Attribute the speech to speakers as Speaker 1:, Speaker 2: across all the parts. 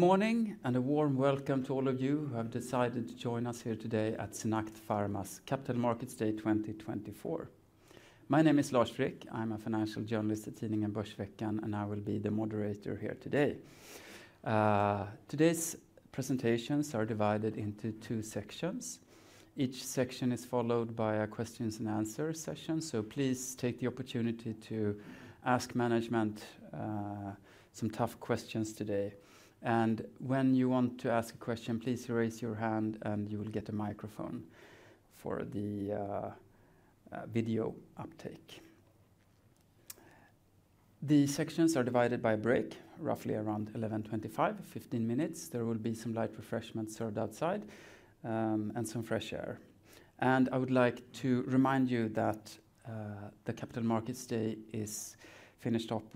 Speaker 1: Good morning, and a warm welcome to all of you who have decided to join us here today at SynAct Pharma's Capital Markets Day 2024. My name is Lars Frick. I'm a financial journalist at Tidningen Börsveckan, and I will be the moderator here today. Today's presentations are divided into two sections. Each section is followed by a questions and answer session, so please take the opportunity to ask management some tough questions today. When you want to ask a question, please raise your hand and you will get a microphone for the video uptake. The sections are divided by a break, roughly around 11:25, fifteen minutes. There will be some light refreshments served outside, and some fresh air. I would like to remind you that the Capital Markets Day is finished off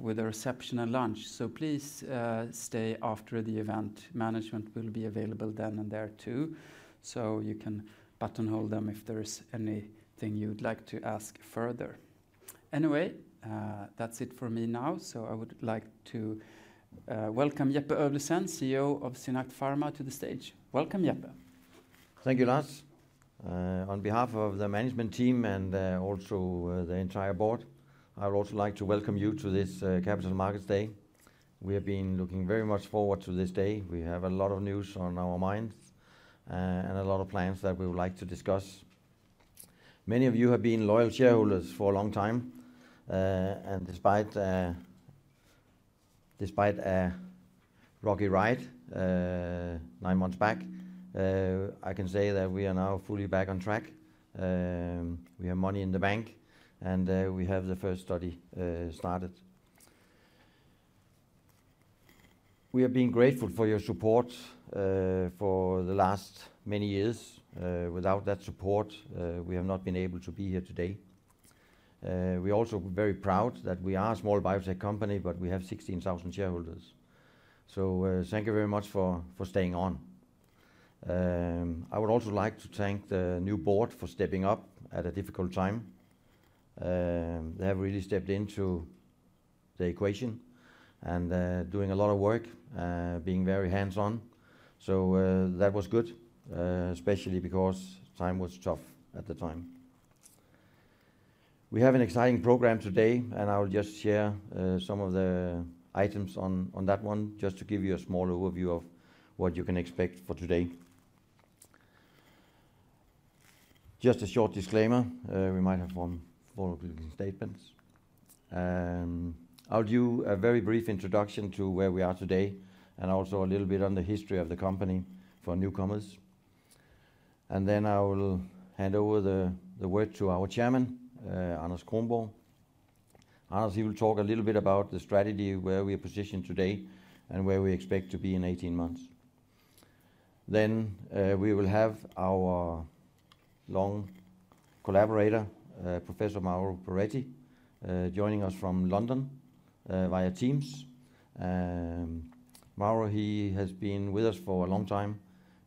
Speaker 1: with a reception and lunch, so please stay after the event. Management will be available then and there, too, so you can buttonhole them if there is anything you'd like to ask further. Anyway, that's it for me now, so I would like to welcome Jeppe Øvlesen, CEO of SynAct Pharma, to the stage. Welcome, Jeppe.
Speaker 2: Thank you, Lars. On behalf of the management team and also the entire board, I would also like to welcome you to this Capital Markets Day. We have been looking very much forward to this day. We have a lot of news on our minds and a lot of plans that we would like to discuss. Many of you have been loyal shareholders for a long time and despite a rocky ride nine months back, I can say that we are now fully back on track. We have money in the bank and we have the first study started. We have been grateful for your support for the last many years. Without that support, we have not been able to be here today. We are also very proud that we are a small biotech company, but we have 16,000 shareholders. So, thank you very much for staying on. I would also like to thank the new board for stepping up at a difficult time. They have really stepped into the equation and doing a lot of work, being very hands-on. So, that was good, especially because time was tough at the time. We have an exciting program today, and I will just share some of the items on that one, just to give you a small overview of what you can expect for today. Just a short disclaimer, we might have some forward-looking statements. I'll do a very brief introduction to where we are today and also a little bit on the history of the company for newcomers. And then I will hand over the word to our chairman, Anders Kronborg. Anders, he will talk a little bit about the strategy, where we are positioned today, and where we expect to be in 18 months. Then we will have our long collaborator, Professor Mauro Perretti, joining us from London via Teams. Mauro, he has been with us for a long time.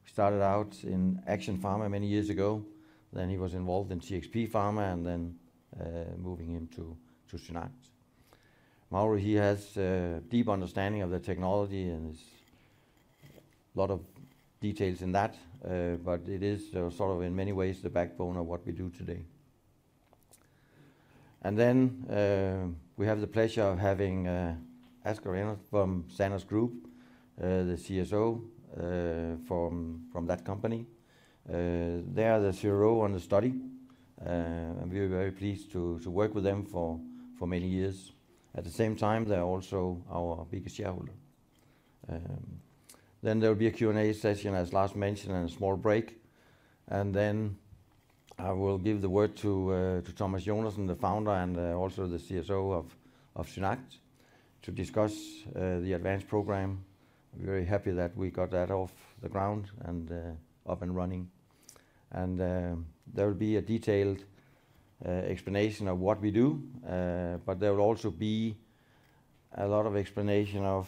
Speaker 2: He started out in Action Pharma many years ago, then he was involved in TXP Pharma, and then moving into SynAct. Mauro, he has a deep understanding of the technology and there's a lot of details in that, but it is sort of in many ways the backbone of what we do today. And then we have the pleasure of having Asger Reinstrup from Sanos Group, the CSO from that company. They are the CRO on the study, and we're very pleased to work with them for many years. At the same time, they are also our biggest shareholder. Then there will be a Q&A session, as Lars mentioned, and a small break. Then I will give the word to Thomas Jonassen, the founder, and also the CSO of SynAct, to discuss the ADVANCE program. We're very happy that we got that off the ground and up and running. There will be a detailed explanation of what we do, but there will also be a lot of explanation of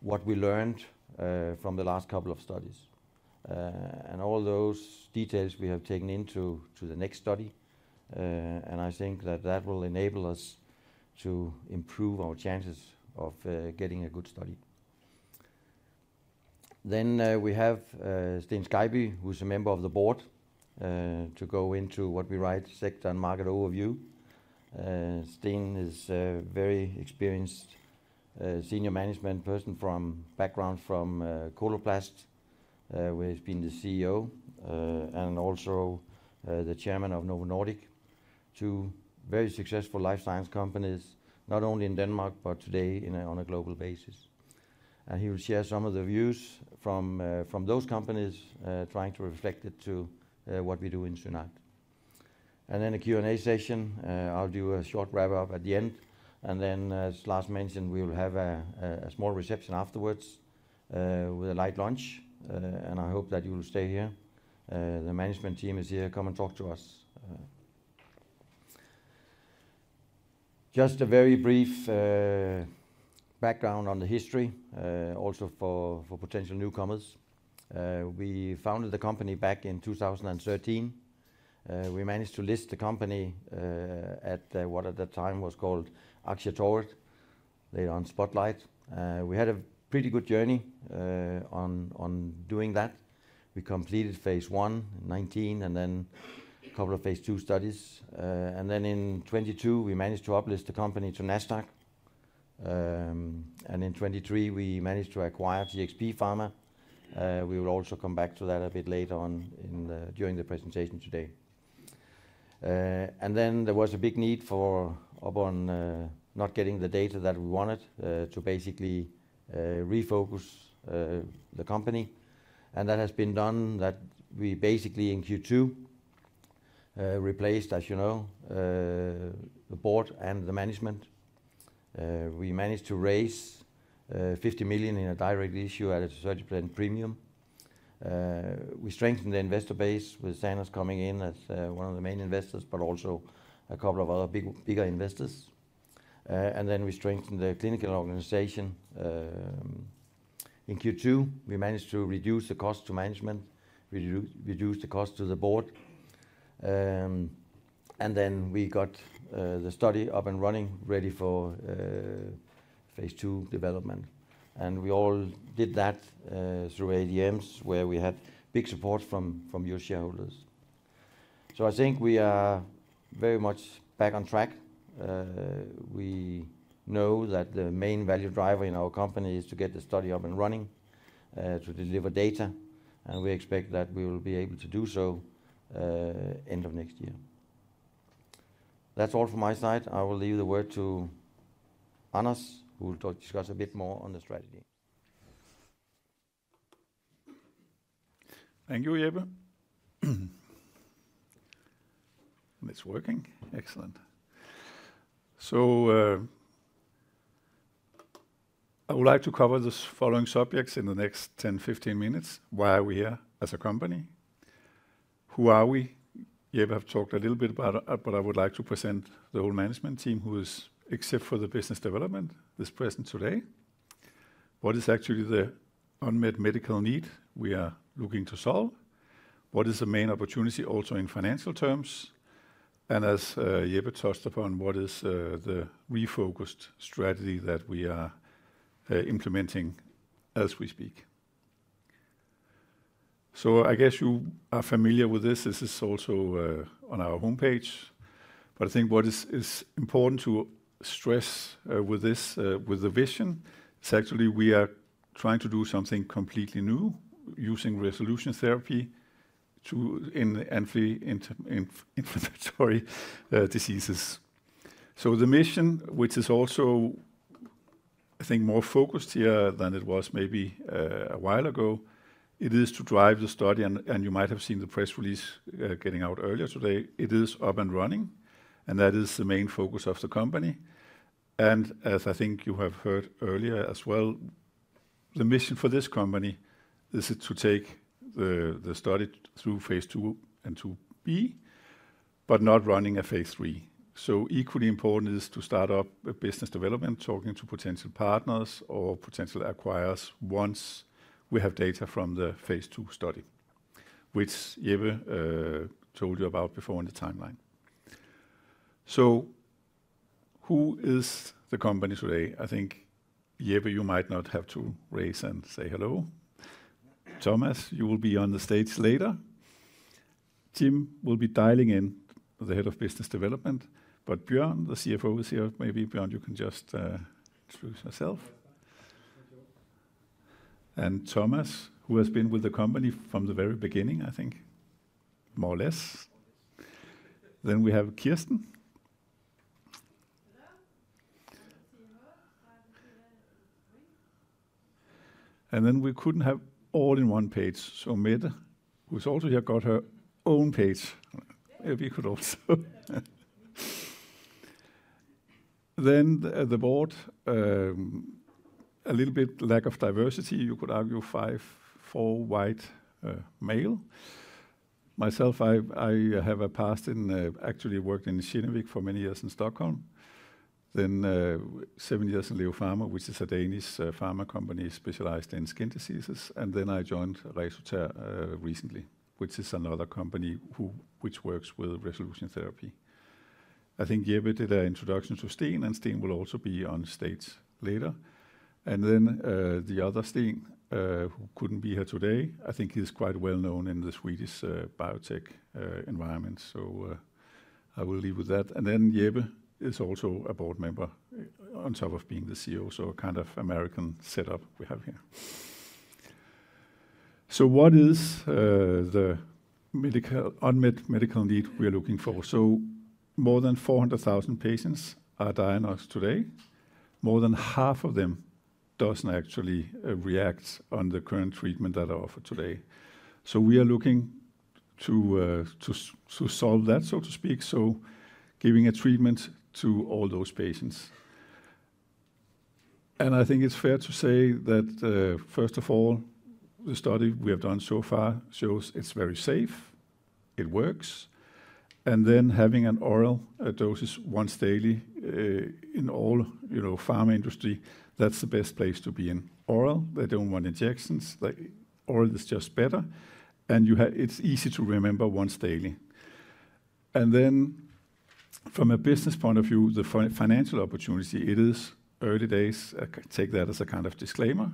Speaker 2: what we learned from the last couple of studies. All those details we have taken into the next study, and I think that will enable us to improve our chances of getting a good study. Then we have Sten Scheibye, who's a member of the board, to go into our sector and market overview. Sten is a very experienced senior management person with a background from Coloplast, where he's been the CEO, and also the chairman of Novo Nordisk. Two very successful life science companies, not only in Denmark, but today on a global basis. He will share some of the views from those companies, trying to reflect it to what we do in SynAct. Then a Q&A session. I'll do a short wrap-up at the end, and then, as Lars mentioned, we will have a small reception afterwards, with a light lunch, and I hope that you will stay here. The management team is here. Come and talk to us. Just a very brief background on the history, also for potential newcomers. We founded the company back in 2013. We managed to list the company at what, at that time, was called Aktietorget, later on Spotlight. We had a pretty good journey on doing that. We completed phase I in 2019, and then a couple of phase II studies and then in 2022 we managed to uplist the company to Nasdaq and in 2023 we managed to acquire TXP Pharma. We will also come back to that a bit later on during the presentation today. And then there was a big need upon not getting the data that we wanted to basically refocus the company. And that has been done. We basically in Q2 replaced, as you know, the board and the management. We managed to raise 50 million in a direct issue at a 30% premium. We strengthened the investor base, with Sanos coming in as one of the main investors, but also a couple of other bigger investors. And then we strengthened the clinical organization. In Q2, we managed to reduce the cost to management, reduce the cost to the board. And then we got the study up and running, ready for phase II development. And we all did that through EGMs, where we had big support from your shareholders. So I think we are very much back on track. We know that the main value driver in our company is to get the study up and running to deliver data, and we expect that we will be able to do so end of next year. That's all from my side. I will leave the word to Anders, who will talk, discuss a bit more on the strategy.
Speaker 3: Thank you, Jeppe. It's working? Excellent. So, I would like to cover the following subjects in the next 10, 15 minutes. Why are we here as a company? Who are we? Jeppe have talked a little bit about it, but I would like to present the whole management team who is, except for the business development, present today. What is actually the unmet medical need we are looking to solve? What is the main opportunity also in financial terms? And as Jeppe touched upon, what is the refocused strategy that we are implementing as we speak? So I guess you are familiar with this. This is also on our homepage. But I think what is important to stress with this with the vision is actually we are trying to do something completely new, using Resolution Therapy to in anti-inflammatory diseases. So the mission, which is also, I think, more focused here than it was maybe a while ago, it is to drive the study. And you might have seen the press release getting out earlier today. It is up and running, and that is the main focus of the company. And as I think you have heard earlier as well, the mission for this company is it to take the study through phase II and II-B, but not running a phase III. So equally important is to start up a business development, talking to potential partners or potential acquirers, once we have data from the phase II study, which Jeppe told you about before in the timeline. So who is the company today? I think, Jeppe, you might not have to raise and say hello. Thomas, you will be on the stage later. Jim will be dialing in, the head of business development, but Björn, the CFO, is here. Maybe, Björn, you can just introduce yourself.
Speaker 4: Thank you.
Speaker 3: Thomas, who has been with the company from the very beginning, I think, more or less. Then we have Kirsten. And then we couldn't have all in one page. So Mette, who's also here, got her own page. If you could also. Then the board a little bit lack of diversity. You could argue five, four white male. Myself, I have a past in, actually worked in Genovis for many years in Stockholm. Then seven years in LEO Pharma, which is a Danish pharma company specialized in skin diseases. And then I joined ResoTher recently, which is another company which works with Resolution Therapy. I think Jeppe did an introduction to Sten, and Sten will also be on stage later. And then the other Sten who couldn't be here today, I think he's quite well known in the Swedish biotech environment. So I will leave with that. And then Jeppe is also a board member on top of being the CEO, so a kind of American setup we have here. So what is the unmet medical need we are looking for? More than400,000 patients are diagnosed today. More than half of them doesn't actually react on the current treatment that are offered today. So we are looking to solve that, so to speak, so giving a treatment to all those patients. And I think it's fair to say that first of all, the study we have done so far shows it's very safe, it works... and then having an oral dosage once daily in all, you know, pharma industry, that's the best place to be in. Oral, they don't want injections. Like, oral is just better, and it's easy to remember once daily. And then from a business point of view, the financial opportunity, it is early days. Take that as a kind of disclaimer,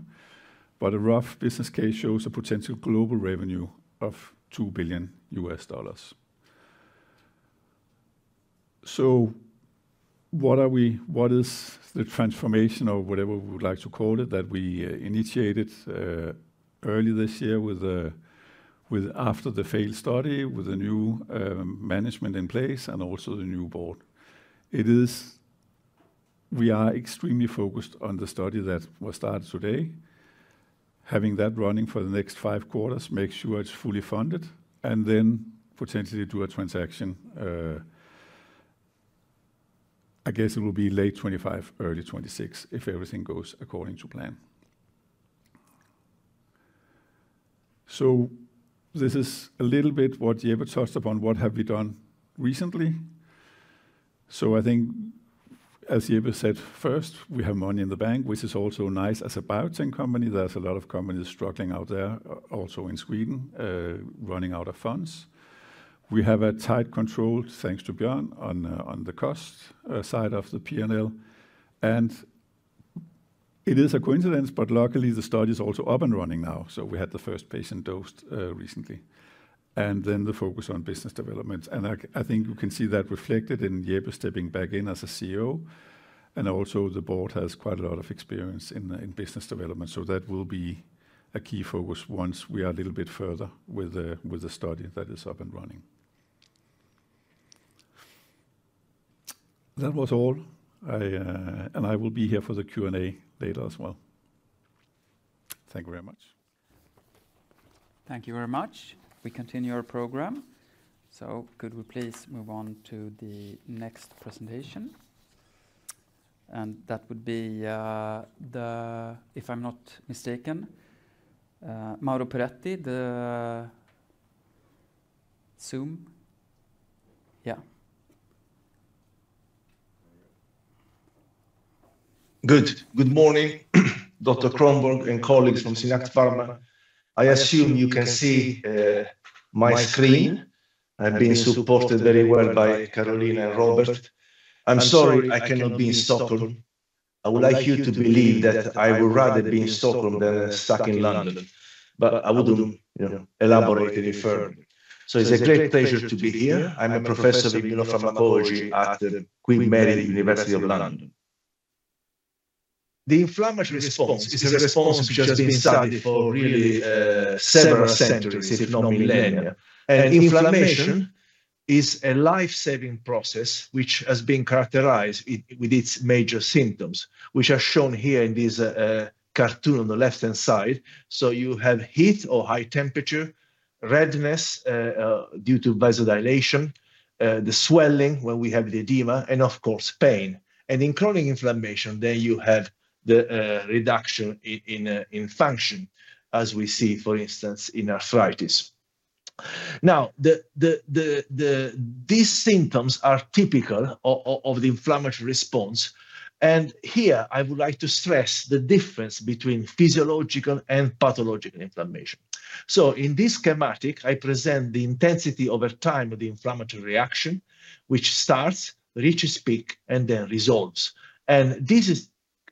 Speaker 3: but a rough business case shows a potential global revenue of $2 billion. So what are we- what is the transformation or whatever we would like to call it, that we initiated early this year with after the failed study, with the new management in place and also the new board? It is. We are extremely focused on the study that was started today. Having that running for the next five quarters, make sure it's fully funded, and then potentially do a transaction. I guess it will be late 2025, early 2026, if everything goes according to plan. So this is a little bit what Jeppe touched upon, what have we done recently. So I think, as Jeppe said, first, we have money in the bank, which is also nice as a biotech company. There's a lot of companies struggling out there, also in Sweden, running out of funds. We have a tight control, thanks to Björn, on the cost side of the P&L. It is a coincidence, but luckily, the study is also up and running now, so we had the first patient dosed recently, and then the focus on business development. I think you can see that reflected in Jeppe stepping back in as a CEO, and also the board has quite a lot of experience in business development. That will be a key focus once we are a little bit further with the study that is up and running. That was all. I will be here for the Q&A later as well. Thank you very much.
Speaker 1: Thank you very much. We continue our program. So could we please move on to the next presentation? And that would be, the, if I'm not mistaken, Mauro Perretti, the... Zoom? Yeah.
Speaker 5: Good. Good morning, Dr. Kronborg and colleagues from SynAct Pharma. I assume you can see my screen. I'm being supported very well by Carolina and Robert. I'm sorry I cannot be in Stockholm. I would like you to believe that I would rather be in Stockholm than stuck in London, but I wouldn't, you know, elaborate any further. So it's a great pleasure to be here. I'm a professor of immunopharmacology at the Queen Mary University of London. The inflammatory response is a response which has been studied for really several centuries, if not millennia. And inflammation is a life-saving process which has been characterized with its major symptoms, which are shown here in this cartoon on the left-hand side. So you have heat or high temperature, redness due to vasodilation, the swelling, where we have the edema, and of course, pain. In chronic inflammation, then you have the reduction in function, as we see, for instance, in arthritis. Now, these symptoms are typical of the inflammatory response, and here I would like to stress the difference between physiological and pathological inflammation. In this schematic, I present the intensity over time of the inflammatory reaction, which starts, reaches peak, and then resolves.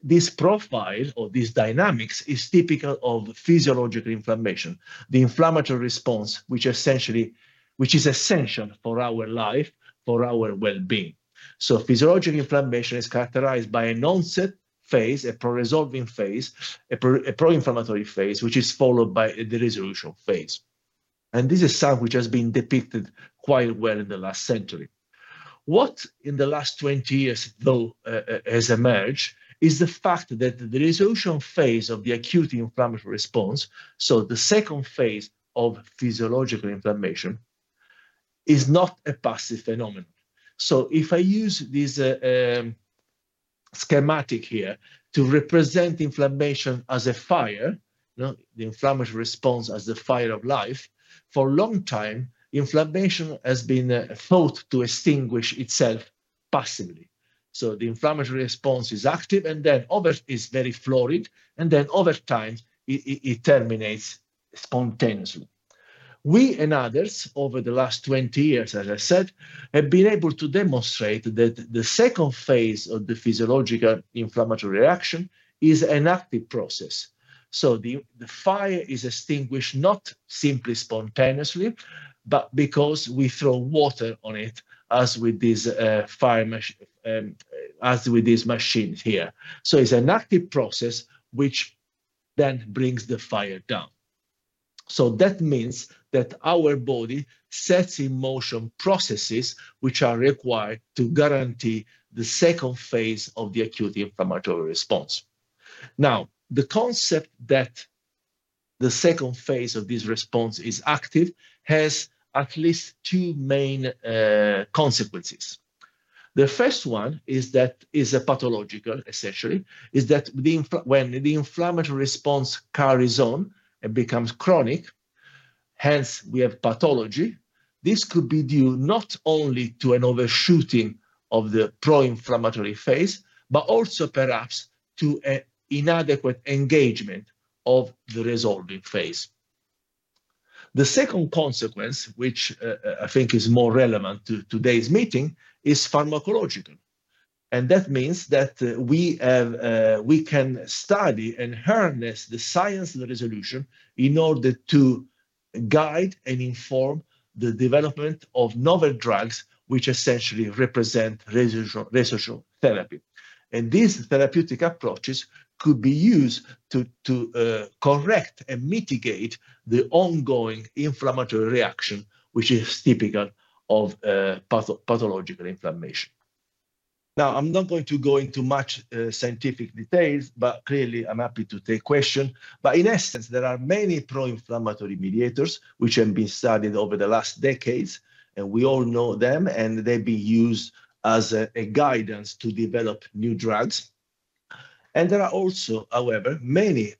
Speaker 5: This profile or this dynamics is typical of physiological inflammation, the inflammatory response, which is essential for our life, for our well-being. Physiological inflammation is characterized by an onset phase, a pro-resolving phase, a pro-inflammatory phase, which is followed by the resolution phase, and this is something which has been depicted quite well in the last century. What, in the last 20, though, has emerged, is the fact that the resolution phase of the acute inflammatory response, so the second phase of physiological inflammation, is not a passive phenomenon. So if I use this schematic here to represent inflammation as a fire, no, the inflammatory response as the fire of life, for a long time, inflammation has been thought to extinguish itself passively. So the inflammatory response is active, and then it's very florid, and then over time, it terminates spontaneously. We and others, over the last 20 years, as I said, have been able to demonstrate that the second phase of the physiological inflammatory reaction is an active process. So the fire is extinguished, not simply spontaneously, but because we throw water on it, as with this machine here. It's an active process, which then brings the fire down. That means that our body sets in motion processes which are required to guarantee the second phase of the acute inflammatory response. Now, the concept that the second phase of this response is active has at least two main consequences. The first one is that it is pathological, essentially, when the inflammatory response carries on and becomes chronic, hence we have pathology. This could be due not only to an overshooting of the pro-inflammatory phase, but also perhaps to an inadequate engagement of the resolving phase. The second consequence, which I think is more relevant to today's meeting, is pharmacological, and that means that we can study and harness the science resolution in order to guide and inform the development of novel drugs, which essentially represent Resolution Therapy, and these therapeutic approaches could be used to correct and mitigate the ongoing inflammatory reaction, which is typical of pathological inflammation. Now, I'm not going to go into much scientific details, but clearly I'm happy to take question, but in essence, there are many pro-inflammatory mediators which have been studied over the last decades, and we all know them, and they've been used as a guidance to develop new drugs, and there are also, however, many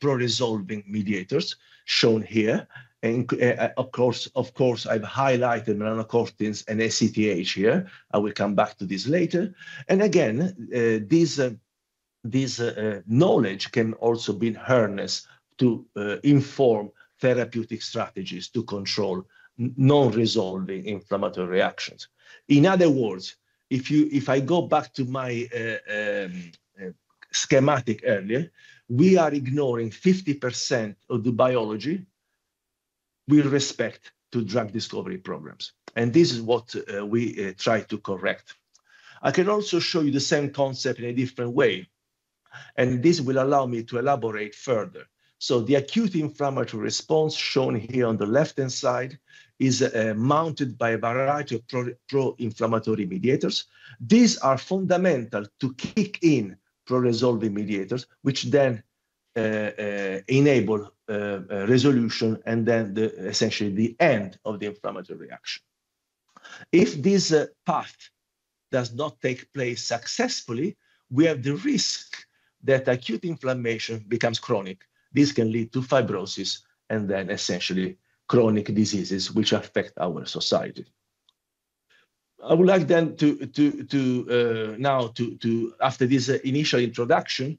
Speaker 5: pro-resolving mediators shown here. Of course, I've highlighted melanocortins and ACTH here. I will come back to this later. And again, this knowledge can also be harnessed to inform therapeutic strategies to control non-resolving inflammatory reactions. In other words, if you, if I go back to my schematic earlier, we are ignoring 50% of the biology with respect to drug discovery programs, and this is what we try to correct. I can also show you the same concept in a different way, and this will allow me to elaborate further. So the acute inflammatory response shown here on the left-hand side is mounted by a variety of pro-inflammatory mediators. These are fundamental to kick in pro-resolving mediators, which then enable resolution and then essentially the end of the inflammatory reaction. If this path does not take place successfully, we have the risk that acute inflammation becomes chronic. This can lead to fibrosis and then essentially chronic diseases which affect our society. I would like then now to, after this initial introduction,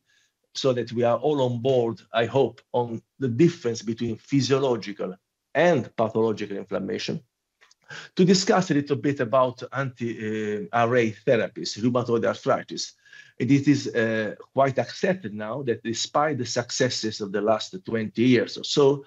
Speaker 5: so that we are all on board, I hope, on the difference between physiological and pathological inflammation, to discuss a little bit about anti-RA therapies, rheumatoid arthritis. It is quite accepted now that despite the successes of the last 20 years or so,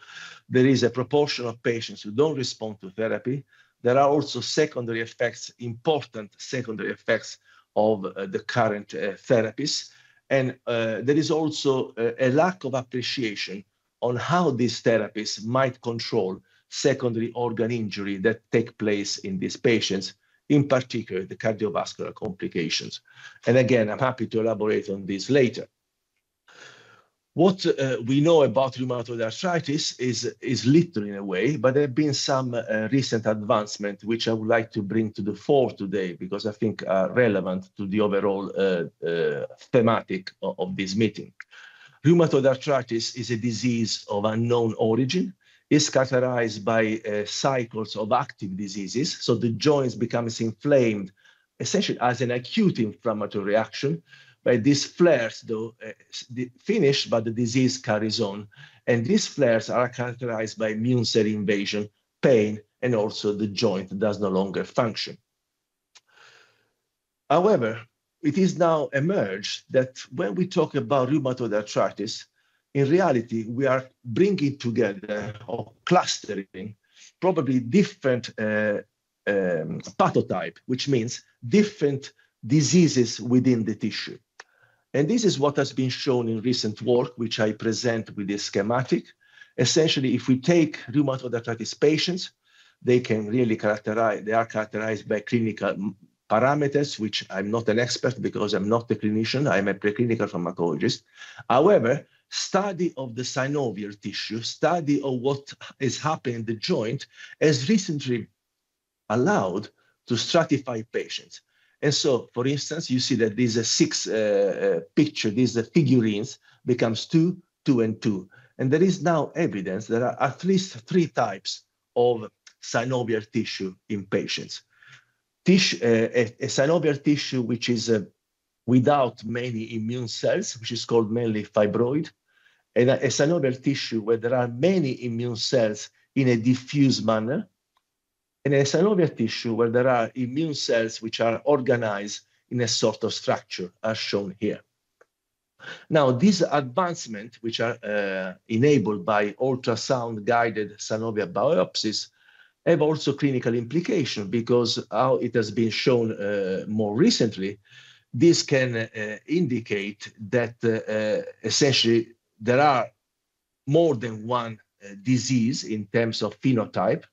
Speaker 5: there is a proportion of patients who don't respond to therapy. There are also secondary effects, important secondary effects of the current therapies, and there is also a lack of appreciation on how these therapies might control secondary organ injury that take place in these patients, in particular, the cardiovascular complications. Again, I'm happy to elaborate on this later. What we know about rheumatoid arthritis is little in a way, but there have been some recent advancement, which I would like to bring to the fore today because I think are relevant to the overall thematic of this meeting. Rheumatoid arthritis is a disease of unknown origin. It's characterized by cycles of active diseases, so the joints becomes inflamed, essentially as an acute inflammatory reaction. But these flares, though, they finish, but the disease carries on, and these flares are characterized by immune cell invasion, pain, and also the joint does no longer function. However, it is now emerged that when we talk about rheumatoid arthritis, in reality, we are bringing together or clustering probably different pathotype, which means different diseases within the tissue. And this is what has been shown in recent work, which I present with this schematic. Essentially, if we take rheumatoid arthritis patients, they can really characterize. They are characterized by clinical parameters, which I'm not an expert because I'm not a clinician. I'm a preclinical pharmacologist. However, study of the synovial tissue, study of what is happening in the joint, has recently allowed to stratify patients. And so, for instance, you see that these are six pictures, these are figures, becomes two, two, and two. And there is new evidence there are at least three types of synovial tissue in patients. This is a synovial tissue which is without many immune cells, which is called mainly fibrotic, and a synovial tissue where there are many immune cells in a diffuse manner, and a synovial tissue where there are immune cells which are organized in a sort of structure, as shown here. Now, this advancement, which are enabled by ultrasound-guided synovial biopsies, have also clinical implication because how it has been shown, more recently, this can indicate that essentially there are more than one disease in terms of phenotype,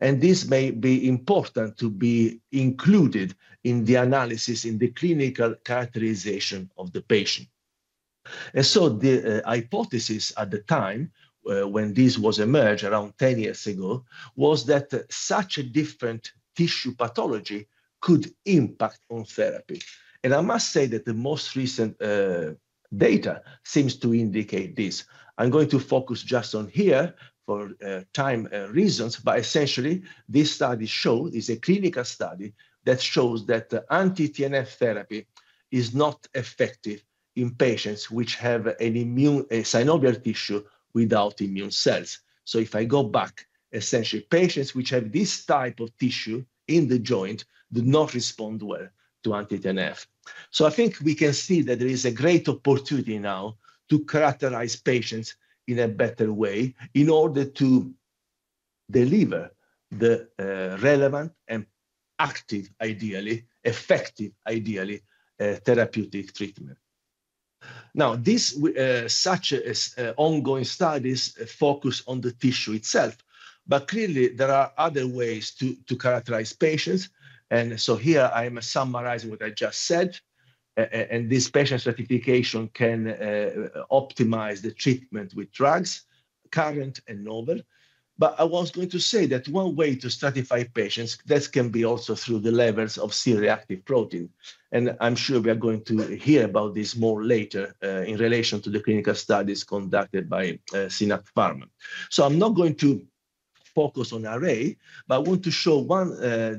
Speaker 5: and this may be important to be included in the analysis, in the clinical characterization of the patient. So the hypothesis at the time, when this was emerged around 10 years ago, was that such a different tissue pathology could impact on therapy. I must say that the most recent data seems to indicate this. I'm going to focus just on here for time reasons, but essentially, this is a clinical study that shows that the anti-TNF therapy is not effective in patients which have a synovial tissue without immune cells. So if I go back, essentially, patients which have this type of tissue in the joint do not respond well to anti-TNF. So I think we can see that there is a great opportunity now to characterize patients in a better way in order to deliver the relevant and active, ideally effective, ideally therapeutic treatment. Now, these ongoing studies focus on the tissue itself, but clearly there are other ways to characterize patients. And so here I am summarizing what I just said, and this patient stratification can optimize the treatment with drugs, current and novel. But I was going to say that one way to stratify patients, this can be also through the levels of C-reactive protein, and I'm sure we are going to hear about this more later, in relation to the clinical studies conducted by SynAct Pharma. So I'm not going to focus on RA, but I want to show one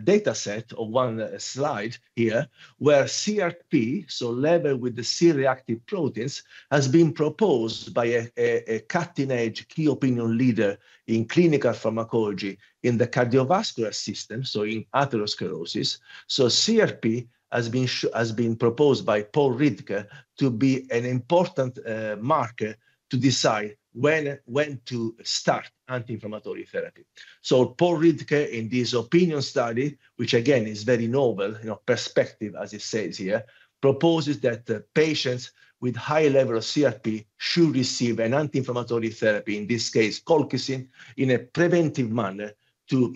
Speaker 5: data set or one slide here, where CRP, so level with the C-reactive proteins, has been proposed by a cutting-edge key opinion leader in clinical pharmacology in the cardiovascular system, so in atherosclerosis. So CRP has been proposed by Paul Ridker to be an important marker to decide when to start anti-inflammatory therapy. Paul Ridker, in this opinion study, which again, is very novel, you know, perspective as it says here, proposes that the patients with high level of CRP should receive an anti-inflammatory therapy, in this case, colchicine, in a preventive manner to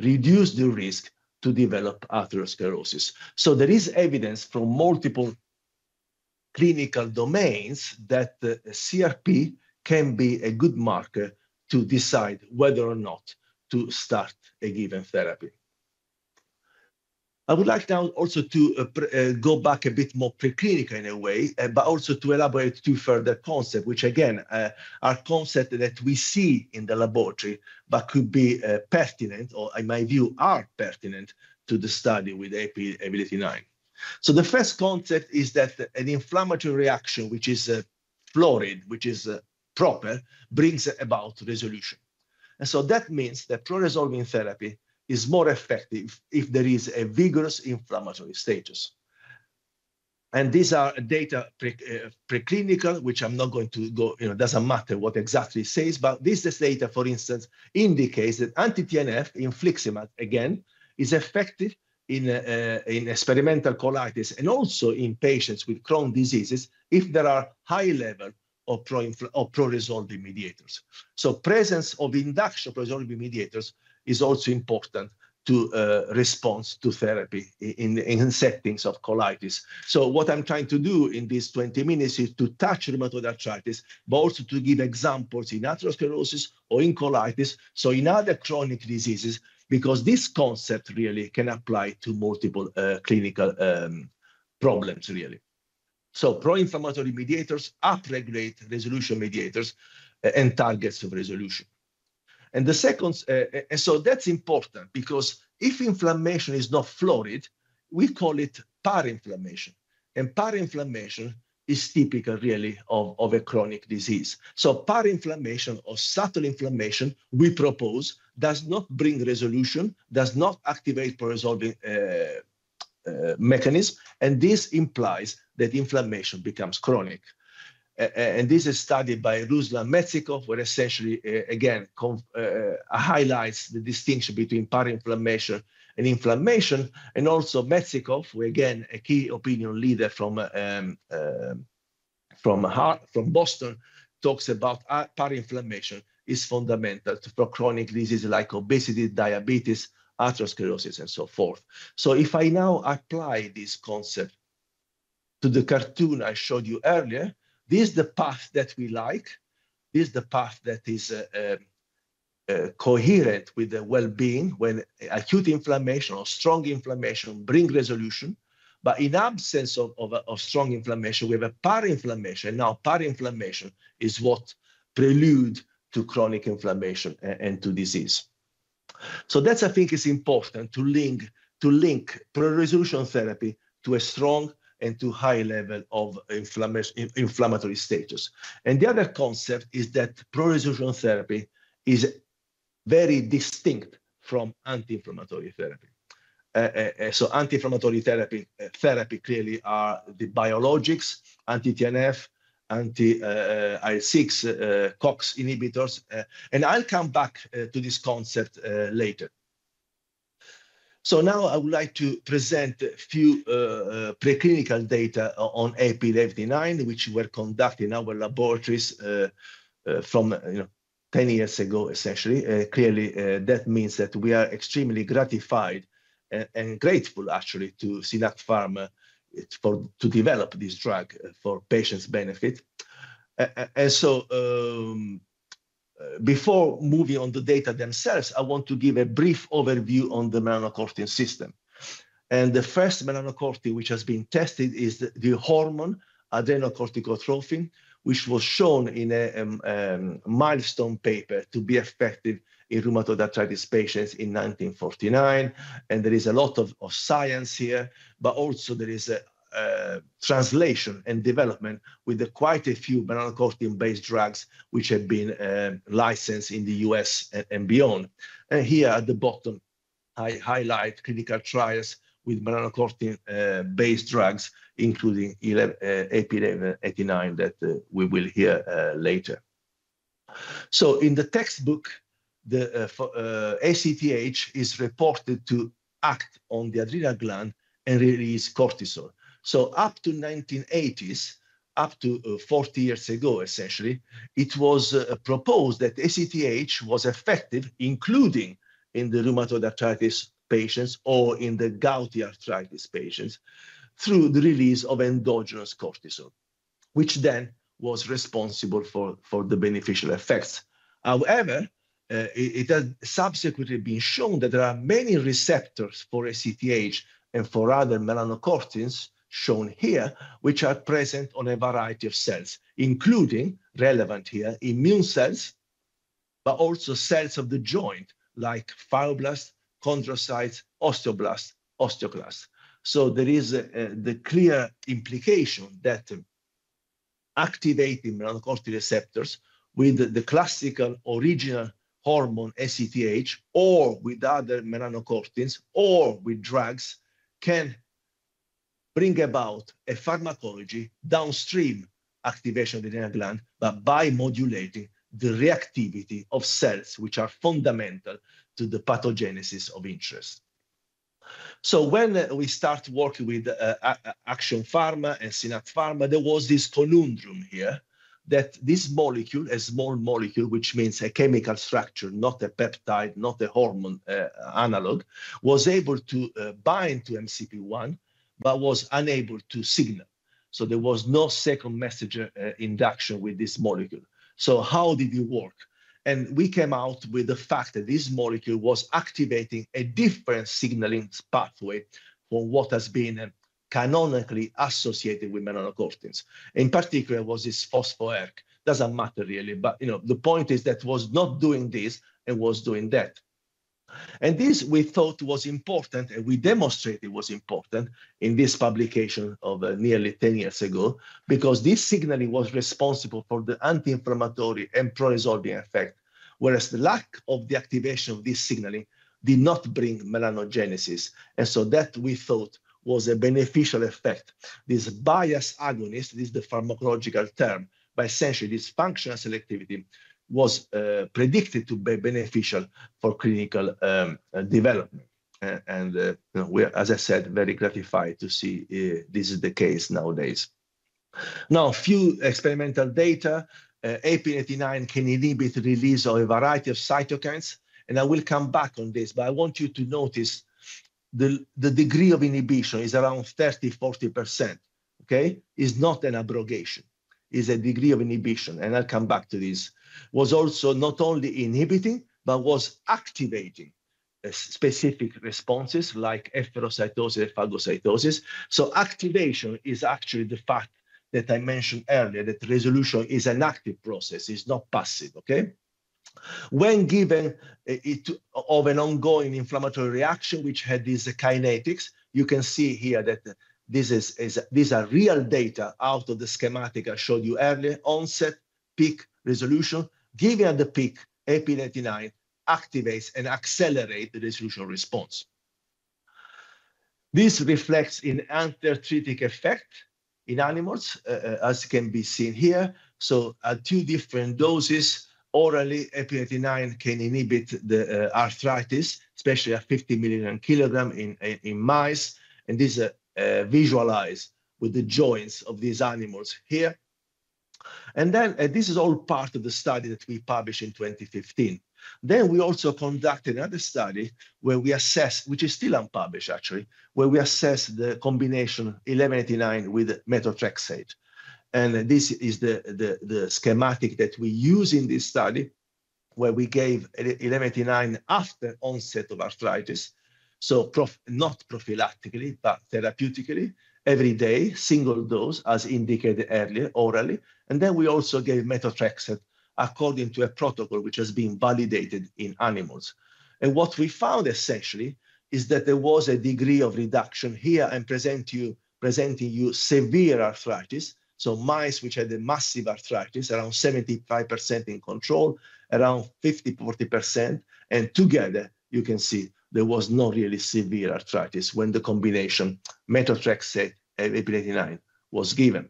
Speaker 5: reduce the risk to develop atherosclerosis. There is evidence from multiple clinical domains that the CRP can be a good marker to decide whether or not to start a given therapy. I would like now also to go back a bit more preclinical in a way, but also to elaborate two further concept, which again, are concept that we see in the laboratory, but could be, pertinent, or in my view, are pertinent to the study with AP1189. The first concept is that an inflammatory reaction, which is florid, which is proper, brings about resolution. And so that means that pro-resolving therapy is more effective if there is a vigorous inflammatory status. These are preclinical data, which I'm not going to go, it doesn't matter what exactly it says, but this data, for instance, indicates that anti-TNF infliximab, again, is effective in experimental colitis and also in patients with Crohn's disease if there are high level of pro-resolving mediators. Presence of induction pro-resolving mediators is also important to response to therapy in settings of colitis. What I'm trying to do in these 20 minutes is to touch rheumatoid arthritis, but also to give examples in atherosclerosis or in colitis, so in other chronic diseases, because this concept really can apply to multiple clinical problems, really. Pro-inflammatory mediators upregulate resolution mediators and targets of resolution. And the second, and so that's important because if inflammation is not florid, we call it parainflammation, and parainflammation is typical, really, of a chronic disease. So parainflammation or subtle inflammation, we propose, does not bring resolution, does not activate pro-resolving mechanism, and this implies that inflammation becomes chronic. And this is studied by Ruslan Medzhitov, where essentially, again, highlights the distinction between parainflammation and inflammation. And also Medzhitov, where again, a key opinion leader from Yale, from Boston, talks about parainflammation is fundamental for chronic diseases like obesity, diabetes, atherosclerosis, and so forth. So if I now apply this concept to the cartoon I showed you earlier, this is the path that we like. This is the path that is coherent with the well-being, when acute inflammation or strong inflammation bring resolution, but in absence of strong inflammation, we have a parainflammation. Now, parainflammation is what prelude to chronic inflammation and to disease. So that, I think, is important to link pro-Resolution Therapy to a strong and to high level of inflammatory status. And the other concept is that pro-Resolution Therapy is very distinct from anti-inflammatory therapy. So anti-inflammatory therapy clearly are the biologics, anti-TNF, anti-IL-6, COX inhibitors, and I'll come back to this concept later. So now I would like to present a few preclinical data on AP1189, which were conducted in our laboratories from 10 years ago, essentially. Clearly, that means that we are extremely gratified and grateful actually, to SynAct Pharma, to develop this drug, for patients' benefit. And so, before moving on to the data themselves, I want to give a brief overview on the melanocortin system. The first melanocortin which has been tested is the hormone adrenocorticotropin, which was shown in a milestone paper to be effective in rheumatoid arthritis patients in 1949. There is a lot of science here, but also there is a translation and development with quite a few melanocortin-based drugs, which have been licensed in the U.S. and beyond. Here at the bottom, I highlight clinical trials with melanocortin-based drugs, including AP1189, that we will hear later. So in the textbook, ACTH is reported to act on the adrenal gland and release cortisol. So up to the 1980s, up to 40 years ago, essentially, it was proposed that ACTH was effective, including in the rheumatoid arthritis patients or in the gouty arthritis patients, through the release of endogenous cortisol, which then was responsible for the beneficial effects. However, it has subsequently been shown that there are many receptors for ACTH and for other melanocortins shown here, which are present on a variety of cells, including, relevant here, immune cells, but also cells of the joint, like fibroblasts, chondrocytes, osteoblasts, osteoclasts. So there is the clear implication that activating melanocortin receptors with the classical original hormone, ACTH, or with other melanocortins, or with drugs, can bring about a pharmacology downstream activation of the adrenal gland, but by modulating the reactivity of cells, which are fundamental to the pathogenesis of interest. So when we start working with Action Pharma and SynAct Pharma, there was this conundrum here, that this molecule, a small molecule, which means a chemical structure, not a peptide, not a hormone analog, was able to bind to MC1, but was unable to signal. So there was no second messenger induction with this molecule. So how did it work? And we came out with the fact that this molecule was activating a different signaling pathway for what has been canonically associated with melanocortins. In particular, was this phospho-ERK. Doesn't matter, really, but, you know, the point is that it was not doing this, it was doing that, and this we thought was important, and we demonstrated it was important in this publication of nearly 10 years ago, because this signaling was responsible for the anti-inflammatory and pro-resolving effect, whereas the lack of deactivation of this signaling did not bring melanogenesis, and so that we thought was a beneficial effect. This biased agonist, this is the pharmacological term, but essentially this functional selectivity was predicted to be beneficial for clinical development, and we are, as I said, very gratified to see this is the case nowadays. Now, a few experimental data. AP eighty-nine can inhibit the release of a variety of cytokines, and I will come back on this, but I want you to notice the degree of inhibition is around 30%-40%, okay? It's not an abrogation, it's a degree of inhibition, and I'll come back to this. Was also not only inhibiting, but was activating a specific responses like efferocytosis, phagocytosis. So activation is actually the fact that I mentioned earlier, that resolution is an active process. It's not passive, okay? When given of an ongoing inflammatory reaction, which had these kinetics, you can see here that this is these are real data out of the schematic I showed you earlier, onset, peak, resolution. Given the peak, AP 89 activates and accelerate the resolution response. This reflects an anti-arthritic effect in animals, as can be seen here. At two different doses, orally, AP1189 can inhibit the arthritis, especially at 50 mg per kilogram in mice, and this is visualized with the joints of these animals here. And then this is all part of the study that we published in 2015. Then we also conducted another study, which is still unpublished, actually, where we assessed the combination of AP1189 with methotrexate. And this is the schematic that we use in this study, where we gave AP1189 after onset of arthritis. Not prophylactically, but therapeutically, every day, single dose, as indicated earlier, orally. And then we also gave methotrexate according to a protocol which has been validated in animals. And what we found, essentially, is that there was a degree of reduction here. I'm presenting you severe arthritis. Mice, which had a massive arthritis, around 75% in control, around 50%, 40%, and together, you can see there was not really severe arthritis when the combination methotrexate AP1189 was given.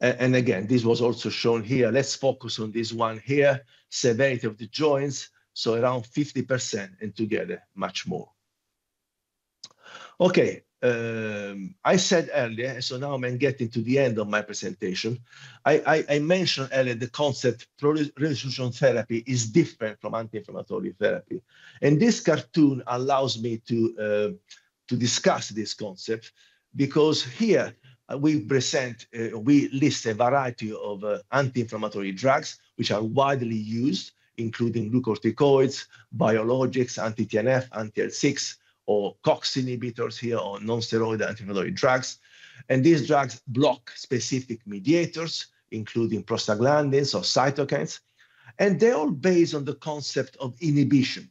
Speaker 5: And again, this was also shown here. Let's focus on this one here. Severity of the joints, so around 50%, and together, much more. Okay, I said earlier, so now I'm getting to the end of my presentation. I mentioned earlier the concept pro-Resolution Therapy is different from anti-inflammatory therapy, and this cartoon allows me to discuss this concept. Because here, we present, we list a variety of anti-inflammatory drugs which are widely used, including glucocorticoids, biologics, anti-TNF, anti-IL-6, or COX inhibitors here, or non-steroidal anti-inflammatory drugs. And these drugs block specific mediators, including prostaglandins or cytokines, and they're all based on the concept of inhibition.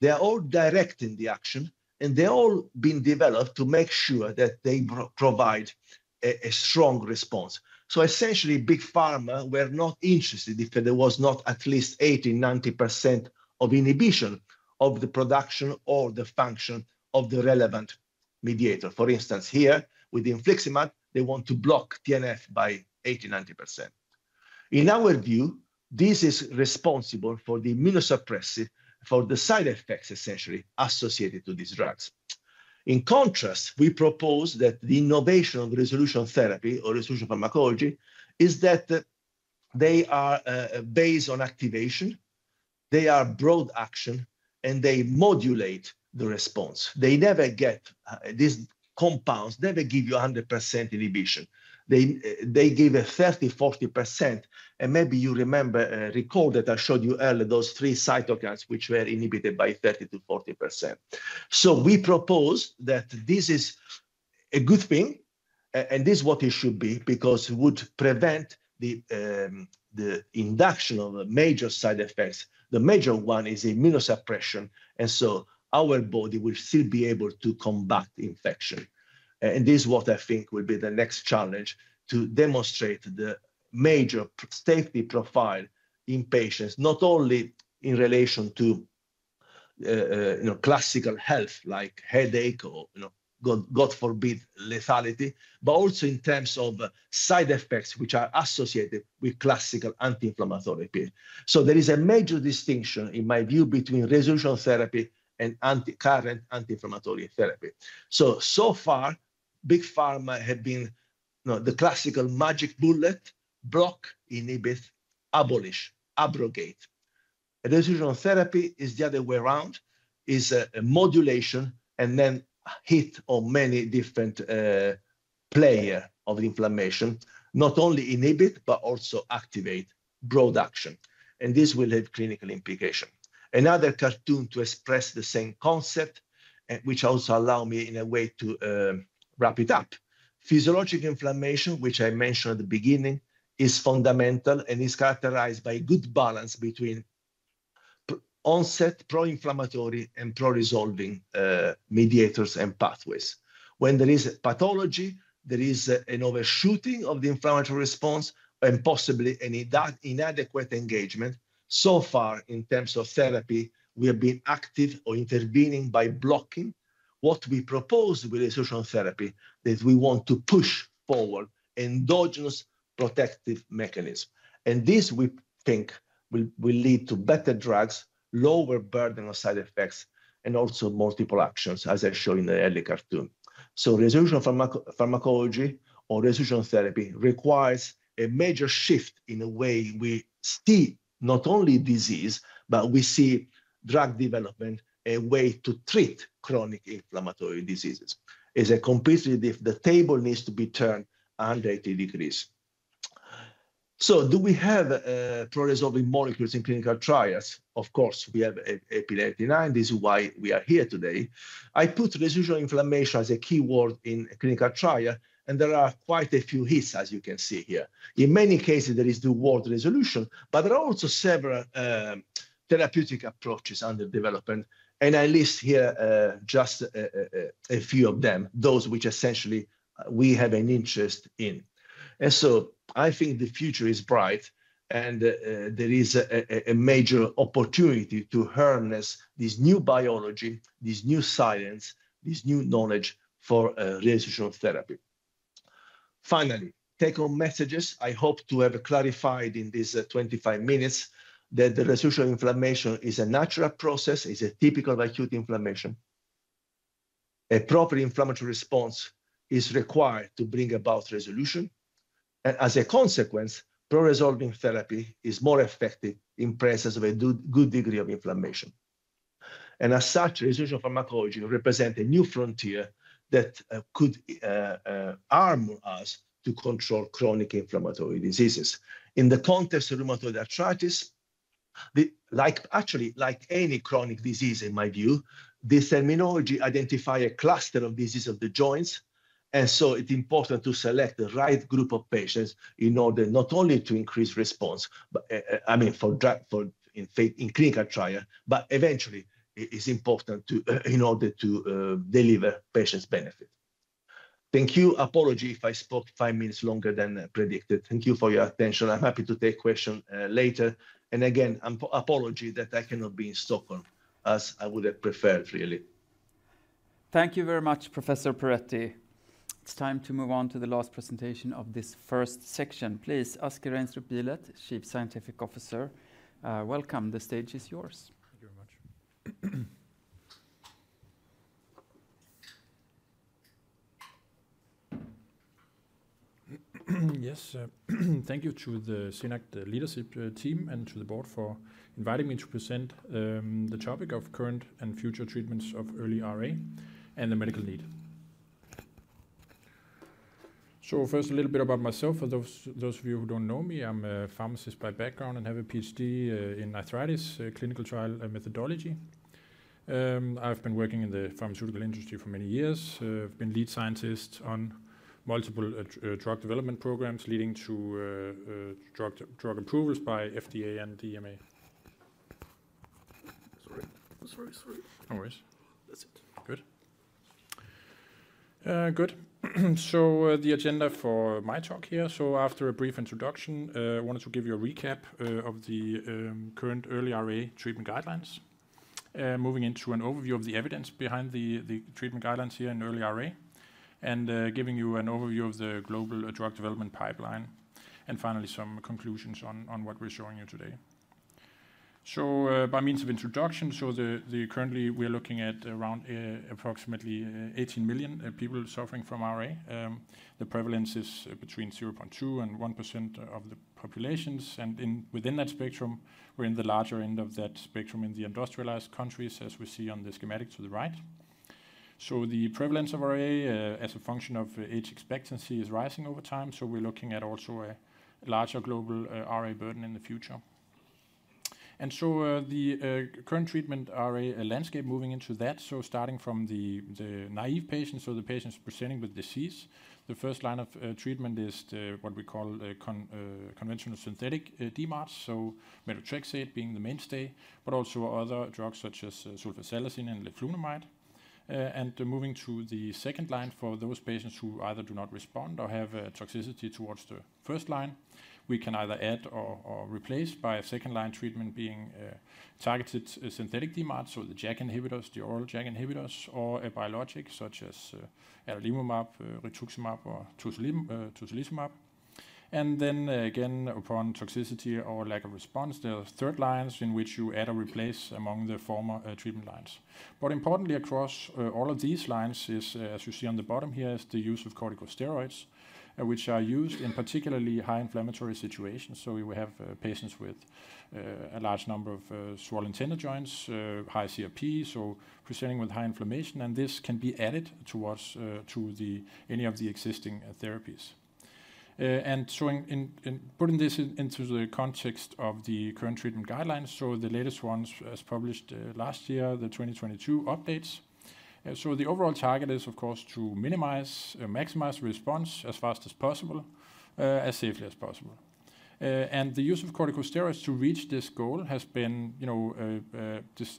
Speaker 5: They're all direct in the action, and they're all been developed to make sure that they provide a strong response. So essentially, Big Pharma were not interested if there was not at least 80%-90% of inhibition of the production or the function of the relevant mediator. For instance, here, with infliximab, they want to block TNF by 80%-90%. In our view, this is responsible for the immunosuppressive, for the side effects essentially associated to these drugs. In contrast, we propose that the innovation of Resolution Therapy or resolution pharmacology is that, they are based on activation, they are broad action, and they modulate the response. They never get. These compounds never give you 100% inhibition. They give a 30%-40%, and maybe you remember, recall that I showed you earlier those three cytokines, which were inhibited by 30%-40%. So we propose that this is a good thing, and this is what it should be, because it would prevent the induction of the major side effects. The major one is immunosuppression, and so our body will still be able to combat the infection. And this is what I think will be the next challenge, to demonstrate the major safety profile in patients, not only in relation to, you know, classical health, like headache, or, you know, God forbid, lethality, but also in terms of side effects which are associated with classical anti-inflammatory. So there is a major distinction, in my view, between Resolution Therapy and current anti-inflammatory therapy. So, so far, Big Pharma have been, you know, the classical magic bullet, block, inhibit, abolish, abrogate. A Resolution Therapy is the other way around, is a modulation, and then hit on many different players of inflammation. Not only inhibit, but also activate broad action, and this will have clinical implication. Another cartoon to express the same concept, which also allow me in a way to wrap it up. Physiologic inflammation, which I mentioned at the beginning, is fundamental and is characterized by good balance between pro-inflammatory and pro-resolving mediators and pathways. When there is pathology, there is an overshooting of the inflammatory response and possibly an inadequate engagement. So far, in terms of therapy, we have been active or intervening by blocking. What we propose with Resolution Therapy is we want to push forward endogenous protective mechanism, and this, we think, will lead to better drugs, lower burden of side effects, and also multiple actions, as I show in the earlier cartoon. Resolution pharmacology or Resolution Therapy requires a major shift in the way we see not only disease, but we see drug development, a way to treat chronic inflammatory diseases. It's a completely different. The table needs to be turned 180 degrees. So do we have pro-resolving molecules in clinical trials? Of course, we have resomelagon. This is why we are here today. I put resolution inflammation as a key word in clinical trial, and there are quite a few hits, as you can see here. In many cases, there is the word resolution, but there are also several therapeutic approaches under development, and I list here just a few of them, those which essentially we have an interest in. And so I think the future is bright, and there is a major opportunity to harness this new biology, this new science, this new knowledge for Resolution Therapy. Finally, take-home messages. I hope to have clarified in this 25 minutes that the resolution inflammation is a natural process, is a typical acute inflammation. A proper inflammatory response is required to bring about resolution, and as a consequence, pro-resolving therapy is more effective in presence of a good degree of inflammation. And as such, resolution pharmacology represent a new frontier that could arm us to control chronic inflammatory diseases. In the context of rheumatoid arthritis, like, actually, like any chronic disease, in my view, this immunology identify a cluster of disease of the joints, and so it's important to select the right group of patients in order not only to increase response, but, I mean, for drug, for in clinical trial, but eventually, it is important to, in order to, deliver patients benefit. Thank you. Apology if I spoke five minutes longer than predicted. Thank you for your attention. I'm happy to take question later, and again, apology that I cannot be in Stockholm, as I would have preferred, really.
Speaker 1: Thank you very much, Professor Perretti. It's time to move on to the last presentation of this first section. Please, Asger Reinstrup Bihlet, Chief Scientific Officer, welcome. The stage is yours.
Speaker 6: Thank you very much. Yes, thank you to SynAct, the leadership team, and to the board for inviting me to present the topic of current and future treatments of early RA and the medical need. So first, a little bit about myself. For those of you who don't know me, I'm a pharmacist by background and have a PhD in arthritis clinical trial and methodology. I've been working in the pharmaceutical industry for many years. I've been lead scientist on multiple drug development programs leading to drug approvals by FDA and EMA. Sorry.
Speaker 1: No worries.
Speaker 6: That's it.
Speaker 1: Good.
Speaker 6: Good. So, the agenda for my talk here: so after a brief introduction, I wanted to give you a recap of the current early RA treatment guidelines. Moving into an overview of the evidence behind the treatment guidelines here in early RA, and giving you an overview of the global drug development pipeline. And finally, some conclusions on what we're showing you today. So, by means of introduction, currently, we're looking at around approximately 18 million people suffering from RA. The prevalence is between 0.2% and 1% of the population, and within that spectrum, we're in the larger end of that spectrum in the industrialized countries, as we see on the schematic to the right. So the prevalence of RA, as a function of age expectancy, is rising over time, so we're looking at also a larger global RA burden in the future. And so, the current treatment RA landscape, moving into that, so starting from the naive patients or the patients presenting with disease, the first line of treatment is the, what we call, conventional synthetic DMARDs, so methotrexate being the mainstay, but also other drugs such as sulfasalazine and leflunomide. And moving to the second line, for those patients who either do not respond or have toxicity towards the first line, we can either add or replace by a second-line treatment being targeted synthetic DMARDs, so the JAK inhibitors, the oral JAK inhibitors, or a biologic, such as adalimumab, rituximab, or tocilizumab. And then, again, upon toxicity or lack of response, there are third lines in which you add or replace among the former treatment lines. But importantly, across all of these lines, as you see on the bottom here, is the use of corticosteroids, which are used in particularly high inflammatory situations. So we will have patients with a large number of swollen tender joints, high CRP, so presenting with high inflammation, and this can be added to any of the existing therapies. And so in putting this into the context of the current treatment guidelines, so the latest ones, as published last year, the 2022 updates. So the overall target is, of course, to minimize, maximize response as fast as possible, as safely as possible. And the use of corticosteroids to reach this goal has been, you know,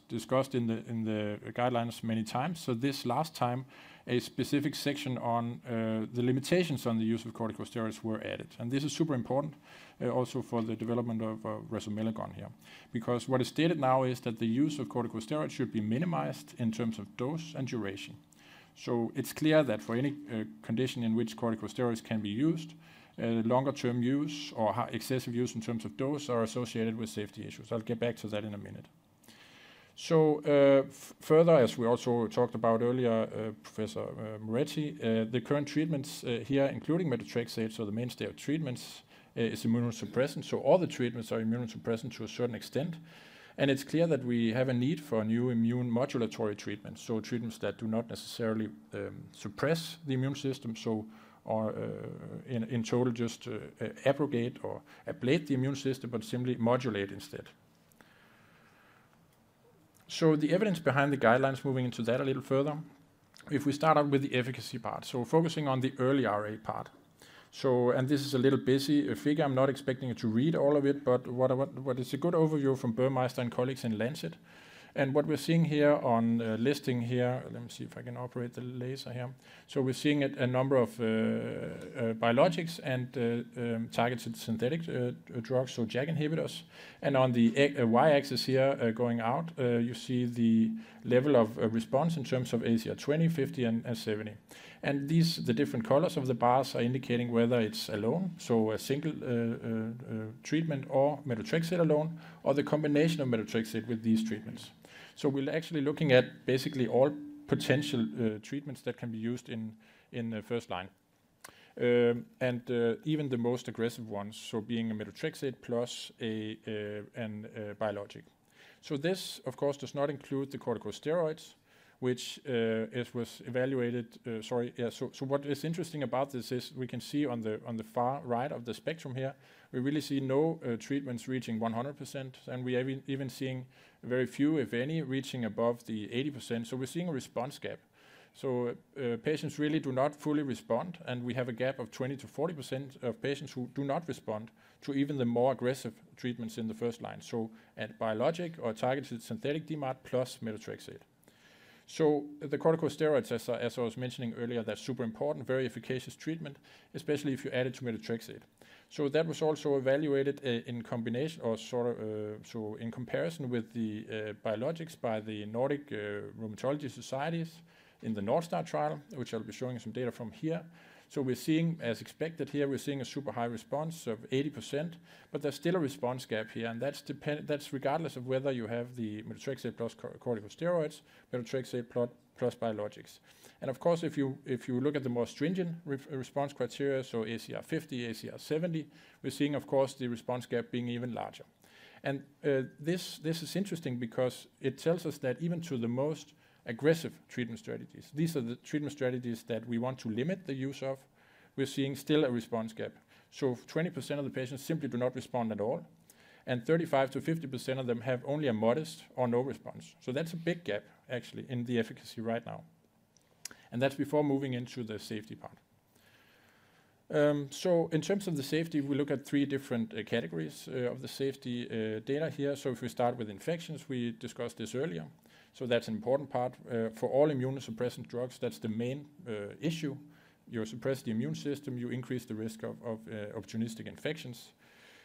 Speaker 6: discussed in the guidelines many times. So this last time, a specific section on the limitations on the use of corticosteroids were added. And this is super important also for the development of resomelagon here. Because what is stated now is that the use of corticosteroids should be minimized in terms of dose and duration. So it's clear that for any condition in which corticosteroids can be used, longer term use or high excessive use in terms of dose are associated with safety issues. I'll get back to that in a minute. Further, as we also talked about earlier, Professor Perretti, the current treatments here, including methotrexate, so the mainstay of treatments is immunosuppressant. So all the treatments are immunosuppressant to a certain extent, and it's clear that we have a need for new immune modulatory treatments, so treatments that do not necessarily suppress the immune system, so... Or in total just abrogate or ablate the immune system, but simply modulate instead. So the evidence behind the guidelines, moving into that a little further, if we start out with the efficacy part, so focusing on the early RA part. So and this is a little busy figure. I'm not expecting you to read all of it, but what I want is a good overview from Burmester and colleagues in Lancet, and what we're seeing here on the listing here. Let me see if I can operate the laser here. We're seeing a number of biologics and targeted synthetic drugs, so JAK inhibitors. And on the Y-axis here, going out, you see the level of response in terms of ACR 20, 50, and 70. And these, the different colors of the bars, are indicating whether it's alone, so a single treatment or methotrexate alone, or the combination of methotrexate with these treatments. We're actually looking at basically all potential treatments that can be used in the first line. And even the most aggressive ones, so being methotrexate plus a biologic. This, of course, does not include the corticosteroids, which it was evaluated. Yeah, so what is interesting about this is we can see on the far right of the spectrum here. We really see no treatments reaching 100%, and we are even seeing very few, if any, reaching above the 80%. So we're seeing a response gap. Patients really do not fully respond, and we have a gap of 20%-40% of patients who do not respond to even the more aggressive treatments in the first line. A biologic or targeted synthetic DMARD plus methotrexate. The corticosteroids, as I was mentioning earlier, they're super important, very efficacious treatment, especially if you add it to methotrexate. That was also evaluated in combination or sort of, so in comparison with the biologics by the Nordic Rheumatology Societies in the NordStar trial, which I'll be showing some data from here. We're seeing, as expected here, a super high response of 80%, but there's still a response gap here, and that's regardless of whether you have the methotrexate plus corticosteroids, methotrexate plus biologics. Of course, if you look at the more stringent response criteria, so ACR50, ACR70, we're seeing, of course, the response gap being even larger. This is interesting because it tells us that even to the most aggressive treatment strategies, these are the treatment strategies that we want to limit the use of. We're seeing still a response gap. So 20% of the patients simply do not respond at all, and 35%-50% of them have only a modest or no response. So that's a big gap actually in the efficacy right now, and that's before moving into the safety part. So in terms of the safety, we look at three different categories of the safety data here. So if we start with infections, we discussed this earlier, so that's an important part. For all immunosuppressant drugs, that's the main issue. You suppress the immune system, you increase the risk of opportunistic infections.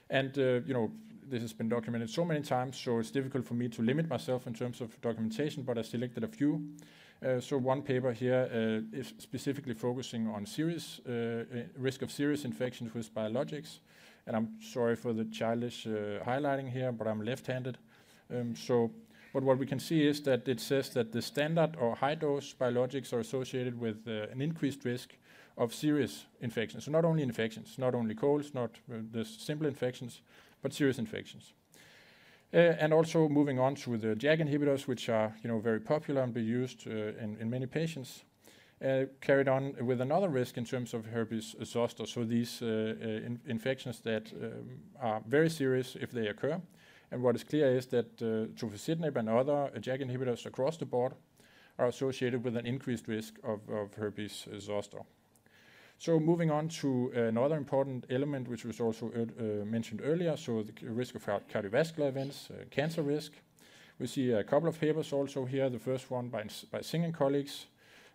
Speaker 6: And you know, this has been documented so many times, so it's difficult for me to limit myself in terms of documentation, but I selected a few. One paper here is specifically focusing on serious risk of serious infections with biologics. And I'm sorry for the childish highlighting here, but I'm left-handed. But what we can see is that it says that the standard or high-dose biologics are associated with an increased risk of serious infections. Not only infections, not only colds, not the simple infections, but serious infections. And also moving on to the JAK inhibitors, which are, you know, very popular and be used in many patients carried on with another risk in terms of herpes zoster. These infections that are very serious if they occur. What is clear is that tofacitinib and other JAK inhibitors across the board are associated with an increased risk of herpes zoster. Moving on to another important element, which was also mentioned earlier, the risk of cardiovascular events, cancer risk. We see a couple of papers also here, the first one by Singh and colleagues,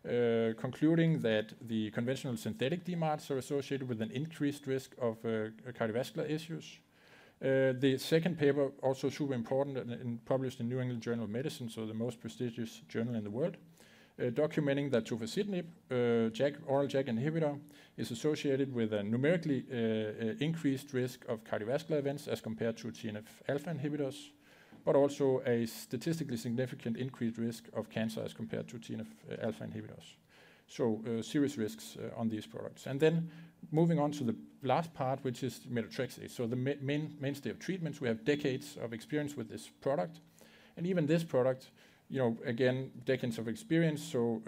Speaker 6: concluding that the conventional synthetic DMARDs are associated with an increased risk of cardiovascular issues. The second paper, also super important and published in New England Journal of Medicine, the most prestigious journal in the world, documenting that tofacitinib, JAK, oral JAK inhibitor, is associated with a numerically increased risk of cardiovascular events as compared to TNF-alpha inhibitors, but also a statistically significant increased risk of cancer as compared to TNF-alpha inhibitors. Serious risks on these products. Then moving on to the last part, which is methotrexate. So the main mainstay of treatments, we have decades of experience with this product, and even this product, you know, again, decades of experience, so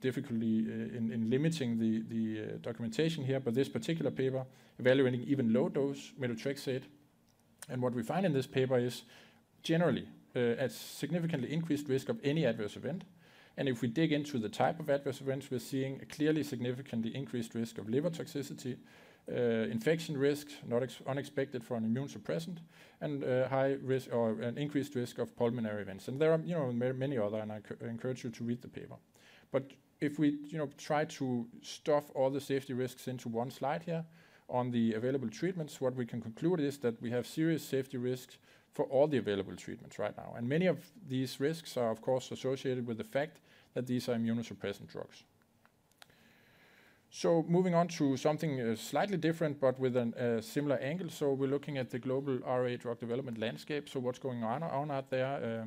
Speaker 6: difficulty in limiting the documentation here. But this particular paper evaluating even low-dose methotrexate, and what we find in this paper is generally a significantly increased risk of any adverse event. And if we dig into the type of adverse events, we're seeing a clearly significantly increased risk of liver toxicity, infection risk, not unexpected for an immunosuppressant, and high risk or an increased risk of pulmonary events. And there are, you know, many other, and I encourage you to read the paper. But if we, you know, try to stuff all the safety risks into one slide here on the available treatments, what we can conclude is that we have serious safety risks for all the available treatments right now. And many of these risks are of course, associated with the fact that these are immunosuppressant drugs. So moving on to something, slightly different, but with an, similar angle. So we're looking at the global RA drug development landscape. So what's going on, on out there?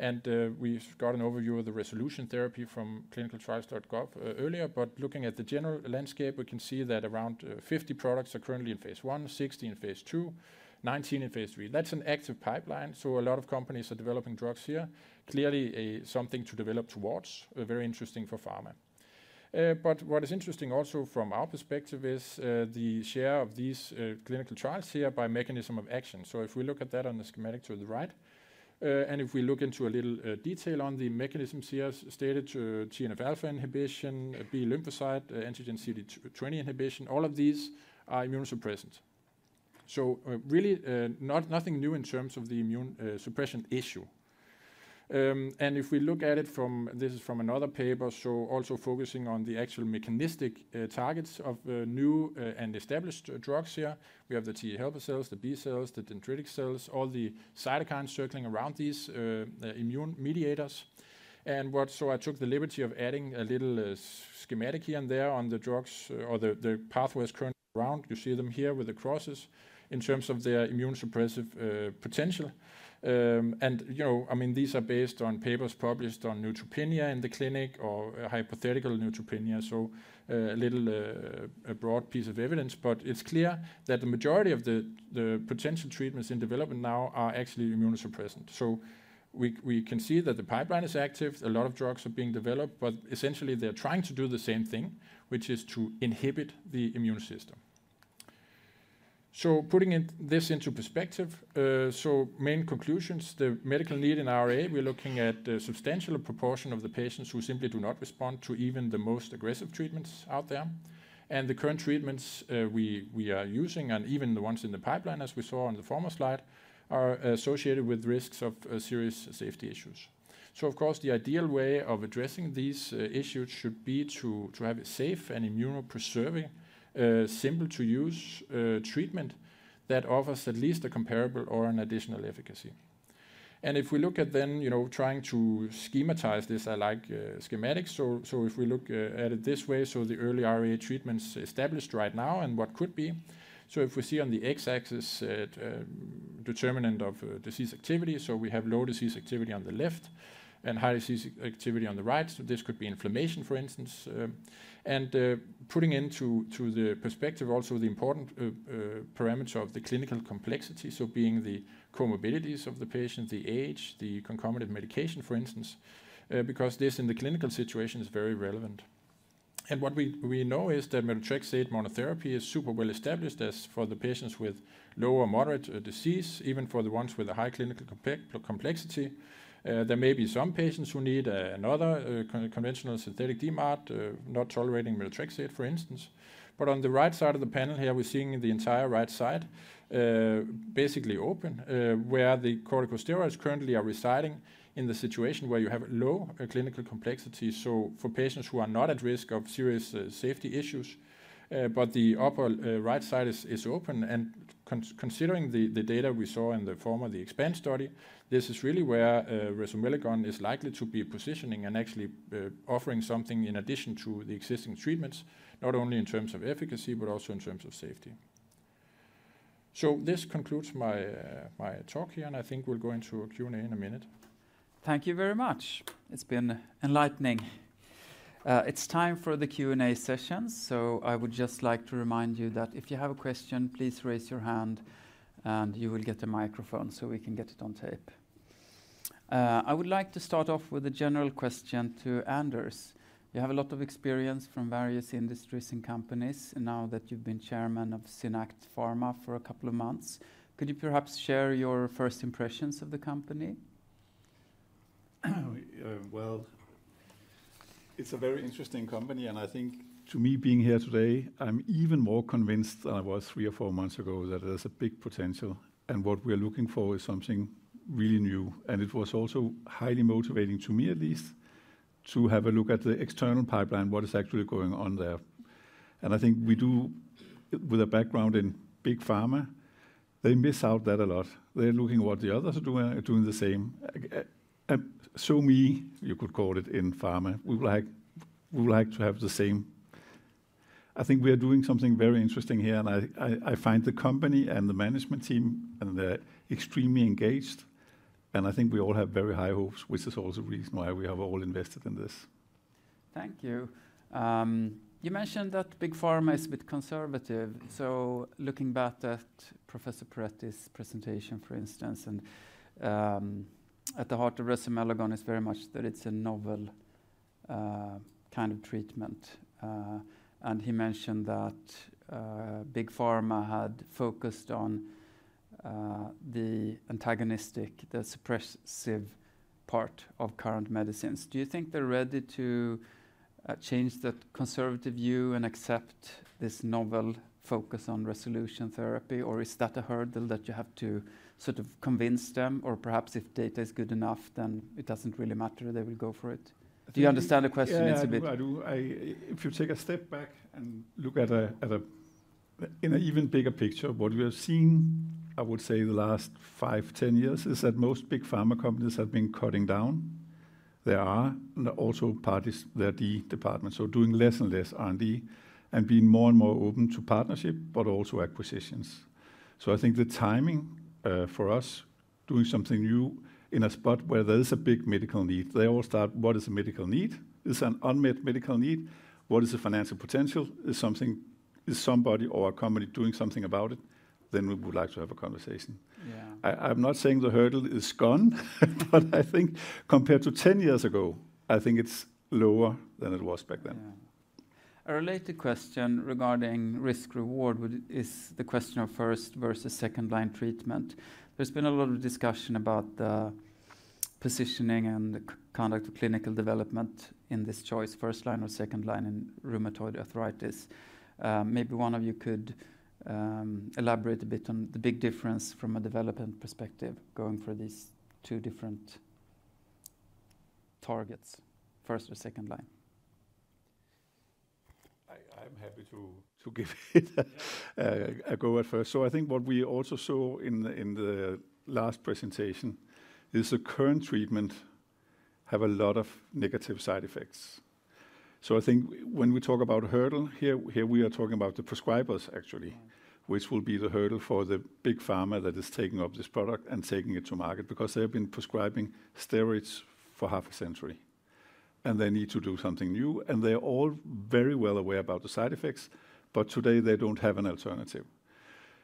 Speaker 6: And, we've got an overview of the Resolution Therapy from ClinicalTrials.gov, earlier. But looking at the general landscape, we can see that around,50 products are currently in phase I, 60 in phase II, 19 in phase III. That's an active pipeline, so a lot of companies are developing drugs here. Clearly, something to develop towards, very interesting for pharma. But what is interesting also from our perspective is the share of these clinical trials here by mechanism of action. So if we look at that on the schematic to the right, and if we look into a little detail on the mechanisms here such as TNF-alpha inhibition, B-lymphocyte antigen CD20 inhibition, all of these are immunosuppressants. So, really, nothing new in terms of the immune suppression issue. And if we look at it from. This is from another paper, so also focusing on the actual mechanistic targets of new and established drugs here. We have the T helper cells, the B cells, the dendritic cells, all the cytokines circling around these immune mediators. So I took the liberty of adding a little schematic here and there on the drugs or the pathways currently around. You see them here with the crosses in terms of their immunosuppressive potential. And, you know, I mean, these are based on papers published on neutropenia in the clinic or hypothetical neutropenia. So, a little, a broad piece of evidence, but it's clear that the majority of the potential treatments in development now are actually immunosuppressant. So we can see that the pipeline is active. A lot of drugs are being developed, but essentially, they're trying to do the same thing, which is to inhibit the immune system.... So, putting this into perspective, so main conclusions: the medical need in RA. We're looking at a substantial proportion of the patients who simply do not respond to even the most aggressive treatments out there. And the current treatments we are using and even the ones in the pipeline, as we saw on the former slide, are associated with risks of serious safety issues. So of course, the ideal way of addressing these issues should be to have a safe and immuno-preserving, simple-to-use treatment that offers at least a comparable or an additional efficacy. And if we look at then, you know, trying to schematize this, I like schematics, so if we look at it this way, so the early RA treatments established right now and what could be. If we see on the X-axis, determinant of disease activity, so we have low disease activity on the left and high disease activity on the right, so this could be inflammation, for instance. Putting into the perspective also the important parameter of the clinical complexity, so being the comorbidities of the patient, the age, the concomitant medication, for instance, because this in the clinical situation is very relevant. What we know is that methotrexate monotherapy is super well established as for the patients with low or moderate disease, even for the ones with a high clinical complexity. There may be some patients who need another conventional synthetic DMARD, not tolerating methotrexate, for instance. But on the right side of the panel here, we're seeing the entire right side, basically open, where the corticosteroids currently are residing in the situation where you have low clinical complexity, so for patients who are not at risk of serious safety issues. But the upper right side is open, and considering the data we saw in the form of the EXPAND study, this is really where resomelagon is likely to be positioning and actually offering something in addition to the existing treatments, not only in terms of efficacy, but also in terms of safety. So this concludes my talk here, and I think we'll go into a Q&A in a minute.
Speaker 1: Thank you very much. It's been enlightening. It's time for the Q&A session, so I would just like to remind you that if you have a question, please raise your hand, and you will get a microphone, so we can get it on tape. I would like to start off with a general question to Anders. You have a lot of experience from various industries and companies, and now that you've been chairman of SynAct Pharma for a couple of months, could you perhaps share your first impressions of the company?
Speaker 3: Well, it's a very interesting company, and I think to me, being here today, I'm even more convinced than I was three or four months ago that there's a big potential, and what we're looking for is something really new. And it was also highly motivating to me at least, to have a look at the external pipeline, what is actually going on there. And I think we do, with a background in Big Pharma, they miss out that a lot. They're looking what the others are doing, doing the same. so me, you could call it, in pharma, we would like, we would like to have the same. I think we are doing something very interesting here, and I find the company and the management team, and they're extremely engaged, and I think we all have very high hopes, which is also the reason why we have all invested in this.
Speaker 1: Thank you. You mentioned that Big Pharma is a bit conservative, so looking back at Professor Perretti's presentation, for instance, and at the heart of resomelagon is very much that it's a novel kind of treatment, and he mentioned that Big Pharma had focused on the antagonistic, the suppressive part of current medicines. Do you think they're ready to change that conservative view and accept this novel focus on Resolution Therapy, or is that a hurdle that you have to sort of convince them? Or perhaps if data is good enough, then it doesn't really matter, they will go for it. Do you understand the question? It's a bit-
Speaker 3: Yeah, I do. I do. If you take a step back and look at, in an even bigger picture, what we have seen, I would say, in the last five, 10 years, is that most Big Pharma companies have been cutting down their R&D departments, so doing less and less R&D and being more and more open to partnership, but also acquisitions. So I think the timing for us doing something new in a spot where there is a big medical need. They all start: What is the medical need? Is it an unmet medical need, what is the financial potential? Is there something-- Is somebody or a company doing something about it? Then we would like to have a conversation.
Speaker 1: Yeah.
Speaker 3: I'm not saying the hurdle is gone, but I think compared to 10 years ago, I think it's lower than it was back then.
Speaker 1: Yeah. A related question regarding risk-reward is the question of first versus second-line treatment. There's been a lot of discussion about the positioning and the conduct of clinical development in this choice, first line or second line in rheumatoid arthritis. Maybe one of you could elaborate a bit on the big difference from a development perspective, going for these two different targets, first or second line.
Speaker 3: I'm happy to give it.
Speaker 1: Yeah...
Speaker 3: a go at first. So I think what we also saw in the last presentation is the current treatment have a lot of negative side effects. So I think when we talk about hurdle here, we are talking about the prescribers, actually which will be the hurdle for the Big Pharma that is taking up this product and taking it to market, because they've been prescribing steroids for half a century, and they need to do something new, and they're all very well aware about the side effects, but today they don't have an alternative,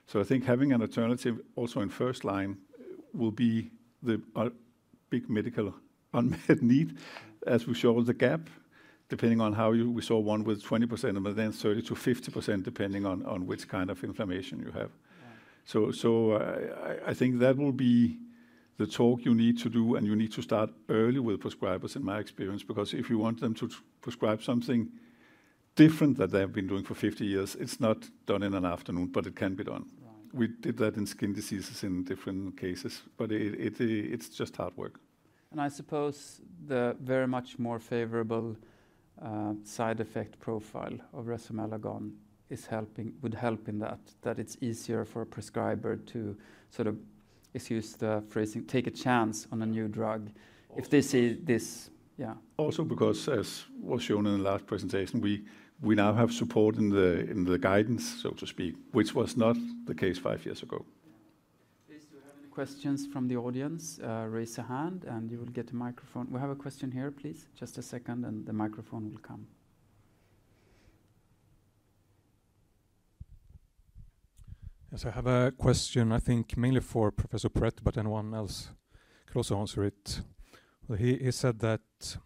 Speaker 3: so I think having an alternative, also in first line will be the big medical unmet need as we show the gap, depending on how we saw one with 20%, and but then 30%-50%, depending on which kind of inflammation you have.
Speaker 1: Right.
Speaker 3: I think that will be the talk you need to do, and you need to start early with prescribers, in my experience, because if you want them to prescribe something different that they have been doing for 50 years, it's not done in an afternoon, but it can be done.
Speaker 1: Right.
Speaker 3: We did that in skin diseases in different cases, but it, it's just hard work.
Speaker 1: I suppose the very much more favorable side effect profile of resomelagon is helping, would help in that it's easier for a prescriber to sort of, excuse the phrasing, take a chance on a new drug If they see this. Yeah.
Speaker 3: Also because, as was shown in the last presentation, we now have support in the guidance, so to speak, which was not the case five years ago.
Speaker 1: Yeah. Please, do we have any questions from the audience? Raise a hand, and you will get a microphone. We have a question here, please. Just a second, and the microphone will come. Yes, I have a question, I think mainly for Professor Perretti, but anyone else could also answer it. He said that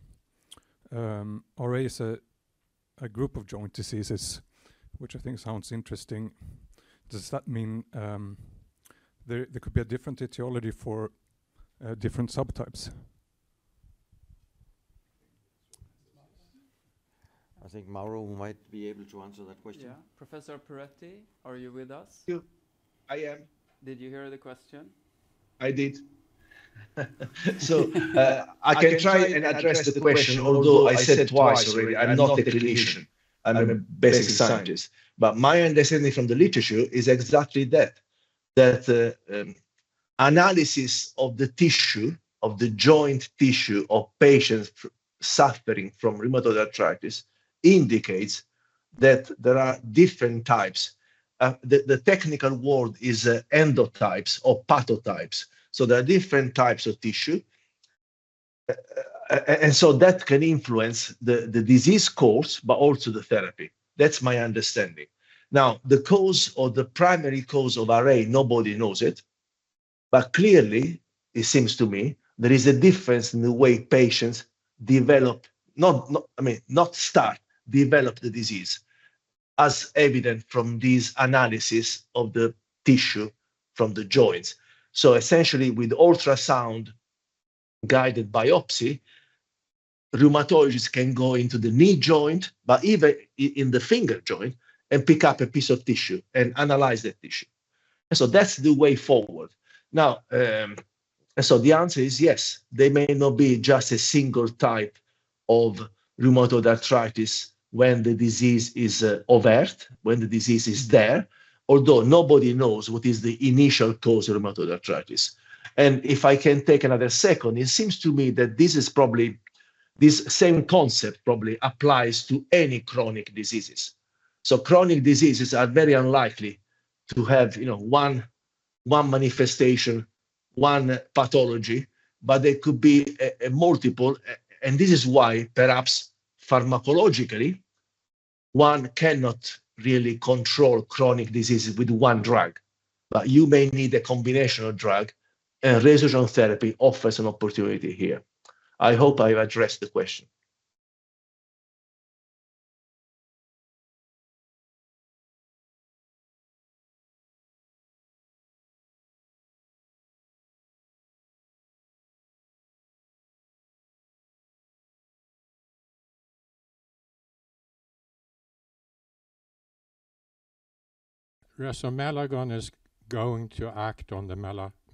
Speaker 1: RA is a group of joint diseases, which I think sounds interesting. Does that mean there could be a different etiology for different subtypes?
Speaker 2: I think Mauro might be able to answer that question.
Speaker 1: Yeah. Professor Perretti, are you with us?
Speaker 5: Thank you. I am.
Speaker 1: Did you hear the question?
Speaker 5: I did. So, I can try and address the question, although I said it twice already, I'm not a clinician. I'm a basic scientist. But my understanding from the literature is exactly that, that the analysis of the tissue, of the joint tissue of patients suffering from rheumatoid arthritis indicates that there are different types. The technical word is endotypes or pathotypes. So there are different types of tissue, and so that can influence the disease course, but also the therapy. That's my understanding. Now, the cause or the primary cause of RA, nobody knows it, but clearly, it seems to me, there is a difference in the way patients develop. I mean, not start, develop the disease, as evident from this analysis of the tissue from the joints. So essentially, with ultrasound-guided biopsy, rheumatologists can go into the knee joint, but even in the finger joint, and pick up a piece of tissue and analyze that tissue. And so that's the way forward. Now, so the answer is yes. There may not be just a single type of rheumatoid arthritis when the disease is overt, when the disease is there, although nobody knows what is the initial cause of rheumatoid arthritis. And if I can take another second, it seems to me that this is probably this same concept probably applies to any chronic diseases. So chronic diseases are very unlikely to have, you know, one manifestation, one pathology, but there could be a multiple. And this is why, perhaps pharmacologically, one cannot really control chronic diseases with one drug. But you may need a combination of drug, and Resolution Therapy offers an opportunity here. I hope I've addressed the question. Resomelagon is going to act on the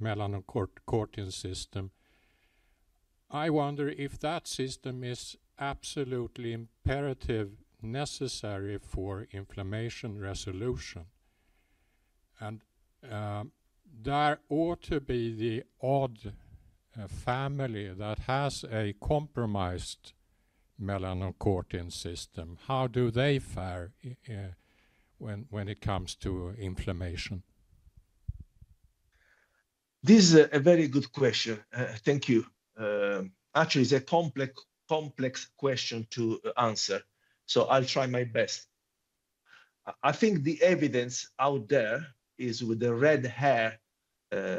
Speaker 5: melanocortin system. I wonder if that system is absolutely imperative, necessary for inflammation resolution. There ought to be the odd family that has a compromised melanocortin system. How do they fare when it comes to inflammation? This is a very good question. Thank you. Actually, it's a complex question to answer, so I'll try my best. I think the evidence out there is with the red hair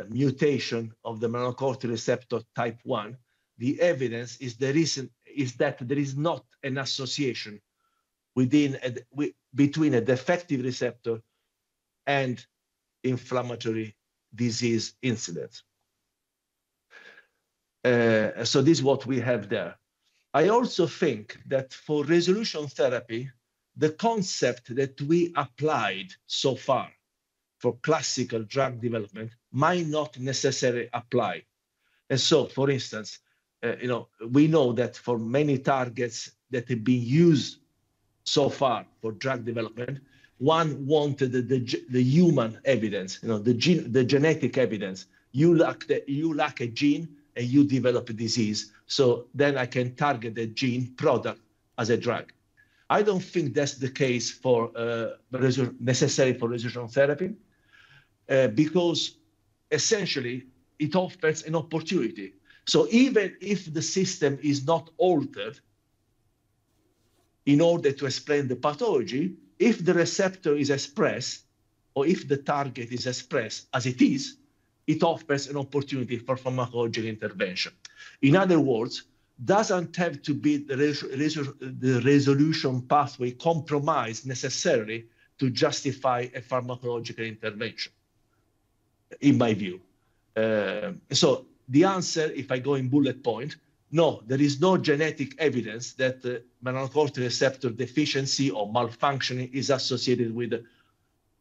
Speaker 5: mutation of the melanocortin receptor type one. The evidence is that there is not an association between a defective receptor and inflammatory disease incidence. So this is what we have there. I also think that for Resolution Therapy, the concept that we applied so far for classical drug development might not necessarily apply, and so, for instance, you know, we know that for many targets that have been used so far for drug development, one wanted the human evidence, you know, the genetic evidence. You lack a gene, and you develop a disease, so then I can target the gene product as a drug. I don't think that's the case for resolution necessary for Resolution Therapy because essentially it offers an opportunity, so even if the system is not altered in order to explain the pathology, if the receptor is expressed or if the target is expressed as it is, it offers an opportunity for pharmacological intervention. In other words, doesn't have to be the resolution pathway compromised necessarily to justify a pharmacological intervention, in my view, so the answer, if I go in bullet point, no, there is no genetic evidence that the melanocortin receptor deficiency or malfunctioning is associated with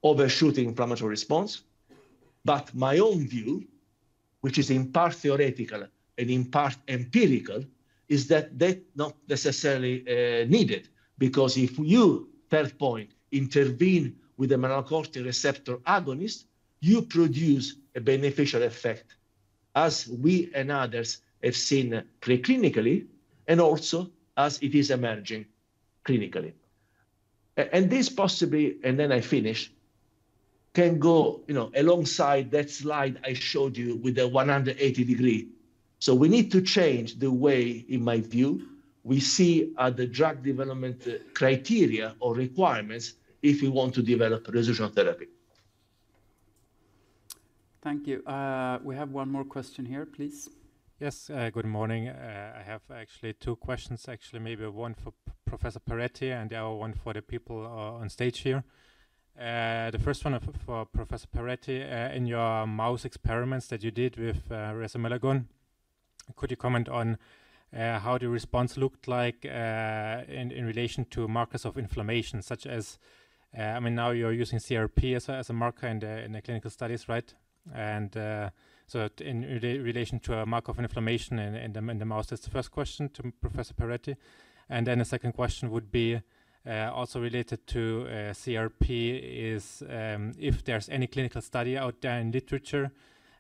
Speaker 5: overshooting inflammatory response, but my own view, which is in part theoretical and in part empirical, is that not necessarily needed. Because if you, third point, intervene with the melanocortin receptor agonist, you produce a beneficial effect, as we and others have seen preclinically and also as it is emerging clinically. And this possibly, and then I finish, can go, you know, alongside that slide I showed you with the 180-degree. So we need to change the way, in my view, we see, the drug development criteria or requirements if we want to develop Resolution Therapy.
Speaker 1: Thank you. We have one more question here, please. Yes, good morning. I have actually two questions, actually, maybe one for Professor Perretti and one for the people on stage here. The first one for Professor Perretti. In your mouse experiments that you did with resomelagon, could you comment on how the response looked like in relation to markers of inflammation, such as, I mean, now you're using CRP as a marker in the clinical studies, right? And so in relation to a marker of inflammation in the mouse. That's the first question to Professor Perretti. And then the second question would be, also related to CRP, is if there's any clinical study out there in literature,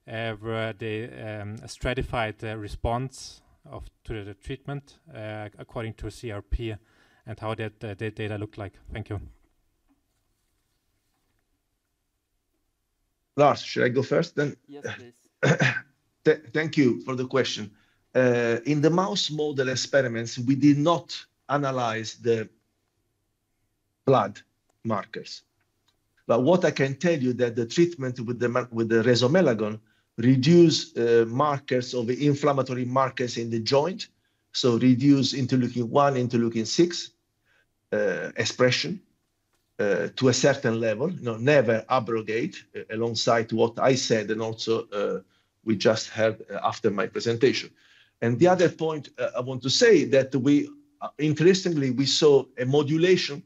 Speaker 1: where they stratified the response to the treatment, according to CRP and how that data looked like. Thank you.
Speaker 5: Lars, should I go first then?
Speaker 1: Yes, please.
Speaker 5: Thank you for the question. In the mouse model experiments, we did not analyze the blood markers, but what I can tell you that the treatment with the resomelagon reduced markers or the inflammatory markers in the joint, so reduced interleukin-1, interleukin-6, expression to a certain level, no, never abrogate, alongside what I said and also we just heard after my presentation, and the other point I want to say that we, interestingly, we saw a modulation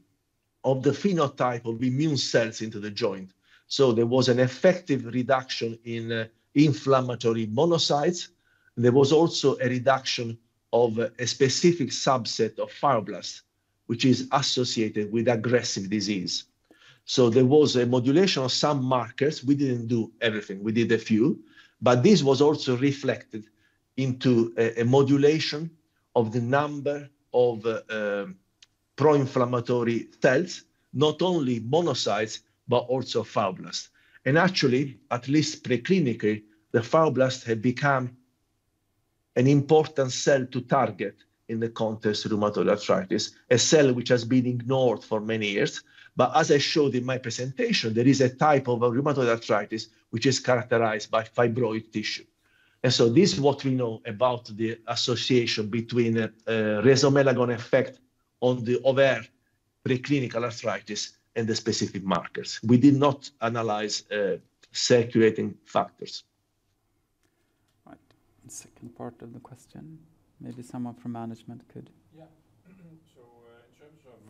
Speaker 5: of the phenotype of the immune cells into the joint, so there was an effective reduction in inflammatory monocytes. There was also a reduction of a specific subset of fibroblasts, which is associated with aggressive disease, so there was a modulation of some markers. We didn't do everything. We did a few. But this was also reflected into a modulation of the number of pro-inflammatory cells, not only monocytes, but also fibroblasts. And actually, at least preclinically, the fibroblasts have become an important cell to target in the context of rheumatoid arthritis, a cell which has been ignored for many years. But as I showed in my presentation, there is a type of rheumatoid arthritis which is characterized by fibroid tissue. And so this is what we know about the association between a resomelagon effect on the other preclinical arthritis and the specific markers. We did not analyze circulating factors.
Speaker 1: Right. The second part of the question, maybe someone from management could-
Speaker 6: Yeah. So, in terms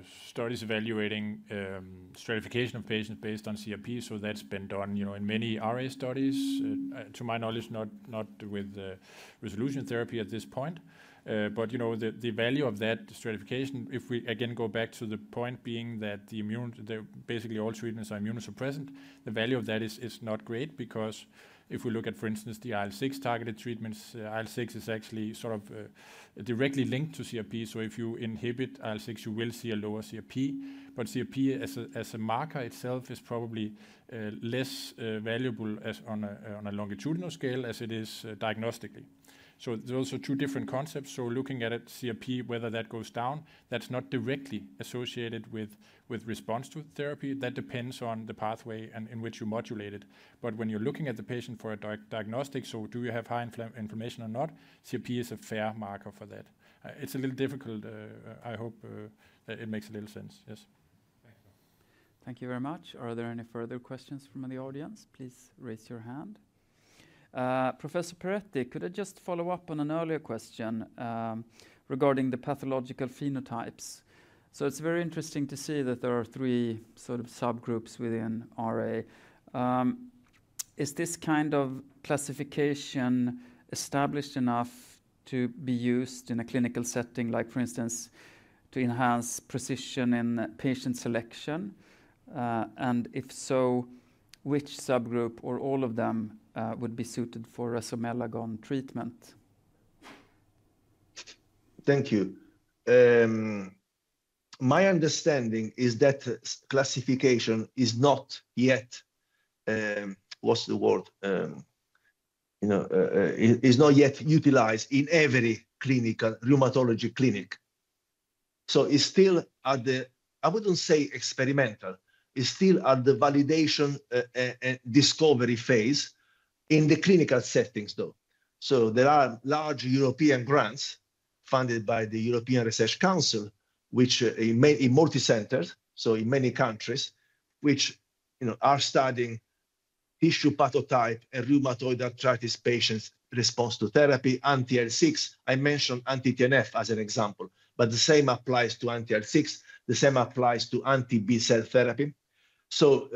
Speaker 6: of, studies evaluating, stratification of patients based on CRP, so that's been done, you know, in many RA studies. To my knowledge, not with, Resolution Therapy at this point. But, you know, the value of that stratification, if we, again, go back to the point being that the immun basically, all treatments are immunosuppressant, the value of that is not great because if we look at, for instance, the IL-6 targeted treatments, IL-6 is actually sort of, directly linked to CRP. So if you inhibit IL-6, you will see a lower CRP. But CRP as a marker itself, is probably, less valuable as on a longitudinal scale as it is diagnostically. So those are two different concepts. So looking at it, CRP, whether that goes down, that's not directly associated with response to therapy. That depends on the pathway and in which you modulate it. But when you're looking at the patient for a diagnostic, so do you have high inflammation or not, CRP is a fair marker for that. It's a little difficult. I hope that it makes a little sense. Yes. Thank you.
Speaker 1: Thank you very much. Are there any further questions from the audience? Please raise your hand. Professor Perretti, could I just follow up on an earlier question, regarding the pathological phenotypes? So it's very interesting to see that there are three sort of subgroups within RA. Is this kind of classification established enough to be used in a clinical setting, like, for instance, to enhance precision in patient selection? And if so, which subgroup or all of them, would be suited for resomelagon treatment?
Speaker 5: Thank you. My understanding is that classification is not yet, what's the word? You know, is not yet utilized in every clinical rheumatology clinic. So it's still at the, I wouldn't say experimental, it's still at the validation, discovery phase in the clinical settings, though. So there are large European grants funded by the European Research Council, which in multicenters, so in many countries, which, you know, are studying tissue pathotype and rheumatoid arthritis patients' response to therapy, anti-IL-6. I mentioned anti-TNF as an example, but the same applies to anti-IL-6, the same applies to anti-B-cell therapy. So,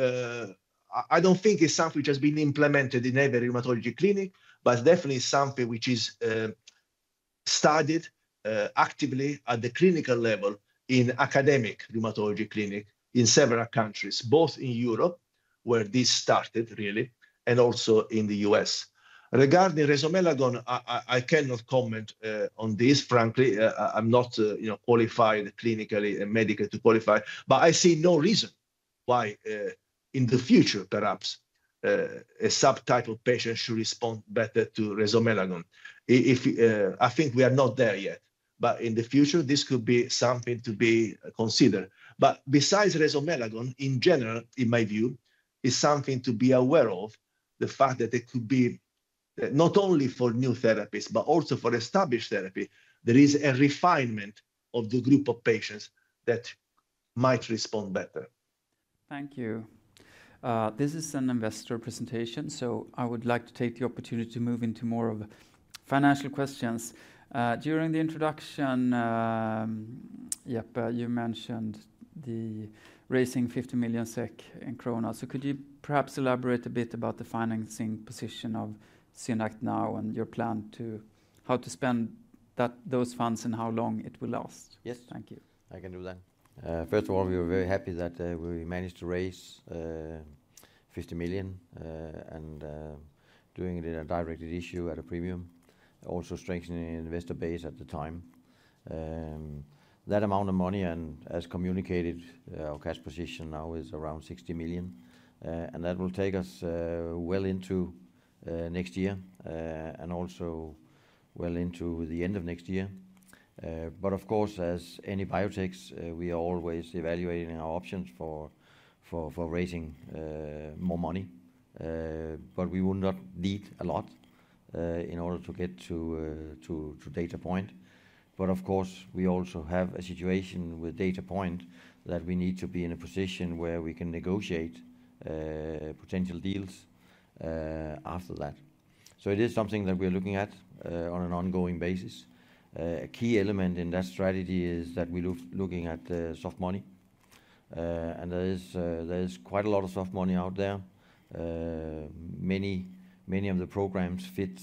Speaker 5: I don't think it's something which has been implemented in every rheumatology clinic, but definitely something which is studied actively at the clinical level in academic rheumatology clinic in several countries, both in Europe, where this started really, and also in the U.S. Regarding resomelagon, I cannot comment on this, frankly. I'm not, you know, qualified clinically and medically to qualify. But I see no reason why, in the future, perhaps, a subtype of patients should respond better to resomelagon. If I think we are not there yet, but in the future, this could be something to be considered. But besides resomelagon, in general, in my view, is something to be aware of, the fact that it could be not only for new therapies but also for established therapy. There is a refinement of the group of patients that might respond better.
Speaker 1: Thank you. This is an investor presentation, so I would like to take the opportunity to move into more of financial questions. During the introduction, Jeppe, you mentioned the raising 50 million SEK in kroner. So could you perhaps elaborate a bit about the financing position of SynAct now and your plan to- how to spend that- those funds and how long it will last?
Speaker 2: Yes.
Speaker 1: Thank you.
Speaker 2: I can do that. First of all, we were very happy that we managed to raise 50 million and doing it in a directed issue at a premium, also strengthening the investor base at the time. That amount of money, and as communicated, our cash position now is around 60 million and that will take us well into next year and also well into the end of next year. But of course, as any biotechs, we are always evaluating our options for raising more money. But we would not need a lot in order to get to data point. But of course, we also have a situation with data point that we need to be in a position where we can negotiate potential deals after that. It is something that we're looking at on an ongoing basis. A key element in that strategy is that we're looking at soft money, and there is quite a lot of soft money out there. Many of the programs fit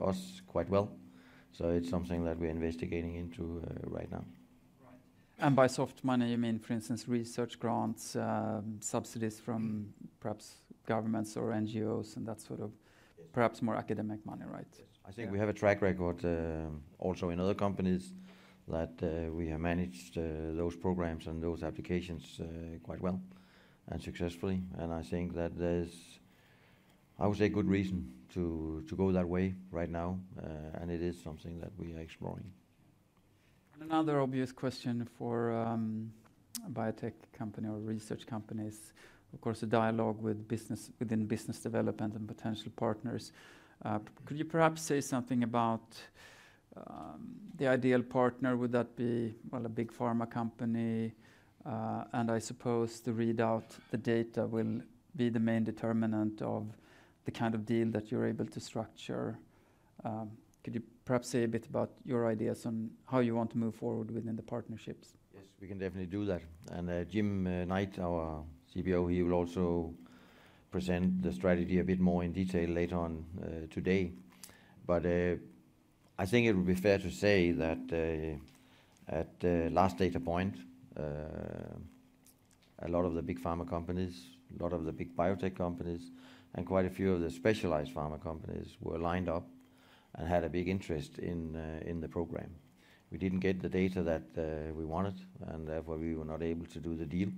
Speaker 2: us quite well, so it's something that we're investigating into right now.
Speaker 1: Right. And by soft money, you mean, for instance, research grants, subsidies from perhaps governments or NGOs, and that sort of-
Speaker 2: Yes.
Speaker 1: Perhaps more academic money, right?
Speaker 2: Yes.
Speaker 1: Yeah.
Speaker 2: I think we have a track record also in other companies that we have managed those programs and those applications quite well and successfully. And I think that there's, I would say, good reason to go that way right now, and it is something that we are exploring.
Speaker 1: And another obvious question for a biotech company or research company is, of course, the dialogue with business development and potential partners. Could you perhaps say something about the ideal partner? Would that be, well, a Big Pharma company? And I suppose the readout, the data will be the main determinant of the kind of deal that you're able to structure. Could you perhaps say a bit about your ideas on how you want to move forward within the partnerships?
Speaker 2: Yes, we can definitely do that. And, Jim Knight, our CBO, he will also present the strategy a bit more in detail later on, today. But, I think it would be fair to say that, at last data point, a lot of the Big Pharma companies, a lot of the big biotech companies, and quite a few of the specialized pharma companies were lined up and had a big interest in the program. We didn't get the data that, we wanted, and therefore, we were not able to do the deal,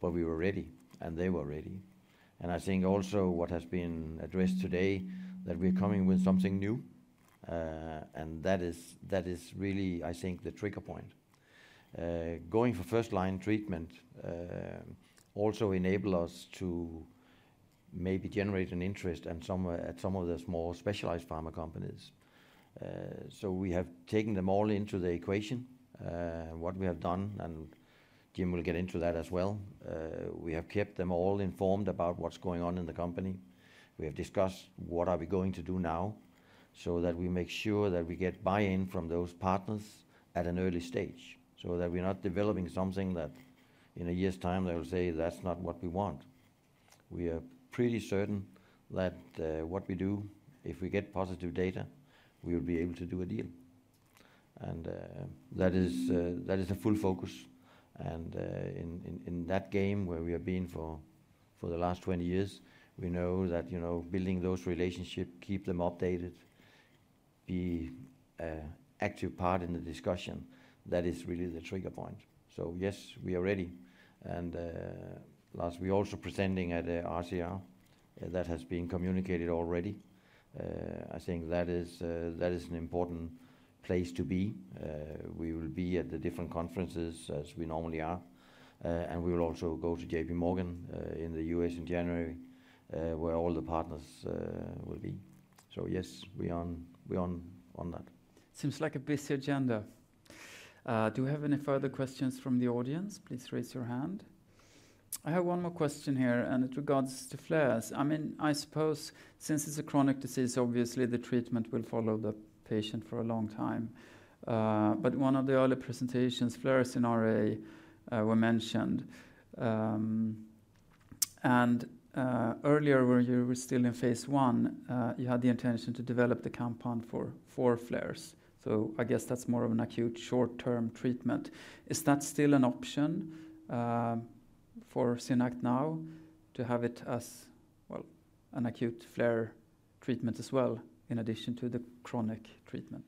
Speaker 2: but we were ready, and they were ready. And I think also what has been addressed today, that we're coming with something new, and that is really, I think, the trigger point. Going for first-line treatment, also enable us to maybe generate an interest at some of the small specialized pharma companies. So we have taken them all into the equation, what we have done, and Jim will get into that as well. We have kept them all informed about what's going on in the company. We have discussed what are we going to do now, so that we make sure that we get buy-in from those partners at an early stage, so that we're not developing something that in a year's time, they will say, "That's not what we want." We are pretty certain that what we do, if we get positive data, we will be able to do a deal. And that is a full focus. In that game, where we have been for the last 20 years, we know that, you know, building those relationships, keep them updated, be active part in the discussion. That is really the trigger point. So yes, we are ready, and last, we're also presenting at ACR, that has been communicated already. I think that is an important place to be. We will be at the different conferences as we normally are. And we will also go to JPMorgan in the U.S. in January, where all the partners will be. So yes, we're on that.
Speaker 1: Seems like a busy agenda. Do we have any further questions from the audience? Please raise your hand. I have one more question here, and it regards to flares. I mean, I suppose since it's a chronic disease, obviously the treatment will follow the patient for a long time. But one of the early presentations, flares in RA, were mentioned. Earlier, when you were still in phase I, you had the intention to develop the compound for flares, so I guess that's more of an acute short-term treatment. Is that still an option for SynAct now, to have it as, well, an acute flare treatment as well in addition to the chronic treatment?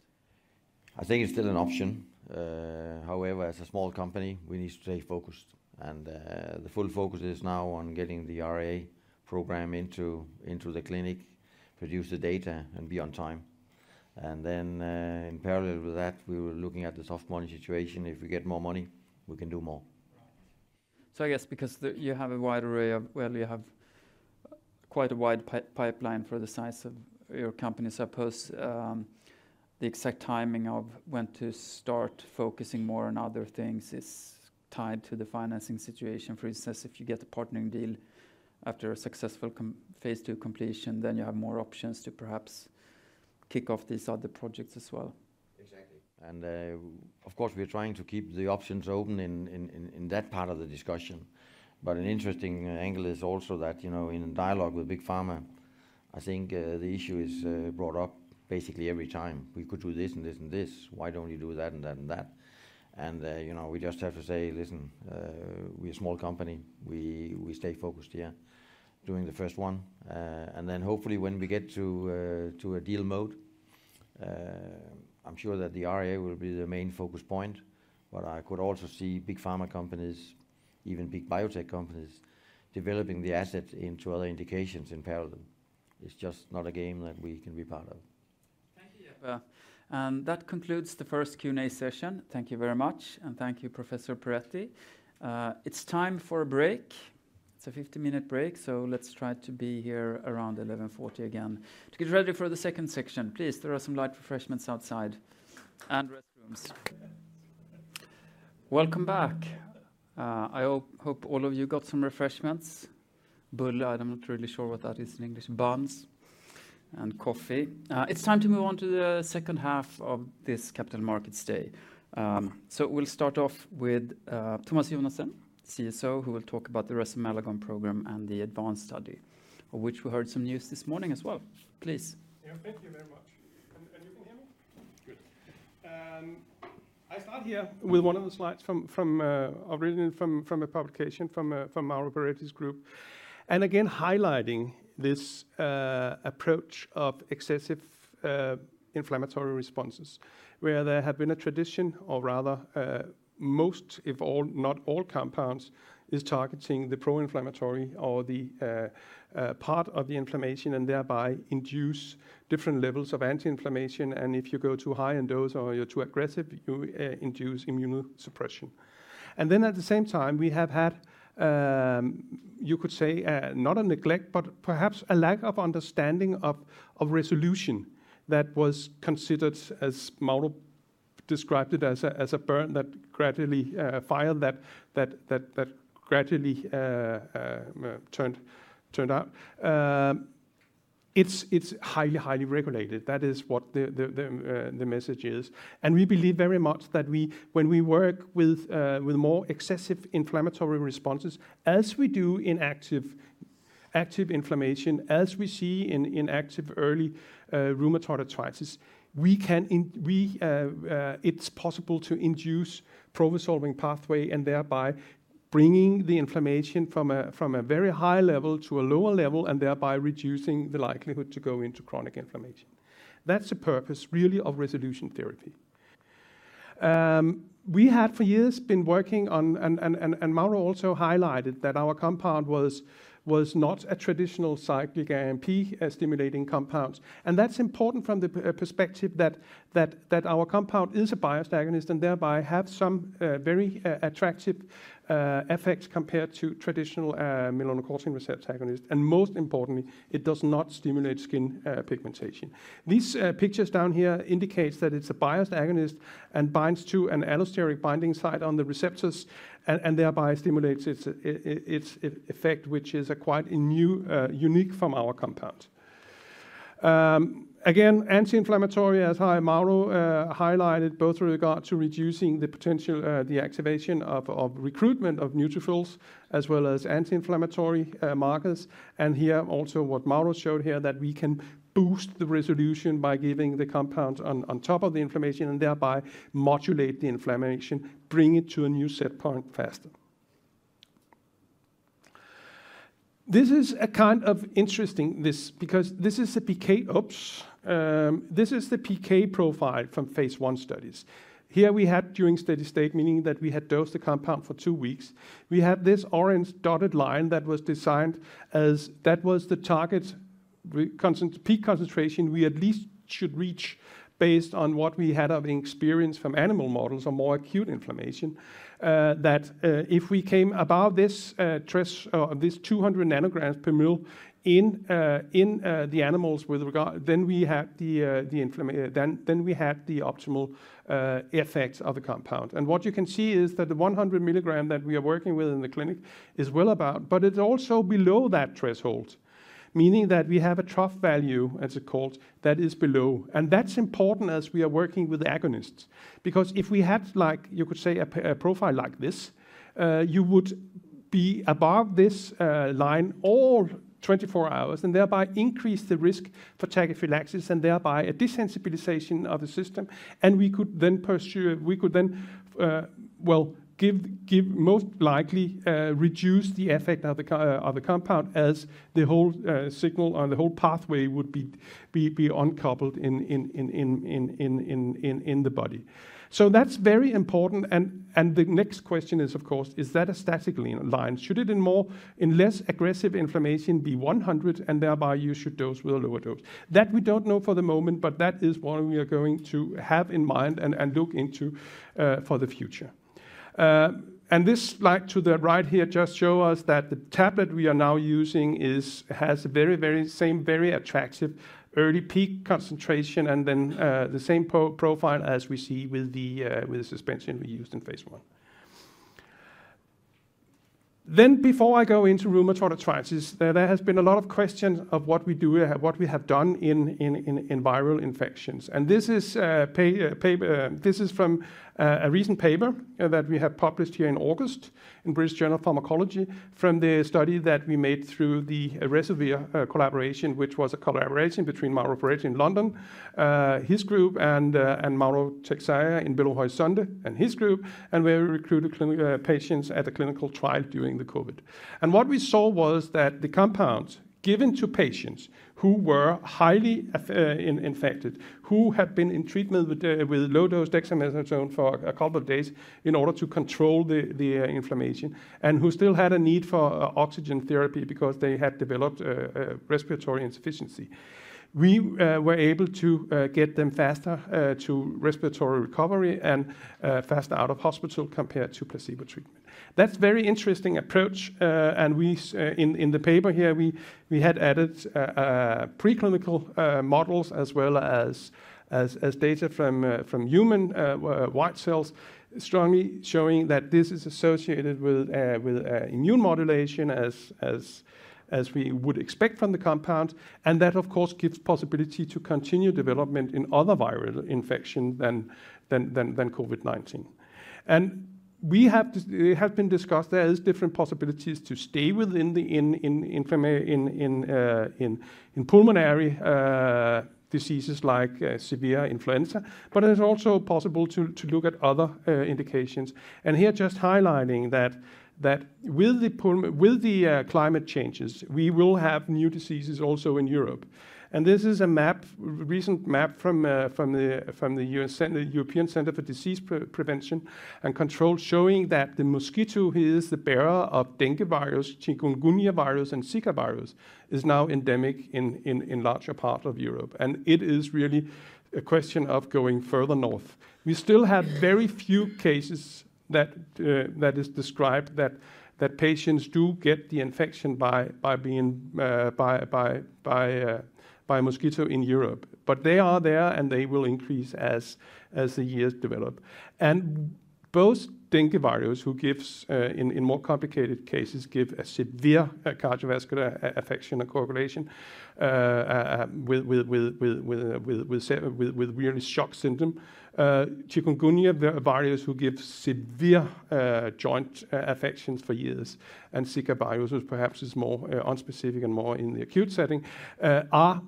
Speaker 2: I think it's still an option. However, as a small company, we need to stay focused, and the full focus is now on getting the RA program into the clinic, produce the data, and be on time. And then, in parallel with that, we were looking at the soft money situation. If we get more money, we can do more.
Speaker 1: I guess because you have quite a wide pipeline for the size of your company, I suppose, the exact timing of when to start focusing more on other things is tied to the financing situation. For instance, if you get a partnering deal after a successful phase II completion, then you have more options to perhaps kick off these other projects as well.
Speaker 2: Exactly. And, of course, we're trying to keep the options open in that part of the discussion. But an interesting angle is also that, you know, in dialogue with Big Pharma, I think the issue is brought up basically every time. We could do this, and this, and this, why don't you do that, and that, and that? And, you know, we just have to say, "Listen, we're a small company. We stay focused here doing the first one." And then hopefully when we get to a deal mode, I'm sure that the RA will be the main focus point, but I could also see Big Pharma companies, even big biotech companies, developing the asset into other indications in parallel. It's just not a game that we can be part of.
Speaker 1: Thank you, Jeppe, and that concludes the first Q&A session. Thank you very much, and thank you, Professor Perretti. It's time for a break. It's a 50-minute break, so let's try to be here around 11:40 again. To get ready for the second section, please. There are some light refreshments outside and restrooms. Welcome back. I hope all of you got some refreshments. Bullar, I'm not really sure what that is in English. Buns and coffee. It's time to move on to the second half of this Capital Markets Day, so we'll start off with Thomas Jonassen, CSO, who will talk about the resomelagon program and the ADVANCE study, of which we heard some news this morning as well. Please.
Speaker 7: Yeah, thank you very much. And you can hear me? Good. I start here with one of the slides originally from a publication from Mauro Perretti's group. And again, highlighting this approach of excessive inflammatory responses, where there have been a tradition, or rather, most, if all, not all compounds, is targeting the pro-inflammatory or the part of the inflammation and thereby induce different levels of anti-inflammation. And if you go too high in dose or you're too aggressive, you induce immunosuppression. And then at the same time, we have had, you could say, not a neglect, but perhaps a lack of understanding of resolution that was considered, as Mauro described it, as a fire that gradually turned out. It's highly regulated. That is what the message is, and we believe very much that we work with more excessive inflammatory responses, as we do in active inflammation, as we see in active early rheumatoid arthritis, it's possible to induce pro-resolving pathway and thereby bringing the inflammation from a very high level to a lower level, and thereby reducing the likelihood to go into chronic inflammation. That's the purpose, really, of Resolution Therapy. We have for years been working on, and Mauro also highlighted that our compound was not a traditional cyclic AMP stimulating compounds. And that's important from the perspective that our compound is a biased agonist and thereby have some very attractive effects compared to traditional melanocortin receptor agonist. And most importantly, it does not stimulate skin pigmentation. These pictures down here indicates that it's a biased agonist and binds to an allosteric binding site on the receptors, and thereby stimulates its effect, which is quite a new unique from our compound. Again, anti-inflammatory, as Mauro highlighted, both with regard to reducing the potential activation of recruitment of neutrophils as well as anti-inflammatory markers. And here, also what Mauro showed here, that we can boost the resolution by giving the compound on top of the inflammation, and thereby modulate the inflammation, bring it to a new set point faster. This is a kind of interesting, this, because this is the PK profile from phase I studies. Here we had during steady state, meaning that we had dosed the compound for two weeks. We had this orange dotted line that was designed as that was the target peak concentration we at least should reach based on what we had of experience from animal models or more acute inflammation. That, if we came above this, this threshold of 200 ng per ml in the animals with regard, then we had the optimal effect of the compound. What you can see is that the 100 mg that we are working with in the clinic is well above, but it's also below that threshold, meaning that we have a trough value, as it's called, that is below. That's important as we are working with agonists, because if we had, like, you could say, a plasma profile like this, you would be above this line all 24 hours and thereby increase the risk for tachyphylaxis and thereby a desensitization of the system. We could then, well, most likely reduce the effect of the compound as the whole signal or the whole pathway would be uncoupled in the body. So that's very important and the next question is, of course, is that a straight line? Should it in less aggressive inflammation be 100, and thereby you should dose with a lower dose? That we don't know for the moment, but that is one we are going to have in mind and look into for the future. And this slide to the right here just show us that the tablet we are now using is, has a very same, very attractive early peak concentration and then the same PK profile as we see with the suspension we used in phase I. Then before I go into rheumatoid arthritis, there has been a lot of questions of what we do, what we have done in viral infections. And this is a paper... This is from a recent paper that we have published here in August in British Journal of Pharmacology from the study that we made through the ResoVir collaboration, which was a collaboration between Mauro Perretti in London, his group, and Mauro Teixeira in Belo Horizonte, and his group, and we recruited clinical patients at a clinical trial during the COVID. What we saw was that the compounds given to patients who were highly infected, who had been in treatment with low-dose dexamethasone for a couple of days in order to control the inflammation, and who still had a need for oxygen therapy because they had developed a respiratory insufficiency. We were able to get them faster to respiratory recovery and faster out of hospital compared to placebo treatment. That's very interesting approach, and in the paper here, we had added preclinical models as well as data from human white cells, strongly showing that this is associated with immune modulation as we would expect from the compound. And that, of course, gives possibility to continue development in other viral infection than COVID-19. And it has been discussed there is different possibilities to stay within the inflammatory pulmonary diseases like severe influenza, but it is also possible to look at other indications. And here, just highlighting that with the climate changes, we will have new diseases also in Europe. This is a recent map from the European Centre for Disease Prevention and Control, showing that the mosquito, he is the bearer of dengue virus, chikungunya virus, and Zika virus, is now endemic in a larger part of Europe, and it is really a question of going further north. We still have very few cases that is described that patients do get the infection by being bitten by mosquito in Europe. But they are there, and they will increase as the years develop. Both dengue virus, who gives in more complicated cases give a severe cardiovascular affection or coagulation with dengue shock syndrome. Chikungunya virus, who gives severe joint affections for years, and Zika virus, which perhaps is more unspecific and more in the acute setting, are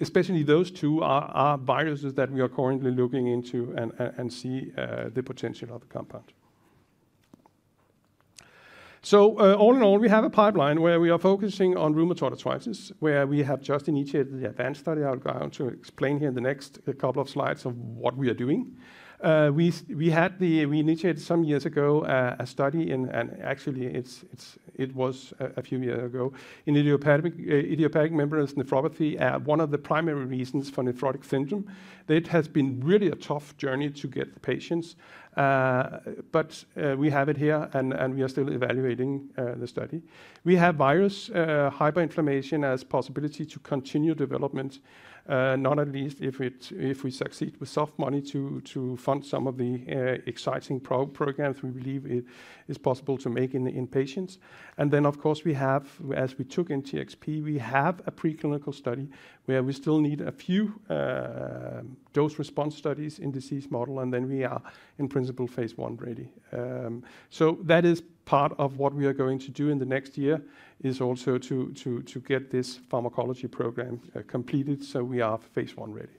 Speaker 7: especially those two viruses that we are currently looking into and see the potential of the compound. All in all, we have a pipeline where we are focusing on rheumatoid arthritis, where we have just initiated the ADVANCE study. I'll go on to explain here in the next couple of slides of what we are doing. We initiated some years ago a study, and actually, it was a few years ago, in idiopathic membranous nephropathy, one of the primary reasons for nephrotic syndrome. It has been really a tough journey to get the patients, but we have it here, and we are still evaluating the study. We have viral hyperinflammation as a possibility to continue development, not least if we succeed with soft money to fund some of the exciting programs we believe it is possible to make in patients. Then, of course, we have, as we took in TXP, a preclinical study where we still need a few dose response studies in disease model, and then we are in principle phase I ready. So that is part of what we are going to do in the next year, is also to get this pharmacology program completed, so we are phase I ready.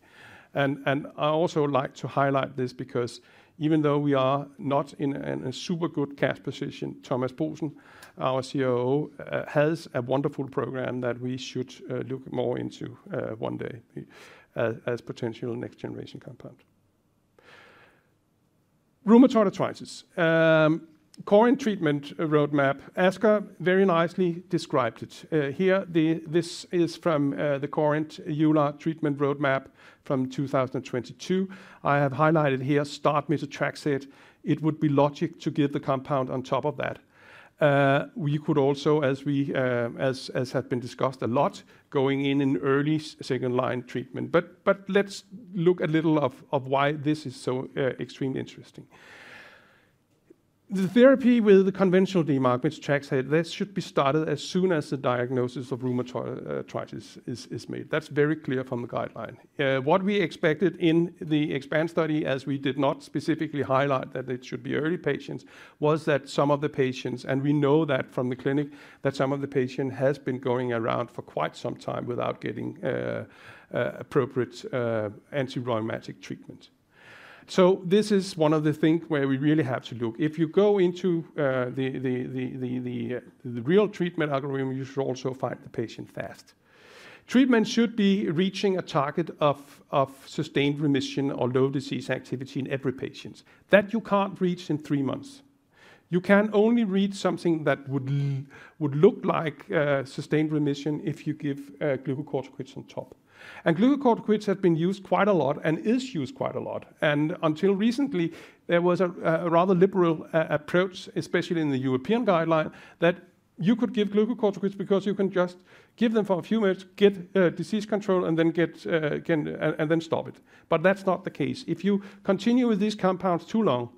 Speaker 7: I also like to highlight this because even though we are not in a super good cash position, Thomas Boesen, our COO, has a wonderful program that we should look more into one day as potential next generation compound. Rheumatoid arthritis, current treatment roadmap, Asger very nicely described it. Here, this is from the current EULAR treatment roadmap from 2022. I have highlighted here, start methotrexate. It would be logical to give the compound on top of that. We could also, as has been discussed a lot, going in early second-line treatment. But let's look a little at why this is so extremely interesting. The therapy with the conventional DMARD, which methotrexate, that should be started as soon as the diagnosis of rheumatoid arthritis is made. That's very clear from the guideline. What we expected in the EXPAND study, as we did not specifically highlight that it should be early patients, was that some of the patients, and we know that from the clinic, that some of the patient has been going around for quite some time without getting appropriate anti-rheumatic treatment. So this is one of the things where we really have to look. If you go into the real treatment algorithm, you should also find the patient fast. Treatment should be reaching a target of sustained remission or low disease activity in every patient. That you can't reach in three months. You can only reach something that would look like sustained remission if you give glucocorticoids on top. Glucocorticoids have been used quite a lot and are used quite a lot. Until recently, there was a rather liberal approach, especially in the European guideline, that you could give glucocorticoids because you can just give them for a few months, get disease control, and then stop it. That's not the case. If you continue with these compounds too long,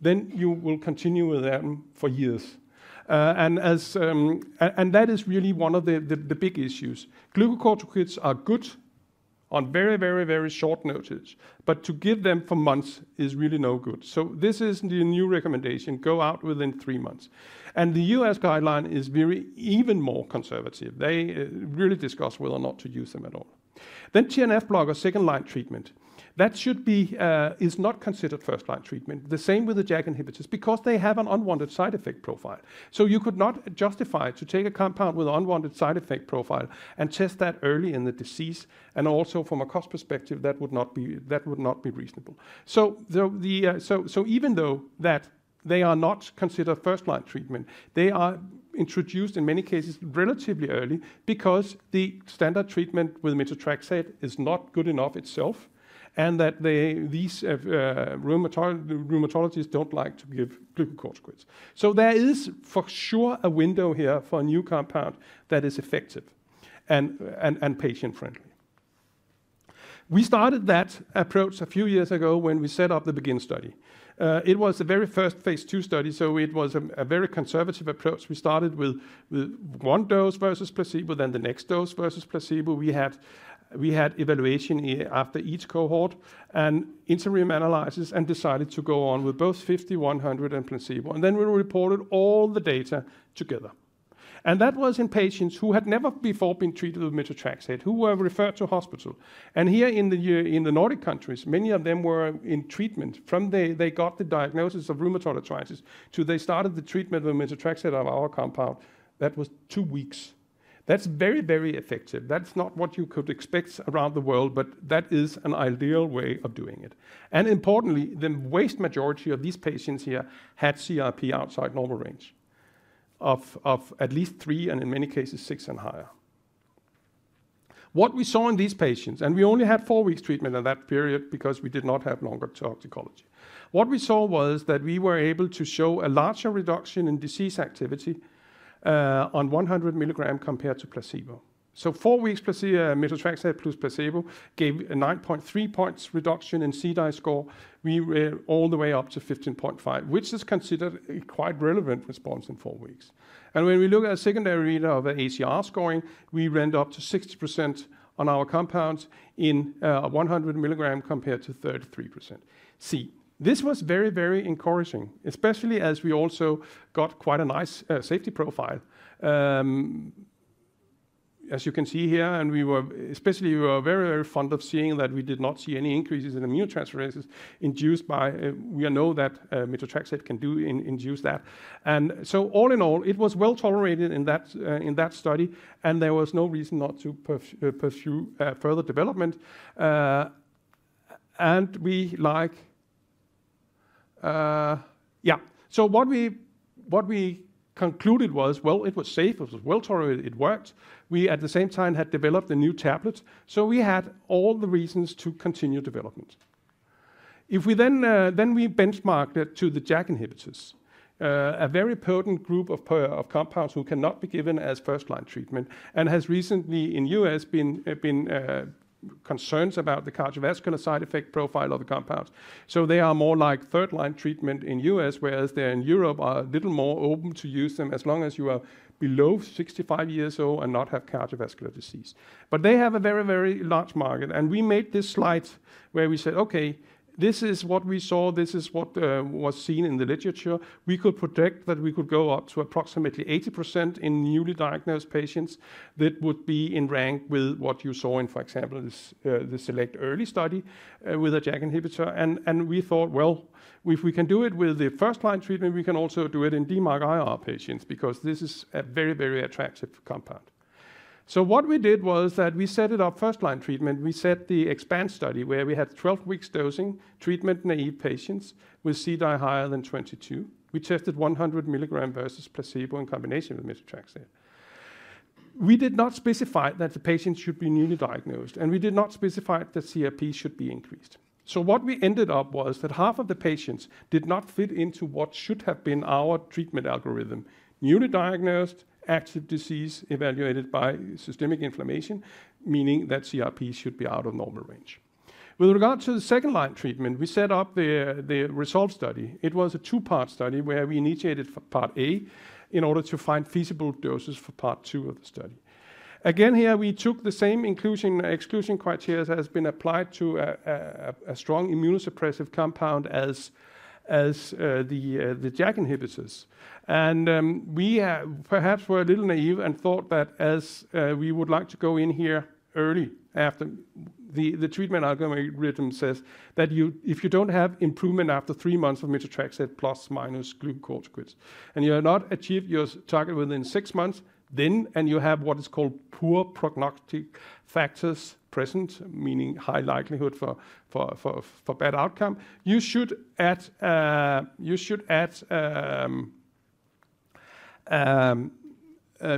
Speaker 7: then you will continue with them for years. That is really one of the big issues. Glucocorticoids are good on very, very, very short notice, but to give them for months is really no good. This is the new recommendation, go out within three months. The U.S. guideline is very, even more conservative. They really discuss whether or not to use them at all. Then TNF blocker, second-line treatment, that should be, is not considered first-line treatment. The same with the JAK inhibitors, because they have an unwanted side effect profile. So you could not justify to take a compound with unwanted side effect profile and test that early in the disease, and also from a cost perspective, that would not be reasonable. So even though that they are not considered first-line treatment, they are introduced in many cases relatively early because the standard treatment with methotrexate is not good enough itself, and that they, these, rheumatologists don't like to give glucocorticoids. So there is, for sure, a window here for a new compound that is effective and patient-friendly. We started that approach a few years ago when we set up the BEGIN study. It was the very first phase II study, so it was a very conservative approach. We started with one dose versus placebo, then the next dose versus placebo. We had evaluation after each cohort and interim analysis, and decided to go on with both 50, 100 and placebo. Then we reported all the data together. That was in patients who had never before been treated with methotrexate, who were referred to hospital. Here in the Nordic countries, many of them were in treatment from the day they got the diagnosis of rheumatoid arthritis, to they started the treatment with methotrexate or our compound. That was two weeks. That's very, very effective. That's not what you could expect around the world, but that is an ideal way of doing it. Importantly, the vast majority of these patients here had CRP outside normal range of at least three, and in many cases, six and higher. What we saw in these patients, and we only had four weeks treatment at that period because we did not have longer toxicology. What we saw was that we were able to show a larger reduction in disease activity on 100 mg compared to placebo. Four weeks placebo, methotrexate plus placebo, gave a 9.3 points reduction in CDAI score. We were all the way up to 15.5, which is considered a quite relevant response in four weeks. When we look at a secondary readout of ACR scoring, we went up to 60% on our compounds in 100 mg compared to 33%. See, this was very, very encouraging, especially as we also got quite a nice safety profile. As you can see here, and we were especially, we were very, very fond of seeing that we did not see any increases in aminotransferases induced by we know that methotrexate can do induce that. And so all in all, it was well tolerated in that study, and there was no reason not to pursue further development. And we like. So what we concluded was, well, it was safe, it was well tolerated, it worked. We, at the same time, had developed a new tablet, so we had all the reasons to continue development. If we then then we benchmarked it to the JAK inhibitors, a very potent group of of compounds who cannot be given as first-line treatment, and has recently in U.S., been concerns about the cardiovascular side effect profile of the compounds. So they are more like third-line treatment in U.S., whereas there in Europe, are a little more open to use them as long as you are below 65 years old and not have cardiovascular disease. But they have a very, very large market, and we made this slide where we said, "Okay, this is what we saw. This is what was seen in the literature." We could predict that we could go up to approximately 80% in newly diagnosed patients. That would be in rank with what you saw in, for example, this, the SELECT-EARLY study, with a JAK inhibitor. And we thought, well, if we can do it with the first-line treatment, we can also do it in DMARD-IR patients, because this is a very, very attractive compound. What we did was that we set it up first-line treatment. We set the EXPAND study, where we had 12 weeks dosing treatment-naive patients with CDAI higher than 22. We tested 100 mg versus placebo in combination with methotrexate. We did not specify that the patient should be newly diagnosed, and we did not specify that CRP should be increased. What we ended up was that half of the patients did not fit into what should have been our treatment algorithm: newly diagnosed, active disease evaluated by systemic inflammation, meaning that CRP should be out of normal range. With regard to the second-line treatment, we set up the RESOLVE study. It was a two-part study where we initiated for part A in order to find feasible doses for part two of the study. Again, here we took the same inclusion and exclusion criteria that has been applied to a strong immunosuppressive compound as the JAK inhibitors. We perhaps were a little naive and thought that we would like to go in here early after the treatment algorithm says that you, if you don't have improvement after three months of methotrexate ± glucocorticoids, and you have not achieved your target within six months, then and you have what is called poor prognostic factors present, meaning high likelihood for bad outcome, you should add.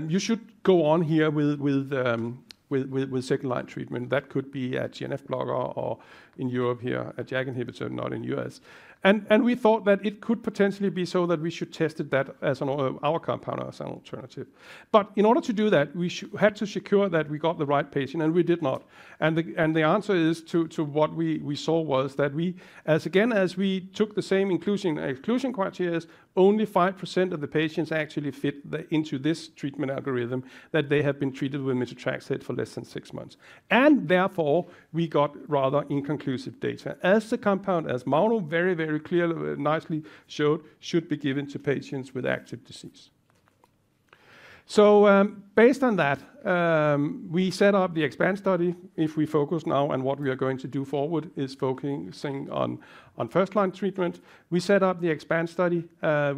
Speaker 7: You should go on here with second-line treatment. That could be a TNF blocker or in Europe here, a JAK inhibitor, not in U.S. We thought that it could potentially be so that we should tested that as our compound as an alternative. But in order to do that, we had to secure that we got the right patient, and we did not. And the answer to what we saw was that we, as we again took the same inclusion and exclusion criteria, only 5% of the patients actually fit into this treatment algorithm that they have been treated with methotrexate for less than six months. And therefore, we got rather inconclusive data. As the compound, as Mauro very, very clearly, nicely showed, should be given to patients with active disease. So, based on that, we set up the EXPAND study. If we focus now on what we are going to do forward is focusing on first-line treatment. We set up the EXPAND study,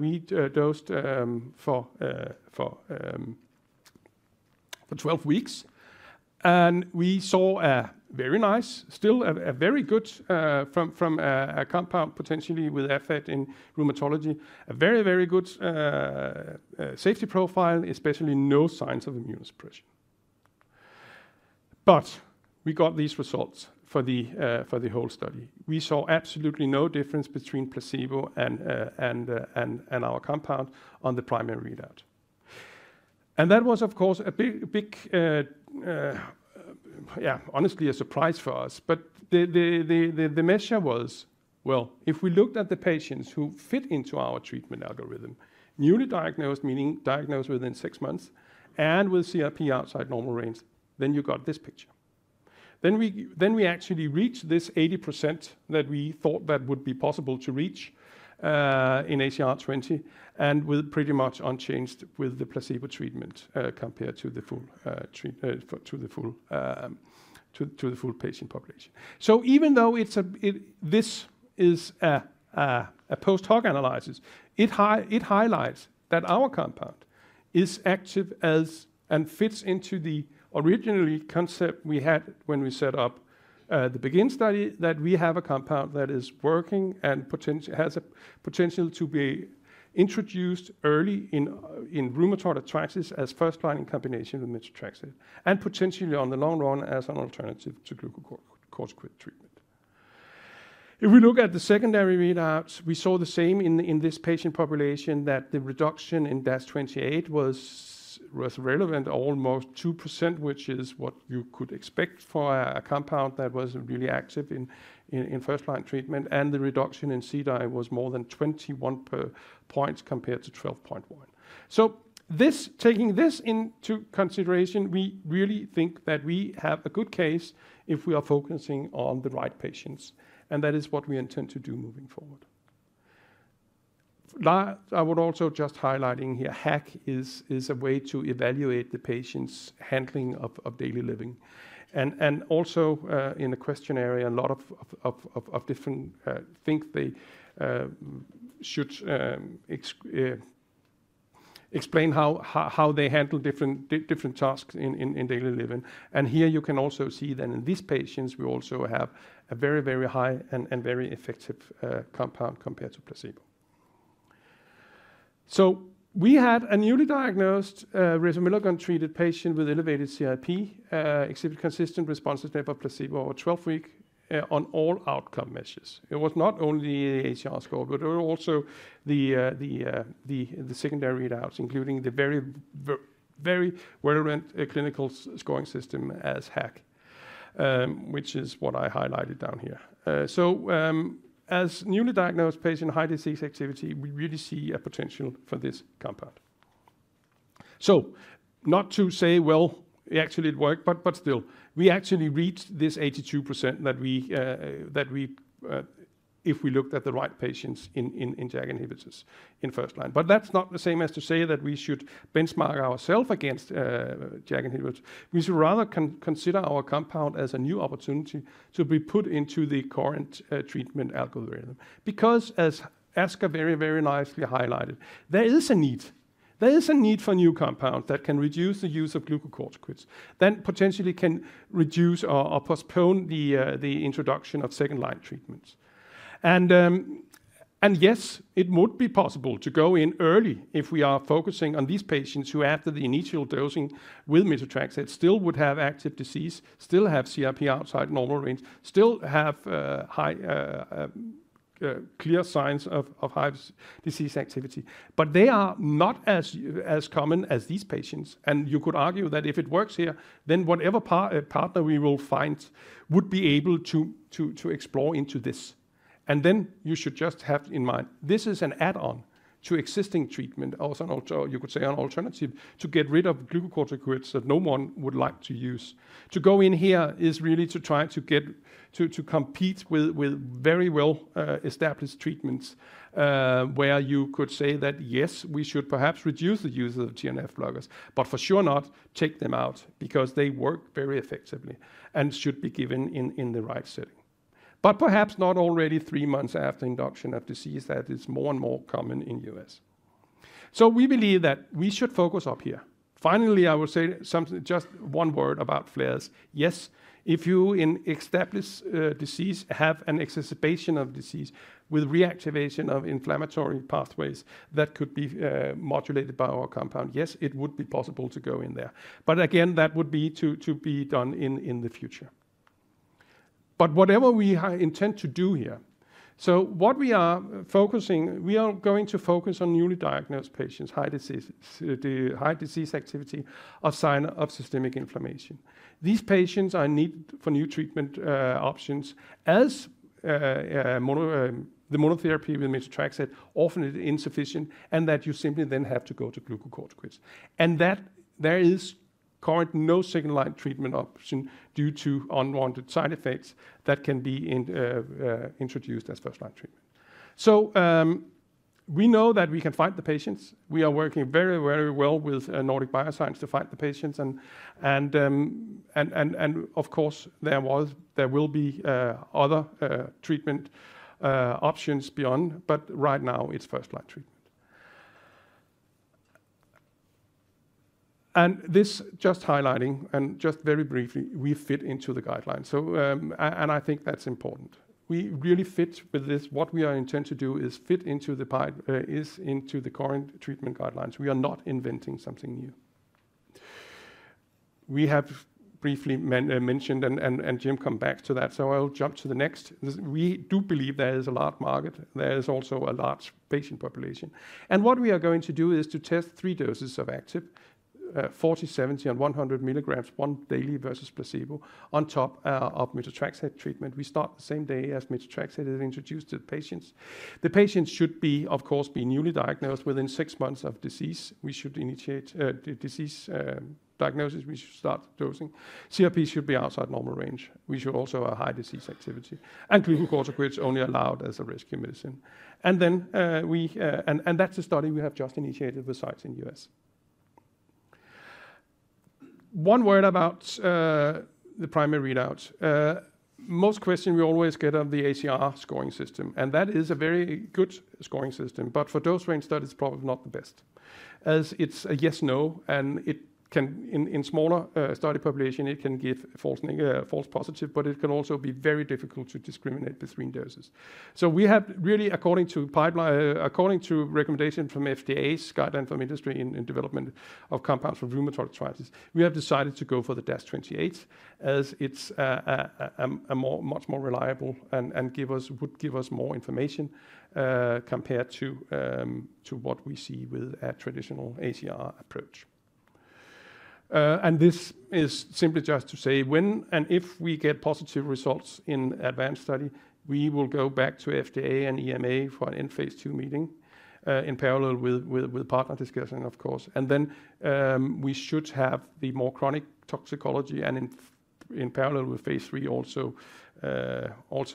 Speaker 7: we dosed for 12 weeks, and we saw a very nice, still a very good from a compound potentially with effect in rheumatology, a very good safety profile, especially no signs of immunosuppression. But we got these results for the whole study. We saw absolutely no difference between placebo and our compound on the primary readout. And that was, of course, a big surprise for us. But the measure was, well, if we looked at the patients who fit into our treatment algorithm, newly diagnosed, meaning diagnosed within six months, and with CRP outside normal range, then you got this picture. Then we actually reached this 80% that we thought that would be possible to reach in ACR20, and with pretty much unchanged with the placebo treatment compared to the full patient population. So even though it's a post-hoc analysis, it highlights that our compound is active and fits into the original concept we had when we set up the BEGIN study, that we have a compound that is working and potent and has a potential to be introduced early in rheumatoid arthritis as first-line in combination with methotrexate, and potentially on the long run, as an alternative to glucocorticoid treatment. If we look at the secondary readouts, we saw the same in this patient population, that the reduction in DAS28 was relevant, almost 2%, which is what you could expect for a compound that was really active in first-line treatment, and the reduction in CDAI was more than 21 points compared to 12.1. Taking this into consideration, we really think that we have a good case if we are focusing on the right patients, and that is what we intend to do moving forward. I would also just highlight here, HAQ is a way to evaluate the patient's handling of daily living. And also in the questionnaire, a lot of different things they should explain how they handle different tasks in daily living. And here you can also see that in these patients, we also have a very high and very effective compound compared to placebo. We had a newly diagnosed resomelagon-treated patient with elevated CRP exhibit consistent responses over 12-week on all outcome measures. It was not only ACR score, but it was also the secondary readouts, including the very well-validated clinical scoring system as HAQ, which is what I highlighted down here. So as newly diagnosed patient, high disease activity, we really see a potential for this compound. So not to say, well, actually it worked, but still, we actually reached this 82% that we if we looked at the right patients in JAK inhibitors in first line. But that's not the same as to say that we should benchmark ourselves against JAK inhibitors. We should rather consider our compound as a new opportunity to be put into the current treatment algorithm. Because as Asger very nicely highlighted, there is a need for new compound that can reduce the use of glucocorticoids, then potentially can reduce or postpone the introduction of second-line treatments. And yes, it would be possible to go in early if we are focusing on these patients who, after the initial dosing with methotrexate, still would have active disease, still have CRP outside normal range, still have high, clear signs of high disease activity. But they are not as common as these patients. And you could argue that if it works here, then whatever partner we will find would be able to explore into this. And then you should just have in mind, this is an add-on to existing treatment. Also, you could say an alternative to get rid of glucocorticoids that no one would like to use. To go in here is really to try to get to compete with very well established treatments, where you could say that, "Yes, we should perhaps reduce the use of TNF blockers," but for sure not take them out, because they work very effectively and should be given in the right setting. But perhaps not already three months after induction of disease, that is more and more common in the U.S. So we believe that we should focus up here. Finally, I will say something, just one word about flares. Yes, if you in established disease have an exacerbation of disease with reactivation of inflammatory pathways, that could be modulated by our compound. Yes, it would be possible to go in there. But again, that would be to be done in the future. But whatever we intend to do here, so what we are focusing, we are going to focus on newly diagnosed patients, high diseases, the high disease activity or sign of systemic inflammation. These patients are need for new treatment options as mono the monotherapy with methotrexate often is insufficient, and that you simply then have to go to glucocorticoids. And that there is current no second-line treatment option due to unwanted side effects that can be introduced as first-line treatment. So, we know that we can find the patients. We are working very, very well with Nordic Bioscience to find the patients and of course there will be other treatment options beyond, but right now it's first-line treatment. This just highlighting, and just very briefly, we fit into the guidelines. So, and I think that's important. We really fit with this. What we intend to do is fit into the pipeline, is into the current treatment guidelines. We are not inventing something new. We have briefly mentioned, and Jim come back to that, so I will jump to the next. We do believe there is a large market. There is also a large patient population. And what we are going to do is to test three doses of AP1189, 40mg, 70mg, and 100 mg, once daily versus placebo, on top of methotrexate treatment. We start the same day as methotrexate is introduced to the patients. The patients should be, of course, newly diagnosed within six months of disease. We should initiate the disease diagnosis. We should start dosing. CRP should be outside normal range. We should also have high disease activity, and glucocorticoids only allowed as a rescue medicine. Then that's a study we have just initiated with sites in U.S. One word about the primary readout. Most question we always get on the ACR scoring system, and that is a very good scoring system, but for dose range study, it's probably not the best, as it's a yes, no, and it can, in smaller study population, it can give false negative, false positive, but it can also be very difficult to discriminate between doses. We have really, according to plan, according to recommendation from FDA's guideline from industry in development of compounds for rheumatoid arthritis, we have decided to go for the DAS28, as it's a much more reliable and would give us more information compared to what we see with a traditional ACR approach. This is simply just to say when and if we get positive results in ADVANCE study, we will go back to FDA and EMA for an End-phase II meeting, in parallel with partner discussion, of course, then we should have the more chronic toxicology and in parallel with phase III also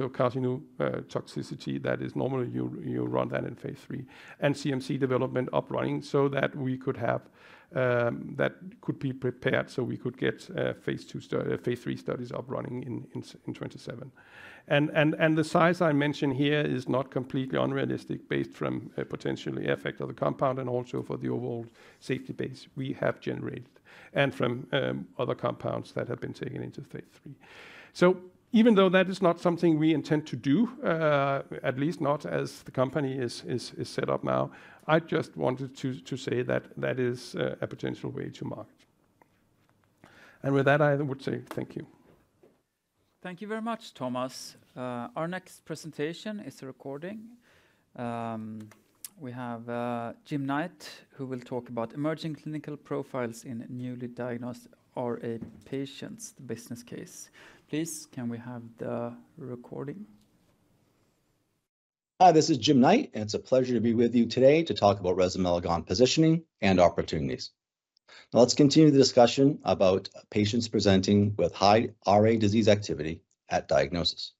Speaker 7: cardio-neurotoxicity. That is normal. You run that in phase III. CMC development up and running so that we could have that could be prepared so we could get phase III studies up and running in 2027. And the size I mentioned here is not completely unrealistic, based from a potentially effect of the compound and also for the overall safety base we have generated, and from other compounds that have been taken into phase III. So even though that is not something we intend to do, at least not as the company is set up now, I just wanted to say that that is a potential way to market. And with that, I would say thank you.
Speaker 1: Thank you very much, Thomas. Our next presentation is a recording. We have Jim Knight, who will talk about emerging clinical profiles in newly diagnosed RA patients, the business case. Please, can we have the recording?
Speaker 8: Hi, this is Jim Knight, and it's a pleasure to be with you today to talk about resomelagon positioning and opportunities. Now, let's continue the discussion about patients presenting with high RA disease activity at diagnosis.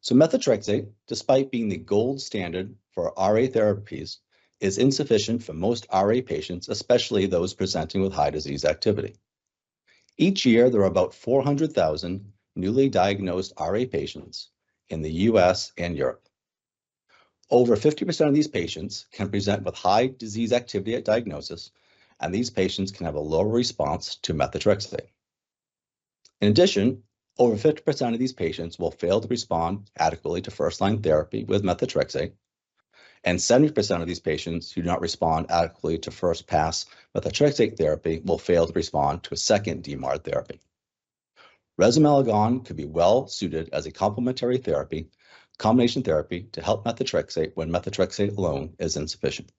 Speaker 8: So methotrexate, despite being the gold standard for RA therapies, is insufficient for most RA patients, especially those presenting with high disease activity. Each year, there are about 400,000 newly diagnosed RA patients in the U.S. and Europe. Over 50% of these patients can present with high disease activity at diagnosis, and these patients can have a lower response to methotrexate. In addition, over 50% of these patients will fail to respond adequately to first-line therapy with methotrexate, and 70% of these patients who do not respond adequately to first-pass methotrexate therapy will fail to respond to a second DMARD therapy. Resomelagon could be well suited as a complementary therapy, combination therapy to help methotrexate when methotrexate alone is insufficient.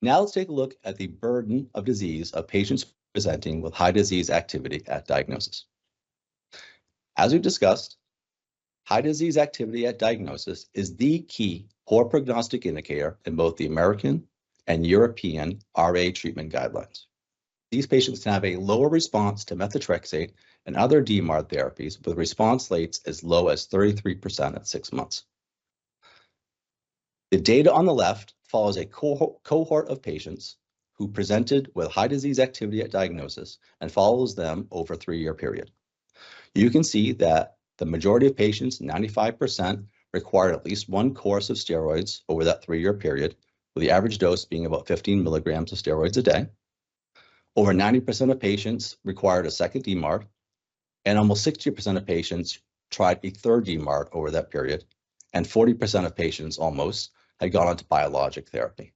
Speaker 8: Now let's take a look at the burden of disease of patients presenting with high disease activity at diagnosis. As we've discussed, high disease activity at diagnosis is the key poor prognostic indicator in both the American and European RA treatment guidelines. These patients have a lower response to methotrexate and other DMARD therapies, with response rates as low as 33% at six months. The data on the left follows a cohort of patients who presented with high disease activity at diagnosis and follows them over a three-year period. You can see that the majority of patients, 95%, required at least one course of steroids over that three-year period, with the average dose being about 15 mg of steroids a day. Over 90% of patients required a second DMARD, and almost 60% of patients tried a third DMARD over that period, and 40% of patients almost had gone on to biologic therapy.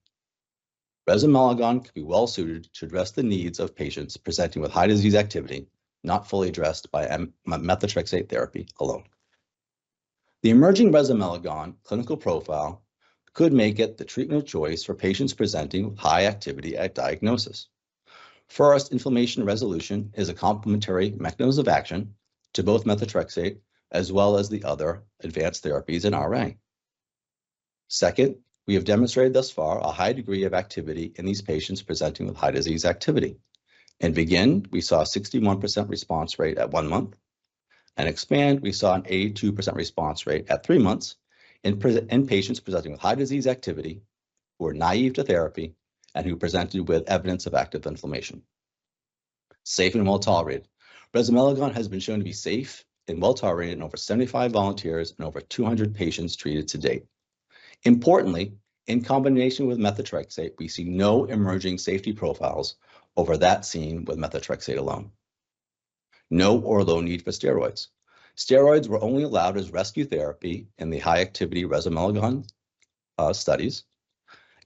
Speaker 8: Resomelagon could be well suited to address the needs of patients presenting with high disease activity, not fully addressed by methotrexate therapy alone. The emerging resomelagon clinical profile could make it the treatment of choice for patients presenting with high activity at diagnosis. First, inflammation resolution is a complementary mechanism of action to both methotrexate as well as the other advanced therapies in RA. Second, we have demonstrated thus far a high degree of activity in these patients presenting with high disease activity. In BEGIN, we saw a 61% response rate at one month, and EXPAND, we saw an 82% response rate at three months in patients presenting with high disease activity, who are naive to therapy, and who presented with evidence of active inflammation. Safe and well-tolerated. Resomelagon has been shown to be safe and well-tolerated in over 75 volunteers and over 200 patients treated to date. Importantly, in combination with methotrexate, we see no emerging safety profiles over that seen with methotrexate alone. No or low need for steroids. Steroids were only allowed as rescue therapy in the high-activity resomelagon studies,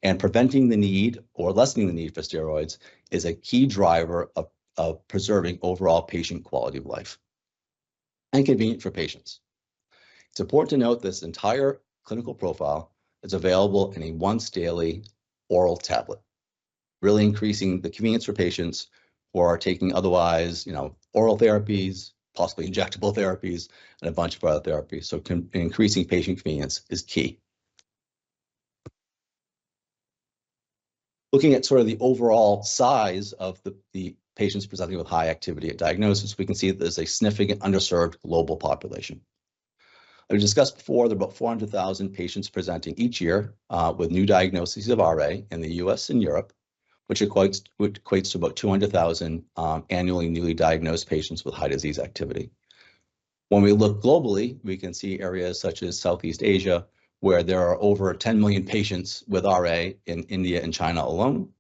Speaker 8: and preventing the need or lessening the need for steroids is a key driver of preserving overall patient quality of life, and convenient for patients. It's important to note this entire clinical profile is available in a once-daily oral tablet, really increasing the convenience for patients who are taking otherwise, you know, oral therapies, possibly injectable therapies, and a bunch of other therapies. Increasing patient convenience is key. Looking at sort of the overall size of the patients presenting with high activity at diagnosis, we can see that there's a significant underserved global population. I discussed before, there are about 400,000 patients presenting each year with new diagnoses of RA in the U.S. and Europe, which equates to about 200,000 annually newly diagnosed patients with high disease activity. When we look globally, we can see areas such as Southeast Asia, where there are over 10 million patients with RA in India and China alone,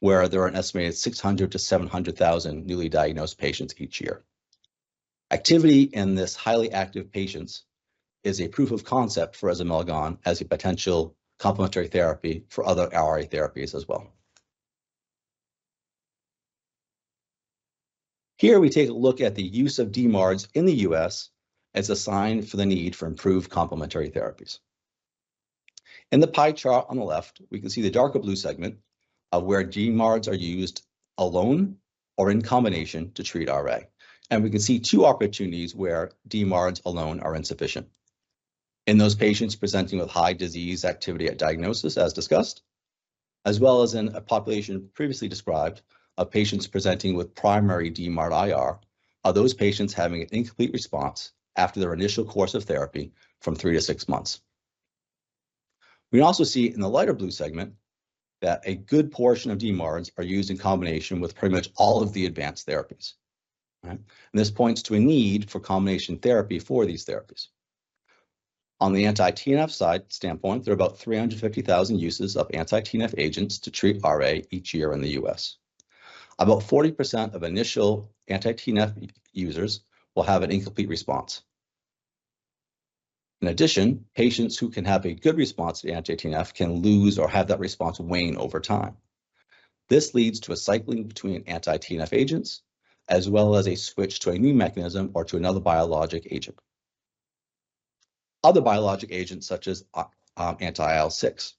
Speaker 8: where there are an estimated 600,000-700,000 newly diagnosed patients each year. Activity in this highly active patients is a proof of concept for resomelagon as a potential complementary therapy for other RA therapies as well. Here, we take a look at the use of DMARDs in the U.S. as a sign for the need for improved complementary therapies. In the pie chart on the left, we can see the darker blue segment of where DMARDs are used alone or in combination to treat RA. And we can see two opportunities where DMARDs alone are insufficient. In those patients presenting with high disease activity at diagnosis, as discussed, as well as in a population previously described, of patients presenting with primary DMARD-IR, are those patients having an incomplete response after their initial course of therapy from three to six months. We also see in the lighter blue segment that a good portion of DMARDs are used in combination with pretty much all of the advanced therapies. Right? This points to a need for combination therapy for these therapies. On the anti-TNF side standpoint, there are about 350,000 uses of anti-TNF agents to treat RA each year in the U.S. About 40% of initial anti-TNF users will have an incomplete response. In addition, patients who can have a good response to anti-TNF can lose or have that response wane over time. This leads to a cycling between anti-TNF agents, as well as a switch to a new mechanism or to another biologic agent. Other biologic agents, such as, anti-IL-6.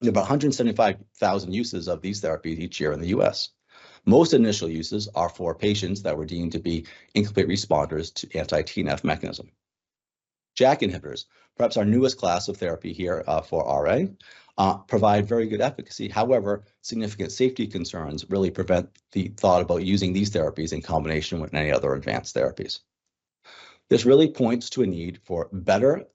Speaker 8: There are about 175,000 uses of these therapies each year in the U.S. Most initial uses are for patients that were deemed to be incomplete responders to anti-TNF mechanism. JAK inhibitors, perhaps our newest class of therapy here, for RA, provide very good efficacy. However, significant safety concerns really prevent the thought about using these therapies in combination with any other advanced therapies. This really points to a need for better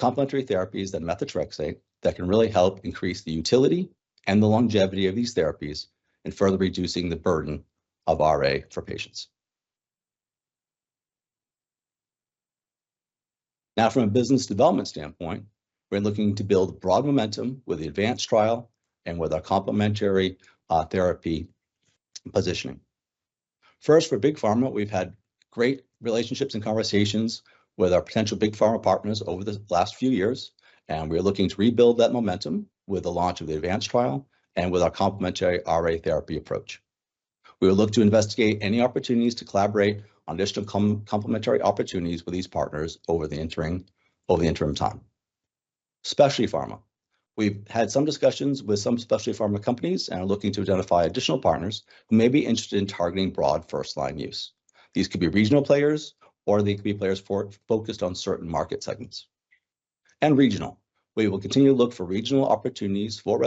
Speaker 8: complementary therapies than methotrexate that can really help increase the utility and the longevity of these therapies in further reducing the burden of RA for patients. Now, from a business development standpoint, we're looking to build broad momentum with the ADVANCE trial, and with our complementary therapy positioning. First, for Big Pharma, we've had great relationships and conversations with our potential Big Pharma partners over the last few years, and we're looking to rebuild that momentum with the launch of the ADVANCE trial, and with our complementary RA therapy approach. We will look to investigate any opportunities to collaborate on additional complementary opportunities with these partners over the interim time. Specialty pharma. We've had some discussions with some specialty pharma companies, and are looking to identify additional partners who may be interested in targeting broad first-line use. These could be regional players, or they could be players focused on certain market segments. And regional. We will continue to look for regional opportunities for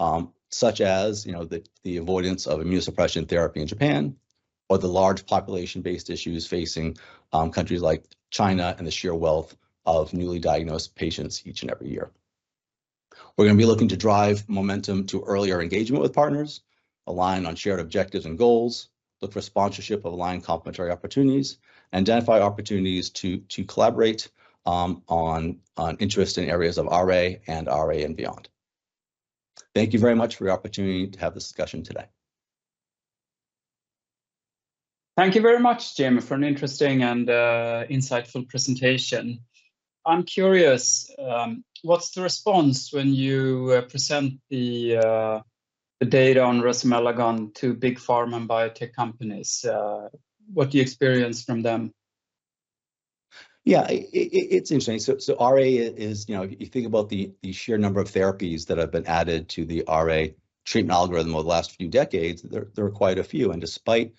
Speaker 8: resomelagon, such as, you know, the avoidance of immunosuppression therapy in Japan, or the large population-based issues facing countries like China, and the sheer wealth of newly diagnosed patients each and every year. We're gonna be looking to drive momentum to earlier engagement with partners, align on shared objectives and goals, look for sponsorship of aligned complementary opportunities, and identify opportunities to collaborate on interesting areas of RA, and RA and beyond. Thank you very much for the opportunity to have this discussion today.
Speaker 1: Thank you very much, Jamie, for an interesting and insightful presentation. I'm curious, what's the response when you present the data on resomelagon to Big Pharma and biotech companies? What do you experience from them?
Speaker 8: Yeah, it's interesting. So RA is, you know, you think about the sheer number of therapies that have been added to the RA treatment algorithm over the last few decades. There are quite a few, and despite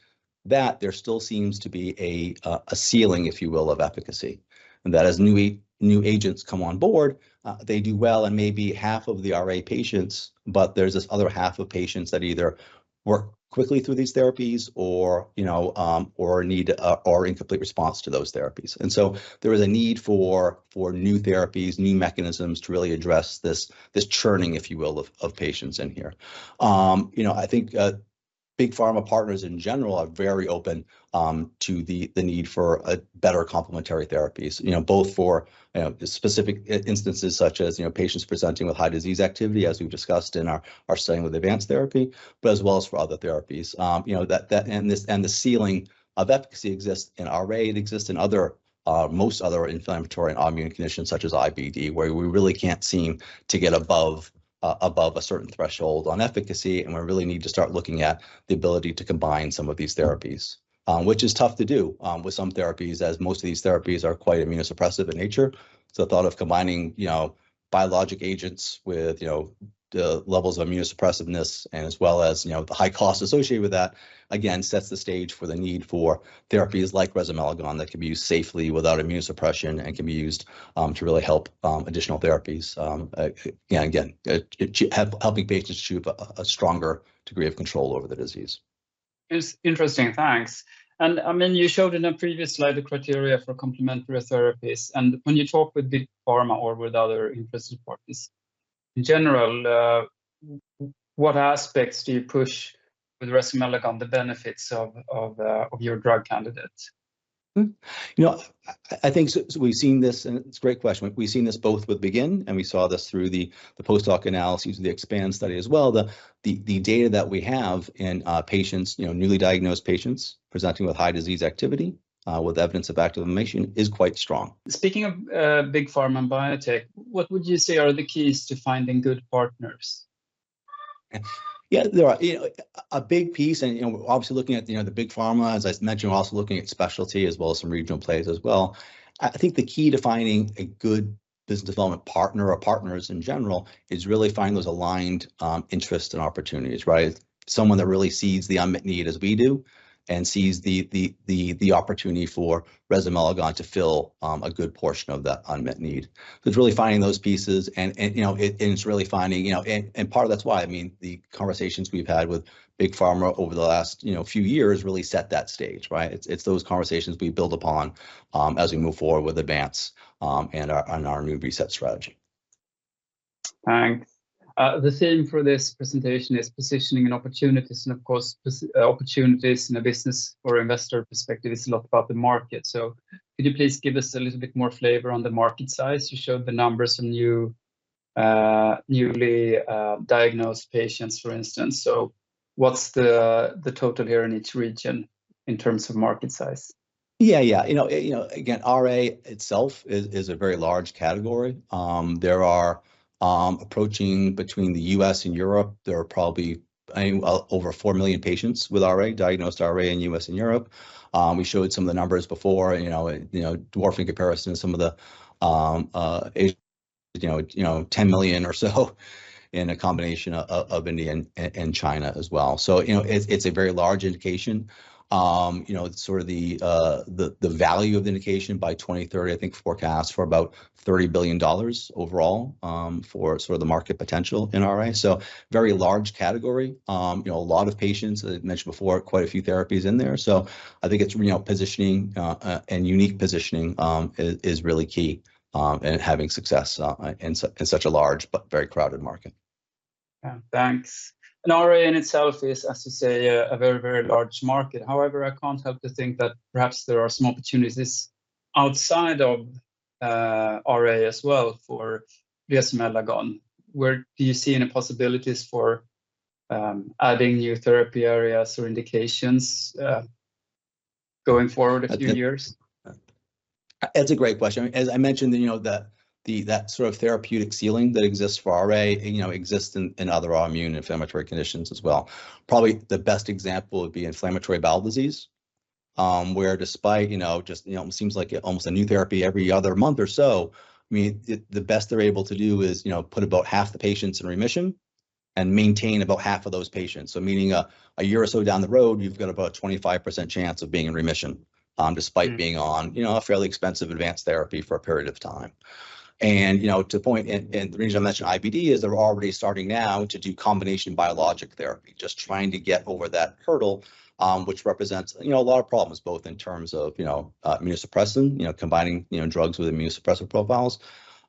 Speaker 8: that, there still seems to be a ceiling, if you will, of efficacy. And that as new agents come on board, they do well in maybe half of the RA patients, but there's this other half of patients that either work quickly through these therapies or, you know, or incomplete response to those therapies. And so there is a need for new therapies, new mechanisms to really address this churning, if you will, of patients in here. You know, I think Big Pharma partners in general are very open to the need for a better complementary therapies. You know, both for specific instances such as, you know, patients presenting with high disease activity, as we've discussed in our ADVANCE study, but as well as for other therapies. You know, that. This ceiling of efficacy exists in RA. It exists in other most other inflammatory and autoimmune conditions such as IBD, where we really can't seem to get above a certain threshold on efficacy, and we really need to start looking at the ability to combine some of these therapies. Which is tough to do with some therapies, as most of these therapies are quite immunosuppressive in nature. So the thought of combining, you know, biologic agents with, you know, the levels of immunosuppression, and as well as, you know, the high cost associated with that, again, sets the stage for the need for therapies like resomelagon, that can be used safely without immune suppression, and can be used to really help additional therapies. Again, helping patients achieve a stronger degree of control over the disease.
Speaker 1: It's interesting. Thanks. And, I mean, you showed in a previous slide the criteria for complementary therapies, and when you talk with Big Pharma or with other interested parties, in general, what aspects do you push with resomelagon, the benefits of your drug candidate?
Speaker 8: You know, I think so. So we've seen this, and it's a great question. We've seen this both with BEGIN, and we saw this through the post hoc analysis of the EXPAND study as well, the data that we have in our patients, you know, newly diagnosed patients, presenting with high disease activity, with evidence of active inflammation, is quite strong.
Speaker 1: Speaking of Big Pharma and biotech, what would you say are the keys to finding good partners?
Speaker 8: Yeah, there are, you know, a big piece and, you know, obviously looking at, you know, the Big Pharma, as I mentioned, we're also looking at specialty as well as some regional players as well. I think the key to finding a good business development partner or partners in general is really finding those aligned interests and opportunities, right? Someone that really sees the unmet need as we do, and sees the opportunity for resomelagon to fill a good portion of that unmet need. So it's really finding those pieces and, you know, it's really finding, you know. And part of that's why, I mean, the conversations we've had with Big Pharma over the last few years really set that stage, right? It's those conversations we build upon as we move forward with ADVANCE and our new RESET strategy.
Speaker 1: Thanks. The theme for this presentation is positioning and opportunities, and of course, opportunities in a business or investor perspective is a lot about the market. So could you please give us a little bit more flavor on the market size? You showed the numbers of new, newly diagnosed patients, for instance. So what's the total here in each region in terms of market size?
Speaker 8: Yeah, yeah. You know, you know, again, RA itself is a very large category. There are approaching between the U.S. and Europe, there are probably well over 4 million patients with RA, diagnosed RA in U.S. and Europe. We showed some of the numbers before, you know, you know, dwarf in comparison to some of the, as you know, you know, 10 million or so in a combination of India and China as well. So, you know, it's a very large indication. You know, sort of the value of the indication by 2030, I think, forecast for about $30 billion overall, for sort of the market potential in RA. So very large category. You know, a lot of patients, as I mentioned before, quite a few therapies in there. So, I think it's, you know, positioning and unique positioning is really key in having success in such a large but very crowded market.
Speaker 1: Yeah, thanks. And RA in itself is, as you say, a very, very large market. However, I can't help to think that perhaps there are some opportunities outside of RA as well for resomelagon. Where do you see any possibilities for adding new therapy areas or indications going forward a few years?
Speaker 8: That's a great question. As I mentioned, you know, the that sort of therapeutic ceiling that exists for RA, you know, exists in other autoimmune inflammatory conditions as well. Probably the best example would be inflammatory bowel disease, where despite, you know, just, you know, it seems like almost a new therapy every other month or so, I mean, the best they're able to do is, you know, put about half the patients in remission and maintain about half of those patients. So meaning, a year or so down the road, you've got about a 25% chance of being in remission, despite being on, you know, a fairly expensive advanced therapy for a period of time. And, you know, to the point, and the reason I mentioned IBD is they're already starting now to do combination biologic therapy, just trying to get over that hurdle, which represents, you know, a lot of problems, both in terms of, you know, immunosuppressant, you know, combining, you know, drugs with immunosuppressive profiles,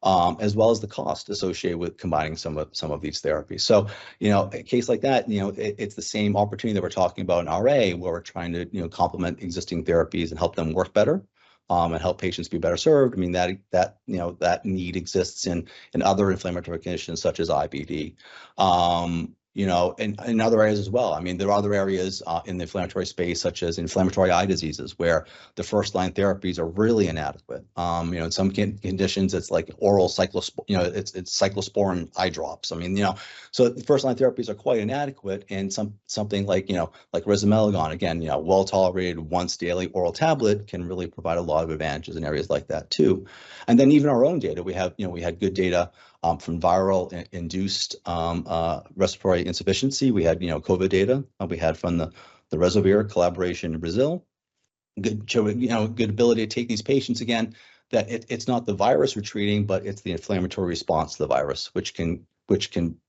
Speaker 8: as well as the cost associated with combining some of these therapies. You know, a case like that, you know, it, it's the same opportunity that we're talking about in RA, where we're trying to, you know, complement existing therapies and help them work better, and help patients be better served. I mean, that, you know, that need exists in other inflammatory conditions such as IBD. You know, in other areas as well. I mean, there are other areas in the inflammatory space, such as inflammatory eye diseases, where the first-line therapies are really inadequate. You know, in some conditions, it's like oral cyclosporine eye drops. I mean, you know. So the first-line therapies are quite inadequate, and something like resomelagon, again, you know, well-tolerated once-daily oral tablet can really provide a lot of advantages in areas like that, too. And then even our own data, we have, you know, we had good data from virus-induced respiratory insufficiency. We had, you know, COVID data, we had from the ResoVir collaboration in Brazil. Good, showing, you know, good ability to take these patients again, that it, it's not the virus we're treating, but it's the inflammatory response to the virus, which can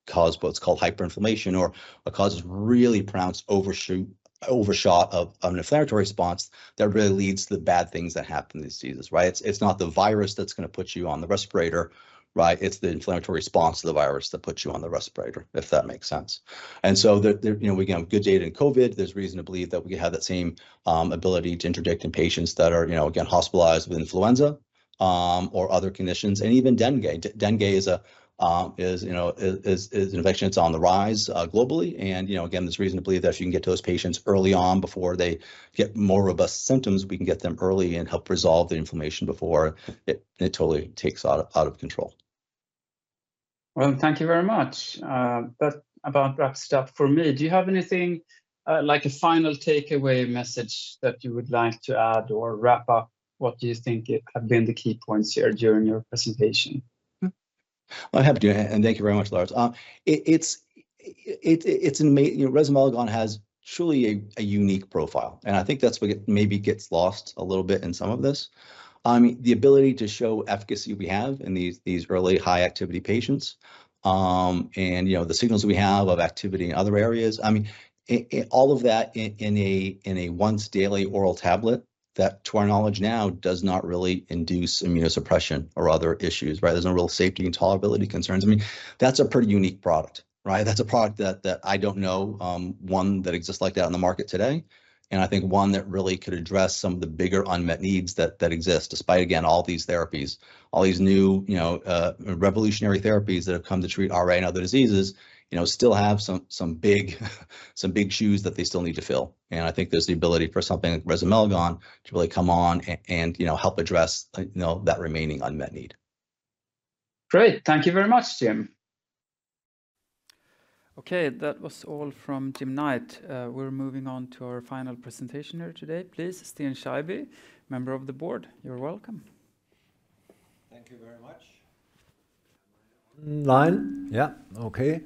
Speaker 8: cause what's called hyperinflammation or causes really pronounced overshoot of an inflammatory response that really leads to the bad things that happen in these diseases, right? It's not the virus that's gonna put you on the respirator, right? It's the inflammatory response to the virus that puts you on the respirator, if that makes sense. And so there, you know, we got good data in COVID. There's reason to believe that we have that same ability to interdict in patients that are, you know, again, hospitalized with influenza or other conditions, and even dengue. Dengue is a, you know, is an infection that's on the rise globally. You know, again, there's reason to believe that if you can get to those patients early on before they get more robust symptoms, we can get them early and help resolve the inflammation before it totally takes out of control.
Speaker 1: Thank you very much. That about wraps it up for me. Do you have anything, like a final takeaway message that you would like to add or wrap up? What do you think have been the key points here during your presentation?
Speaker 8: I'm happy to, and thank you very much, Lars. It's amazing. You know, resomelagon has truly a unique profile, and I think that's what gets maybe lost a little bit in some of this. I mean, the ability to show efficacy we have in these really high-activity patients, and, you know, the signals we have of activity in other areas. I mean, all of that in a once-daily oral tablet, that to our knowledge now, does not really induce immunosuppression or other issues, right? There's no real safety and tolerability concerns. I mean, that's a pretty unique product, right? That's a product that I don't know one that exists like that on the market today, and I think one that really could address some of the bigger unmet needs that exist, despite again all these therapies. All these new, you know, revolutionary therapies that have come to treat RA and other diseases, you know, still have some big shoes that they still need to fill, and I think there's the ability for something like resomelagon to really come on and, you know, help address that remaining unmet need.
Speaker 1: Great. Thank you very much, Jim. Okay, that was all from Jim Knight. We're moving on to our final presentation here today. Please, Sten Scheibye, member of the board, you're welcome.
Speaker 9: Thank you very much. Am I online? Yeah, okay.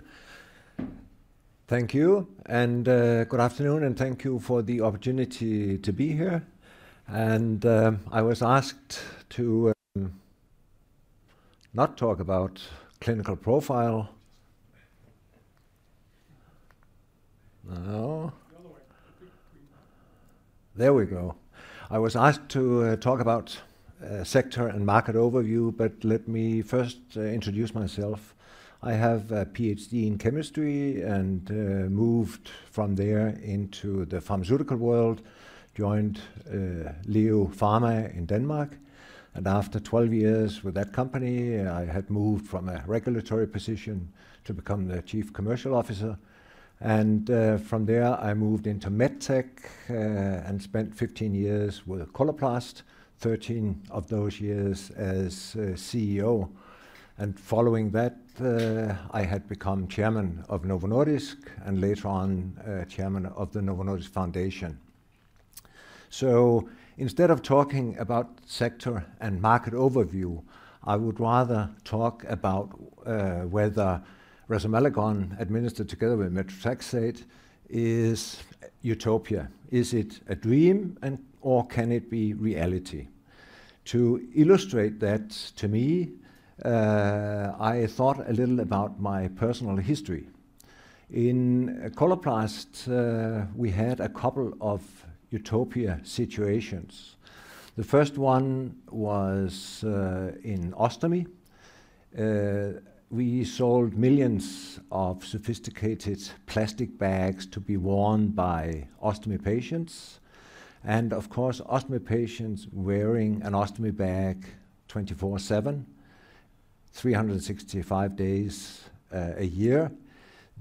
Speaker 9: Thank you, and good afternoon, and thank you for the opportunity to be here. And I was asked to not talk about clinical profile. There we go. I was asked to talk about sector and market overview, but let me first introduce myself. I have a PhD in chemistry and moved from there into the pharmaceutical world, joined LEO Pharma in Denmark, and after 12 years with that company, I had moved from a regulatory position to become the chief commercial officer, and from there, I moved into MedTech and spent 15 years with Coloplast, 13 of those years as CEO, and following that, I had become chairman of Novo Nordisk and later on chairman of the Novo Nordisk Foundation. So instead of talking about sector and market overview, I would rather talk about whether resomelagon administered together with methotrexate is utopia. Is it a dream, and or can it be reality? To illustrate that, to me, I thought a little about my personal history. In Coloplast, we had a couple of utopian situations. The first one was in ostomy. We sold millions of sophisticated plastic bags to be worn by ostomy patients. And of course, ostomy patients wearing an ostomy bag 24/7, 365 days a year,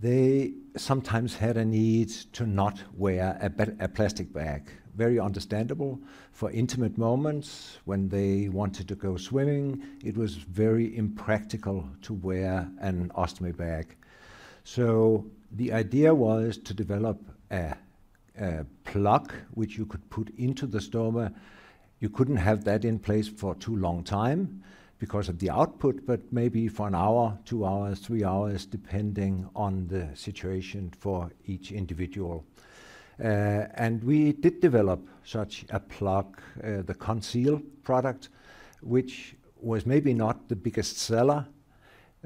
Speaker 9: they sometimes had a need to not wear a plastic bag. Very understandable for intimate moments, when they wanted to go swimming, it was very impractical to wear an ostomy bag. So the idea was to develop a plug which you could put into the stoma. You couldn't have that in place for too long a time because of the output, but maybe for an hour, two hours, three hours, depending on the situation for each individual. And we did develop such a plug, the Conseal product, which was maybe not the biggest seller,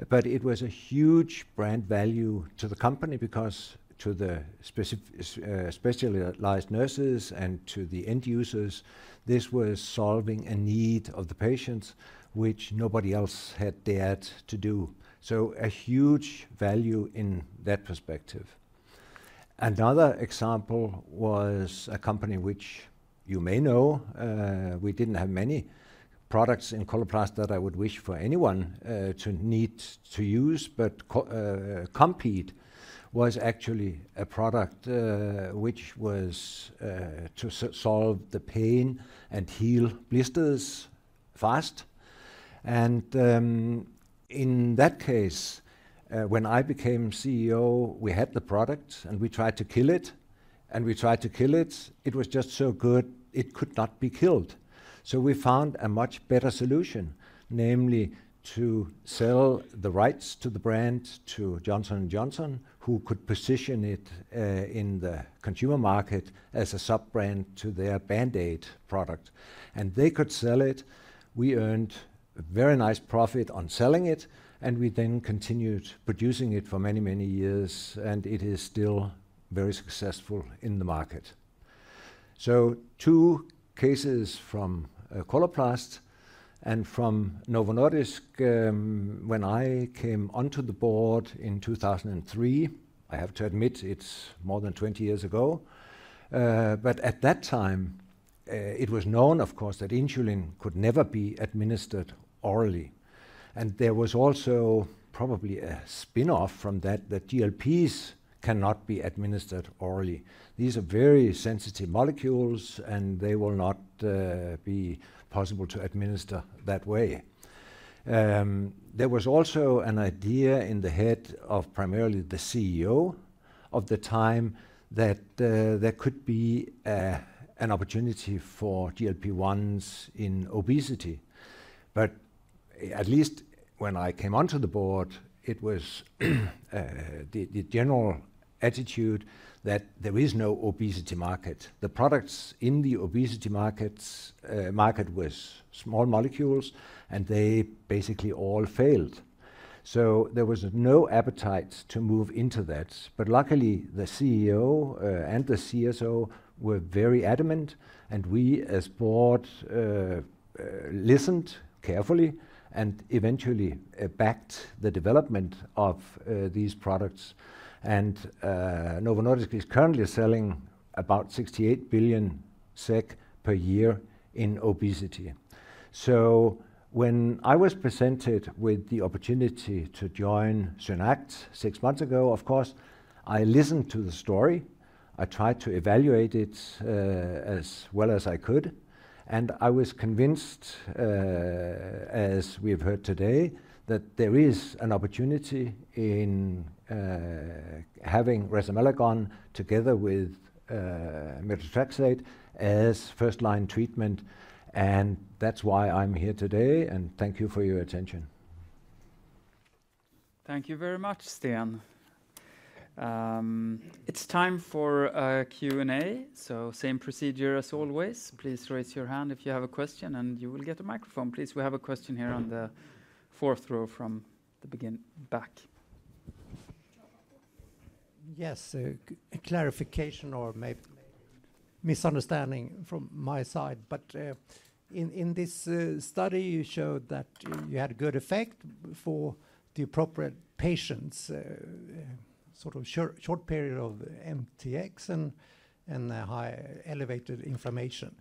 Speaker 9: but it was a huge brand value to the company because to the specialized nurses and to the end users, this was solving a need of the patients, which nobody else had dared to do. So a huge value in that perspective. Another example was a company which you may know, we didn't have many products in Coloplast that I would wish for anyone to need to use, but Compeed was actually a product, which was to solve the pain and heal blisters fast. And, in that case, when I became CEO, we had the product, and we tried to kill it, and we tried to kill it. It was just so good, it could not be killed. So we found a much better solution, namely to sell the rights to the brand, to Johnson & Johnson, who could position it, in the consumer market as a sub-brand to their Band-Aid product. And they could sell it. We earned a very nice profit on selling it, and we then continued producing it for many, many years, and it is still very successful in the market. So two cases from Coloplast and from Novo Nordisk. When I came onto the board in 2003, I have to admit it's more than 20 years ago. But at that time, it was known, of course, that insulin could never be administered orally. And there was also probably a spin-off from that, that GLPs cannot be administered orally. These are very sensitive molecules, and they will not be possible to administer that way. There was also an idea in the head of primarily the CEO of the time, that there could be an opportunity for GLP-1s in obesity. But at least when I came onto the board, it was the general attitude that there is no obesity market. The products in the obesity market was small molecules, and they basically all failed. So there was no appetite to move into that. But luckily, the CEO and the CSO were very adamant, and we, as board, listened carefully and eventually backed the development of these products. And Novo Nordisk is currently selling about 68 billion SEK per year in obesity. So when I was presented with the opportunity to join SynAct six months ago, of course, I listened to the story. I tried to evaluate it, as well as I could, and I was convinced, as we've heard today, that there is an opportunity in having resomelagon together with methotrexate as first-line treatment, and that's why I'm here today, and thank you for your attention.
Speaker 1: Thank you very much, Sten. It's time for a Q&A, so same procedure as always. Please raise your hand if you have a question, and you will get a microphone. Please, we have a question here on the fourth row from the back. Yes, a clarification or misunderstanding from my side. In this study, you showed that you had a good effect for the appropriate patients, sort of short period of MTX and a high elevated inflammation.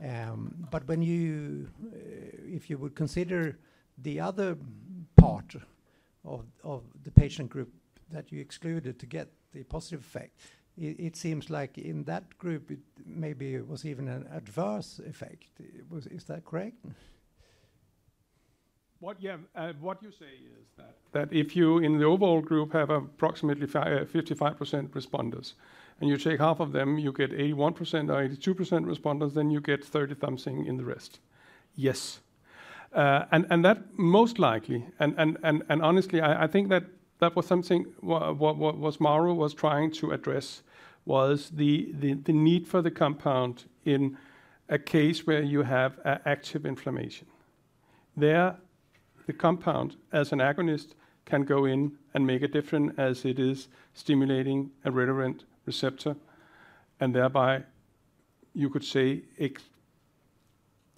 Speaker 1: If you would consider the other part of the patient group that you excluded to get the positive effect, it seems like in that group, it maybe was even an adverse effect. Is that correct?
Speaker 7: Yeah, what you say is that if you, in the overall group, have approximately 55% responders, and you take half of them, you get 81% or 82% responders, then you get 30-something in the rest. Yes. And that most likely, honestly, I think that that was something Mauro was trying to address, was the need for the compound in a case where you have an active inflammation. There the compound as an agonist can go in and make a difference as it is stimulating a relevant receptor, and thereby you could say it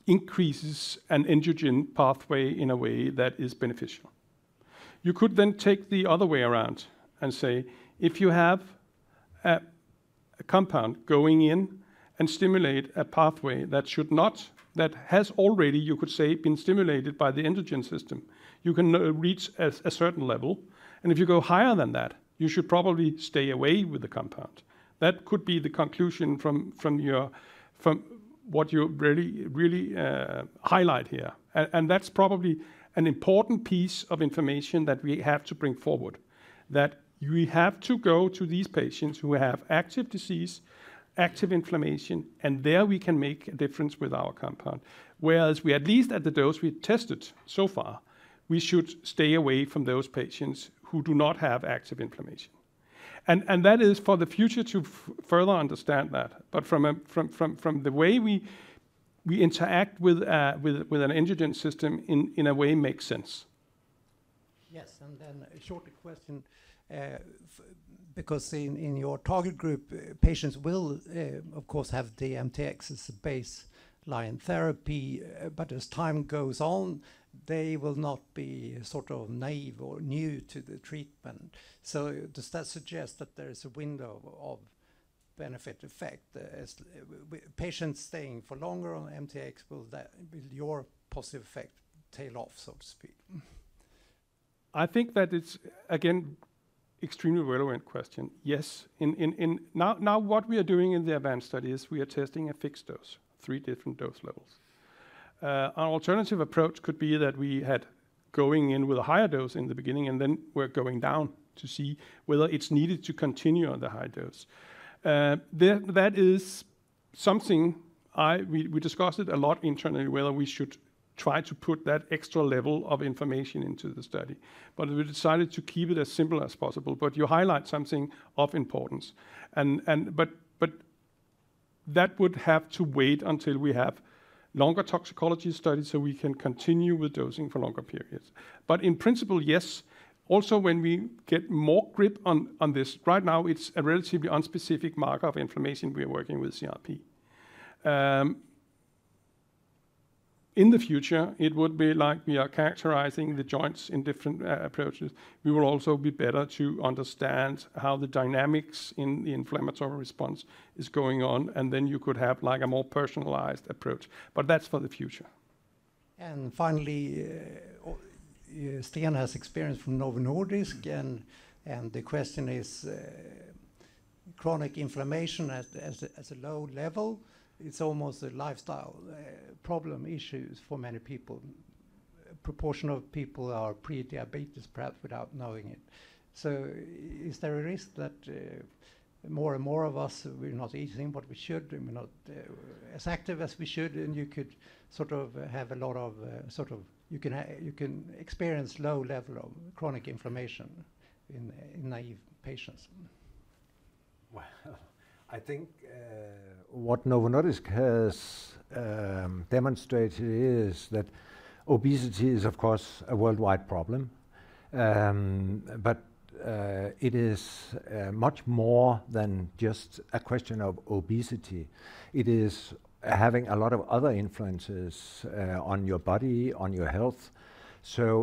Speaker 7: increases an endogenous pathway in a way that is beneficial. You could then take the other way around and say, if you have a compound going in and stimulate a pathway that should not, that has already, you could say, been stimulated by the endogenous system, you can reach a certain level, and if you go higher than that, you should probably stay away with the compound. That could be the conclusion from what you really, really highlight here. And that's probably an important piece of information that we have to bring forward. That we have to go to these patients who have active disease, active inflammation, and there we can make a difference with our compound. Whereas we, at least at the dose we tested so far, we should stay away from those patients who do not have active inflammation. That is for the future to further understand that, but from the way we interact with an endogenous system, in a way, makes sense. Yes, and then a shorter question. Because in your target group, patients will, of course, have the MTX as a baseline therapy, but as time goes on, they will not be sort of naive or new to the treatment. So does that suggest that there is a window of benefit effect as patients staying for longer on MTX, will that, will your positive effect tail off, so to speak? I think that it's, again, extremely relevant question. Yes. Now, what we are doing in the ADVANCE study is we are testing a fixed dose, three different dose levels. An alternative approach could be that we had going in with a higher dose in the beginning, and then we're going down to see whether it's needed to continue on the high dose. That is something we discussed a lot internally, whether we should try to put that extra level of information into the study, but we decided to keep it as simple as possible, but you highlight something of importance, and that would have to wait until we have longer toxicology studies so we can continue with dosing for longer periods, but in principle, yes. Also, when we get more grip on this, right now, it's a relatively unspecific marker of inflammation we are working with CRP. In the future, it would be like we are characterizing the joints in different approaches. We will also be better to understand how the dynamics in the inflammatory response is going on, and then you could have like a more personalized approach, but that's for the future. And finally, Sten has experience from Novo Nordisk, and the question is, chronic inflammation as a low level. It's almost a lifestyle problem issues for many people. Proportion of people are pre-diabetes, perhaps without knowing it. So is there a risk that more and more of us, we're not eating what we should, and we're not as active as we should, and you could sort of have a lot of sort of you can experience low level of chronic inflammation in naive patients?
Speaker 9: I think what Novo Nordisk has demonstrated is that obesity is, of course, a worldwide problem. It is much more than just a question of obesity. It is having a lot of other influences on your body, on your health.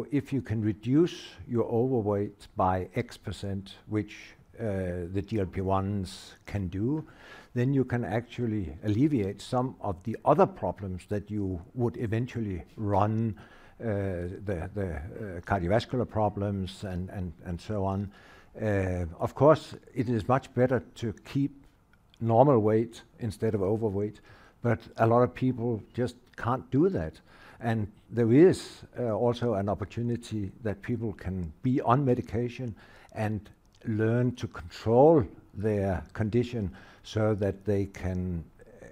Speaker 9: If you can reduce your overweight by X%, which the GLP-1s can do, then you can actually alleviate some of the other problems that you would eventually run into, the cardiovascular problems and so on. It is much better to keep normal weight instead of overweight, but a lot of people just can't do that. There is also an opportunity that people can be on medication and learn to control their condition so that they can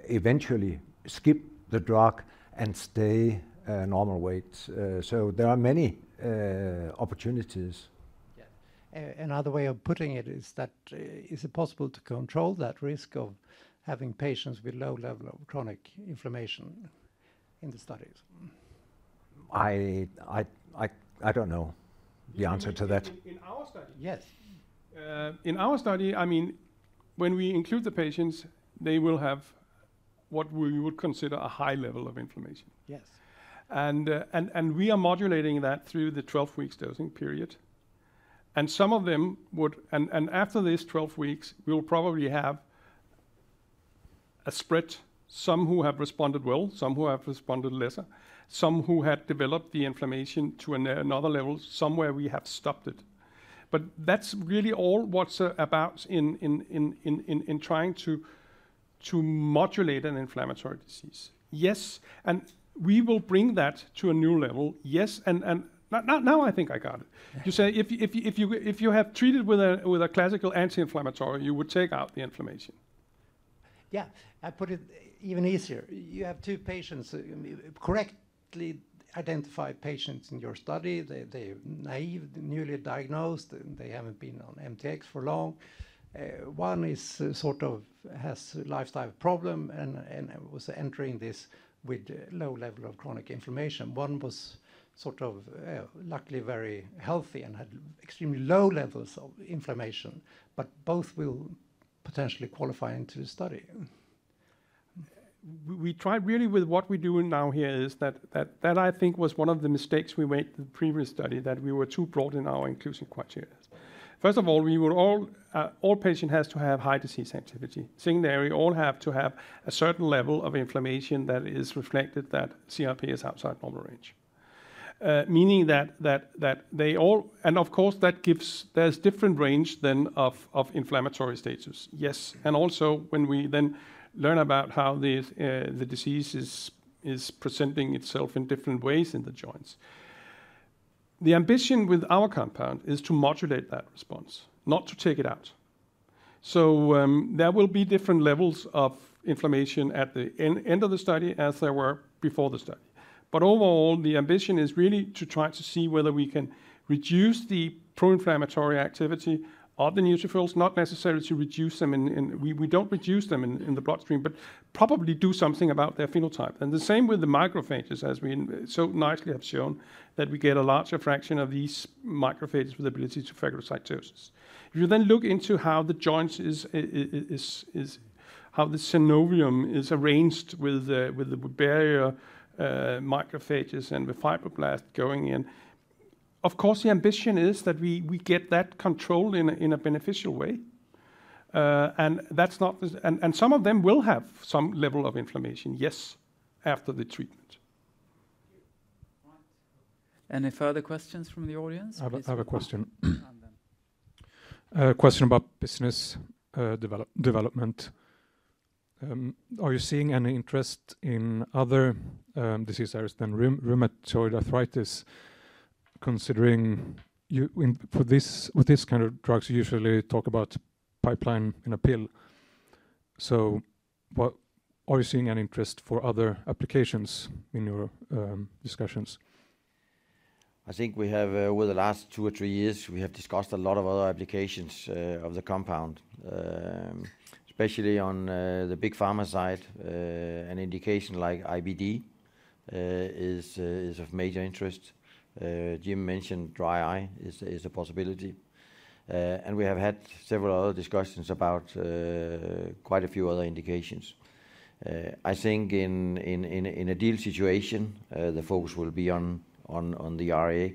Speaker 9: eventually skip the drug and stay normal weight. So there are many opportunities. Yeah. Another way of putting it is that, is it possible to control that risk of having patients with low level of chronic inflammation in the studies? I don't know the answer to that.
Speaker 7: In our study- Yes. In our study, I mean, when we include the patients, they will have what we would consider a high level of inflammation. Yes. We are modulating that through the 12 weeks dosing period, and some of them would. After these twelve weeks, we will probably have a spread, some who have responded well, some who have responded lesser, some who had developed the inflammation to another level, somewhere we have stopped it. But that's really all what's about in trying to modulate an inflammatory disease. Yes, and we will bring that to a new level. Yes, and now I think I got it. Yeah. You say if you have treated with a classical anti-inflammatory, you would take out the inflammation. Yeah, I put it even easier. You have two patients, correctly identified patients in your study. They, they're naive, they're newly diagnosed, and they haven't been on MTX for long. One is sort of has a lifestyle problem and was entering this with low level of chronic inflammation. One was sort of, luckily very healthy and had extremely low levels of inflammation, but both will potentially qualify into the study. We tried really with what we're doing now here is that I think was one of the mistakes we made in the previous study, that we were too broad in our inclusion criteria. First of all, all patients have to have high disease activity. Second, all have to have a certain level of inflammation that is reflected that CRP is outside normal range. Meaning that they all, and of course, that gives, there's different range of inflammatory status. Yes, and also when we then learn about how the disease is presenting itself in different ways in the joints. The ambition with our compound is to modulate that response, not to take it out. There will be different levels of inflammation at the end of the study as there were before the study. But overall, the ambition is really to try to see whether we can reduce the pro-inflammatory activity of the neutrophils, not necessarily to reduce them in... We don't reduce them in the bloodstream, but probably do something about their phenotype. And the same with the macrophages, as we so nicely have shown, that we get a larger fraction of these macrophages with the ability to phagocytosis. If you then look into how the joints is, is how the synovium is arranged with the barrier, macrophages and the fibroblasts going in, of course, the ambition is that we get that controlled in a beneficial way. And some of them will have some level of inflammation, yes, after the treatment.
Speaker 1: Thank you. All right. Any further questions from the audience? I have a question. A question about business development. Are you seeing any interest in other disease areas than rheumatoid arthritis, considering for this kind of drugs you usually talk about pipeline in a pill. So are you seeing an interest for other applications in your discussions?
Speaker 2: I think we have over the last two or three years, we have discussed a lot of other applications of the compound. Especially on the Big Pharma side, an indication like IBD is of major interest. Jim mentioned dry eye is a possibility. And we have had several other discussions about quite a few other indications. I think in an ideal situation the focus will be on the RA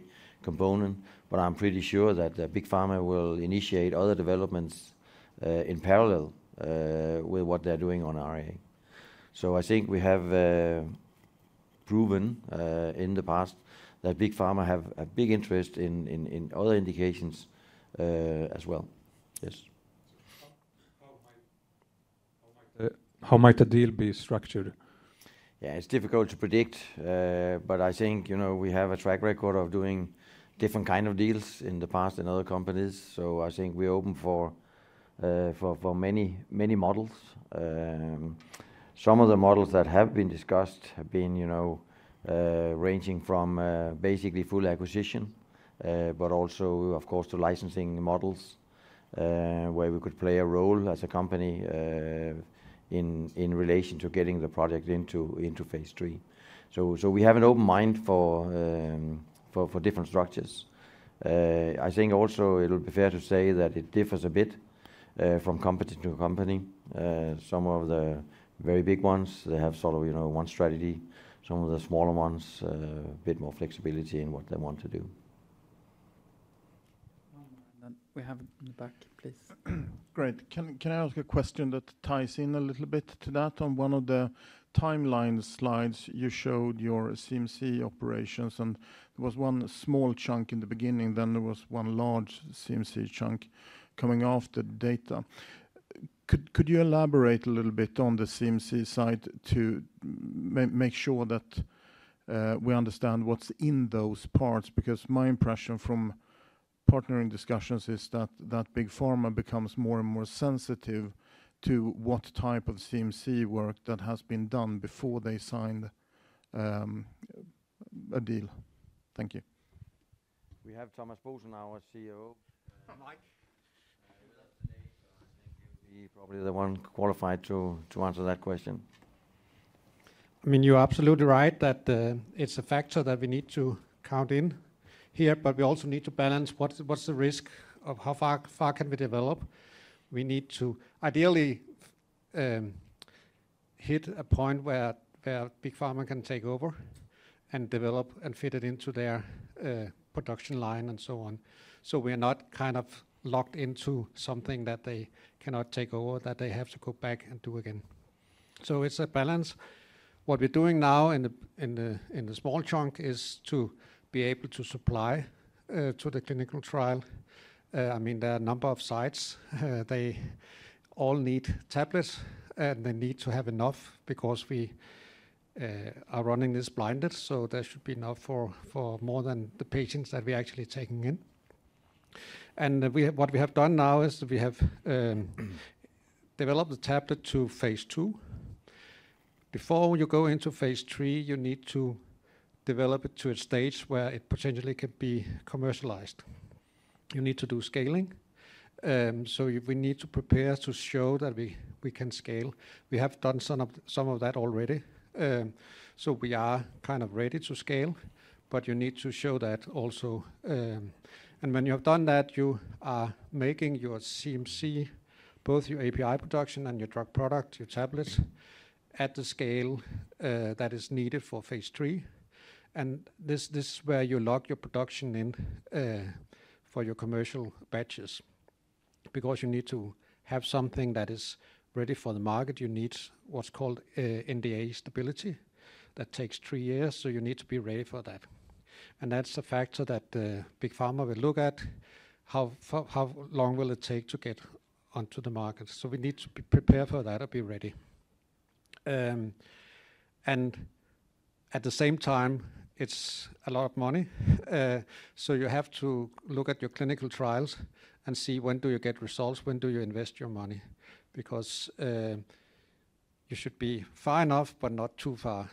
Speaker 2: component, but I'm pretty sure that the Big Pharma will initiate other developments in parallel with what they're doing on RA. So I think we have proven in the past that Big Pharma have a big interest in other indications as well. Yes. How might the deal be structured? Yeah, it's difficult to predict, but I think, you know, we have a track record of doing different kind of deals in the past in other companies. So I think we're open for many, many models. Some of the models that have been discussed have been, you know, ranging from basically full acquisition, but also, of course, to licensing models, where we could play a role as a company, in relation to getting the project into phase III. So we have an open mind for different structures. I think also it'll be fair to say that it differs a bit from company to company. Some of the very big ones, they have sort of, you know, one strategy. Some of the smaller ones, a bit more flexibility in what they want to do.
Speaker 1: One more, and then we have in the back, please. Great. Can I ask a question that ties in a little bit to that? On one of the timeline slides, you showed your CMC operations, and there was one small chunk in the beginning, then there was one large CMC chunk coming after data. Could you elaborate a little bit on the CMC side to make sure that we understand what's in those parts? Because my impression from partnering discussions is that Big Pharma becomes more and more sensitive to what type of CMC work that has been done before they sign a deal. Thank you.
Speaker 2: We have Thomas Boesen, our COO. Mic. He's with us today, so I think he would be probably the one qualified to answer that question.
Speaker 10: I mean, you're absolutely right that it's a factor that we need to count in here, but we also need to balance what's the risk of how far can we develop. We need to ideally hit a point where Big Pharma can take over and develop and fit it into their production line and so on. So we're not kind of locked into something that they cannot take over, that they have to go back and do again. So it's a balance. What we're doing now in the small chunk is to be able to supply to the clinical trial. I mean, there are a number of sites, they all need tablets, and they need to have enough because we are running this blinded, so there should be enough for more than the patients that we're actually taking in. And what we have done now is we have developed the tablet to phase II. Before you go into phase III, you need to develop it to a stage where it potentially can be commercialized. You need to do scaling, so we need to prepare to show that we can scale. We have done some of that already, so we are kind of ready to scale, but you need to show that also. And when you have done that, you are making your CMC, both your API production and your drug product, your tablets, at the scale that is needed for phase III. And this is where you lock your production in for your commercial batches. Because you need to have something that is ready for the market, you need what's called NDA stability. That takes three years, so you need to be ready for that, and that's a factor that Big Pharma will look at. How long will it take to get onto the market? So we need to be prepared for that and be ready, and at the same time, it's a lot of money, so you have to look at your clinical trials and see when do you get results, when do you invest your money? Because you should be far enough but not too far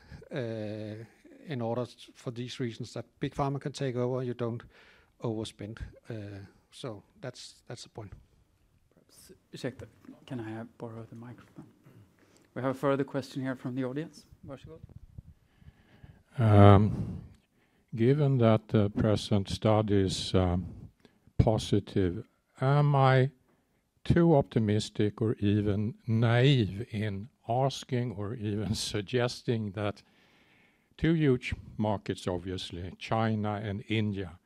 Speaker 10: in order for these reasons that Big Pharma can take over, you don't overspend, so that's, that's the point.
Speaker 1: Perhaps check that. Can I borrow the microphone? We have a further question here from the audience. Varsågod. Given that the present study is positive, am I too optimistic or even naive in asking or even suggesting that two huge markets, obviously China and India,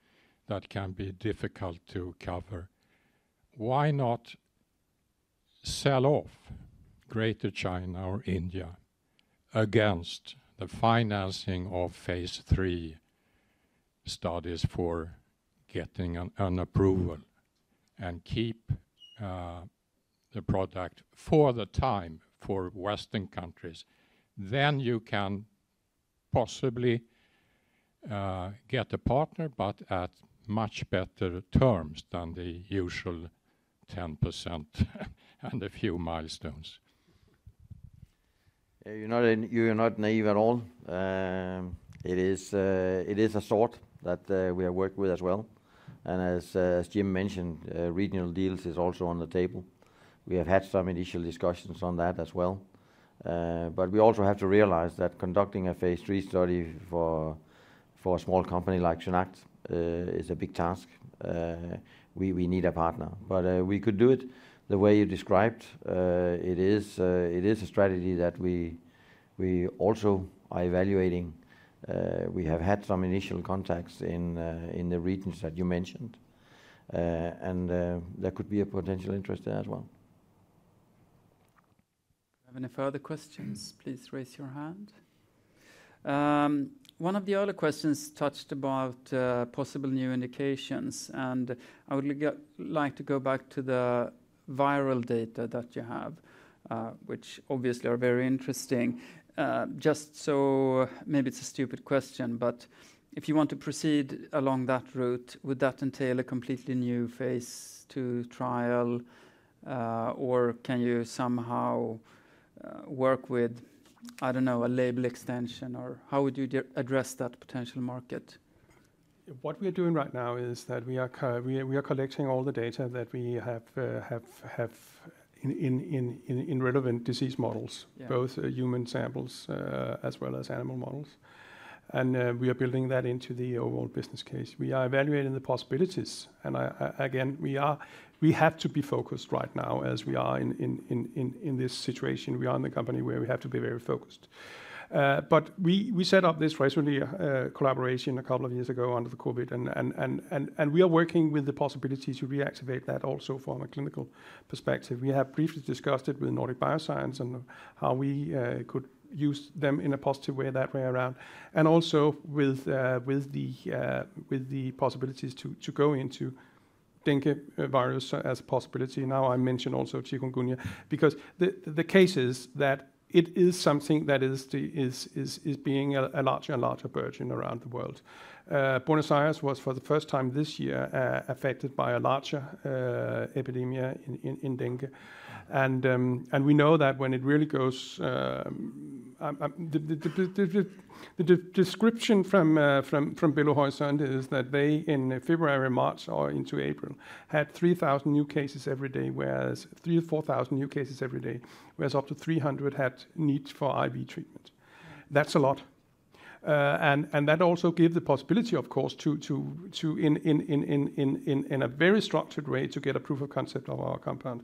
Speaker 1: that can be difficult to cover, why not sell off Greater China or India against the financing of phase III studies for getting an approval and keep the product for the time for Western countries? Then you can possibly get a partner, but at much better terms than the usual 10% and a few milestones.
Speaker 2: You're not naive at all. It is a thought that we are working with as well. And as Jim mentioned, regional deals is also on the table. We have had some initial discussions on that as well. But we also have to realize that conducting a phase III study for a small company like SynAct is a big task. We need a partner. But we could do it the way you described. It is a strategy that we also are evaluating. We have had some initial contacts in the regions that you mentioned, and there could be a potential interest there as well.
Speaker 1: Any further questions, please raise your hand. One of the other questions touched on possible new indications, and I would like like to go back to the viral data that you have, which obviously are very interesting. Just so, maybe it's a stupid question, but if you want to proceed along that route, would that entail a completely new phase II trial, or can you somehow work with, I don't know, a label extension, or how would you address that potential market?
Speaker 7: What we are doing right now is that we are collecting all the data that we have in relevant disease models both human samples, as well as animal models, and we are building that into the overall business case. We are evaluating the possibilities, and I, again, we have to be focused right now as we are in this situation. We are in a company where we have to be very focused, but we set up this, recently, collaboration a couple of years ago under the COVID, and we are working with the possibility to reactivate that also from a clinical perspective. We have briefly discussed it with Nordic Bioscience and how we could use them in a positive way, that way around, and also with the possibilities to go into dengue virus as a possibility. Now, I mentioned also chikungunya, because the case is that it is something that is being a larger and larger burden around the world. Buenos Aires was for the first time this year affected by a larger epidemic in dengue. And we know that when it really goes... The description from Belo Horizonte is that they, in February, March, or into April, had 3,000 new cases every day, whereas 3,000-4,000 new cases every day, whereas up to three hundred had need for IV treatment. That's a lot. And that also gave the possibility, of course, to in a very structured way, to get a proof of concept of our compound.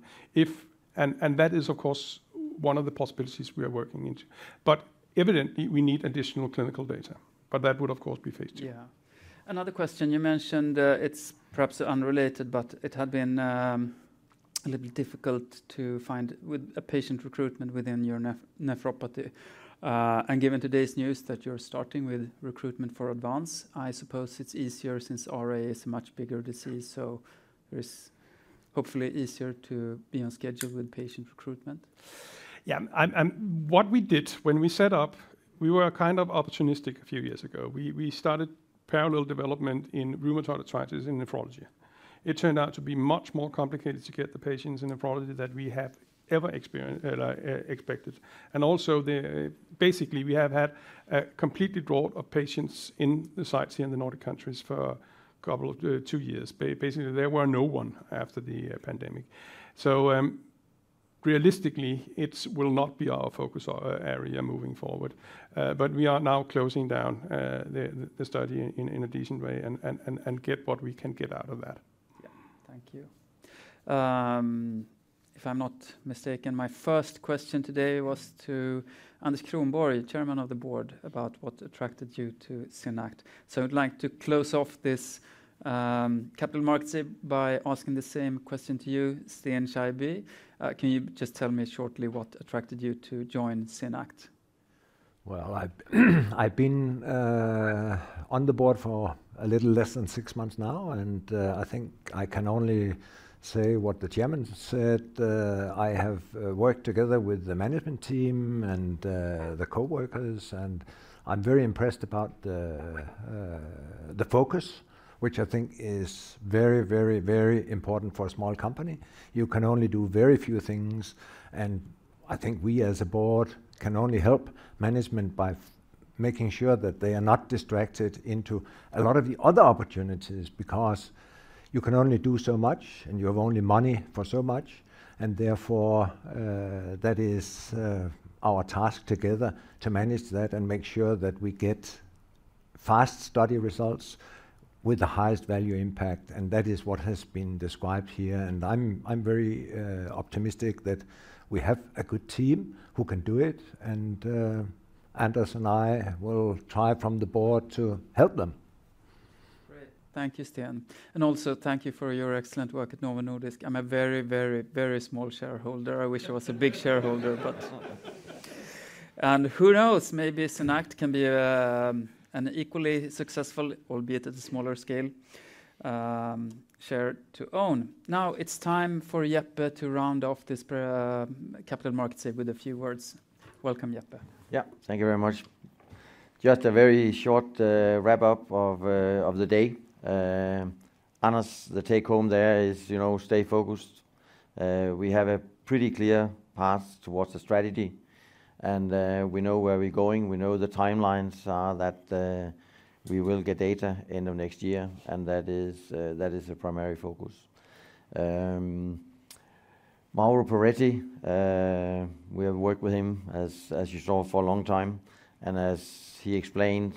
Speaker 7: And, that is, of course, one of the possibilities we are working into. But evidently, we need additional clinical data, but that would, of course, be phase II.
Speaker 1: Yeah. Another question you mentioned, it's perhaps unrelated, but it had been a little difficult to find with a patient recruitment within your nephropathy. And given today's news that you're starting with recruitment for ADVANCE, I suppose it's easier since RA is a much bigger disease, so hopefully easier to be on schedule with patient recruitment?
Speaker 7: Yeah, and what we did when we set up, we were kind of opportunistic a few years ago. We started parallel development in rheumatoid arthritis and nephrology. It turned out to be much more complicated to get the patients in nephrology than we ever expected. Also, basically, we have had a complete drought of patients in the sites here in the Nordic countries for two years. Basically, there were no one after the pandemic. Realistically, it will not be our focus area moving forward, but we are now closing down the study in a decent way and get what we can get out of that.
Speaker 1: Yeah. Thank you. If I'm not mistaken, my first question today was to Anders Kronborg, Chairman of the Board, about what attracted you to SynAct. So I'd like to close off this Capital Markets by asking the same question to you, Sten Scheibye. Can you just tell me shortly what attracted you to join SynAct?
Speaker 9: I've been on the board for a little less than six months now, and I think I can only say what the chairman said. I have worked together with the management team and the coworkers, and I'm very impressed about the focus, which I think is very, very, very important for a small company. You can only do very few things, and I think we as a board can only help management by making sure that they are not distracted into a lot of the other opportunities, because you can only do so much, and you have only money for so much. And therefore, that is our task together, to manage that and make sure that we get fast study results with the highest value impact, and that is what has been described here. I'm very optimistic that we have a good team who can do it, and Anders and I will try from the board to help them.
Speaker 1: Great. Thank you, Sten. And also, thank you for your excellent work at Novo Nordisk. I'm a very, very, very small shareholder. I wish I was a big shareholder, but... And who knows, maybe SynAct can be, an equally successful, albeit at a smaller scale, share to own. Now, it's time for Jeppe to round off this pre-Capital Markets with a few words. Welcome, Jeppe.
Speaker 2: Yeah. Thank you very much. Just a very short wrap-up of the day. Anders, the take-home there is, you know, stay focused. We have a pretty clear path towards the strategy, and we know where we're going, we know the timelines are that we will get data end of next year, and that is that is the primary focus. Mauro Perretti, we have worked with him, as as you saw, for a long time, and as he explained,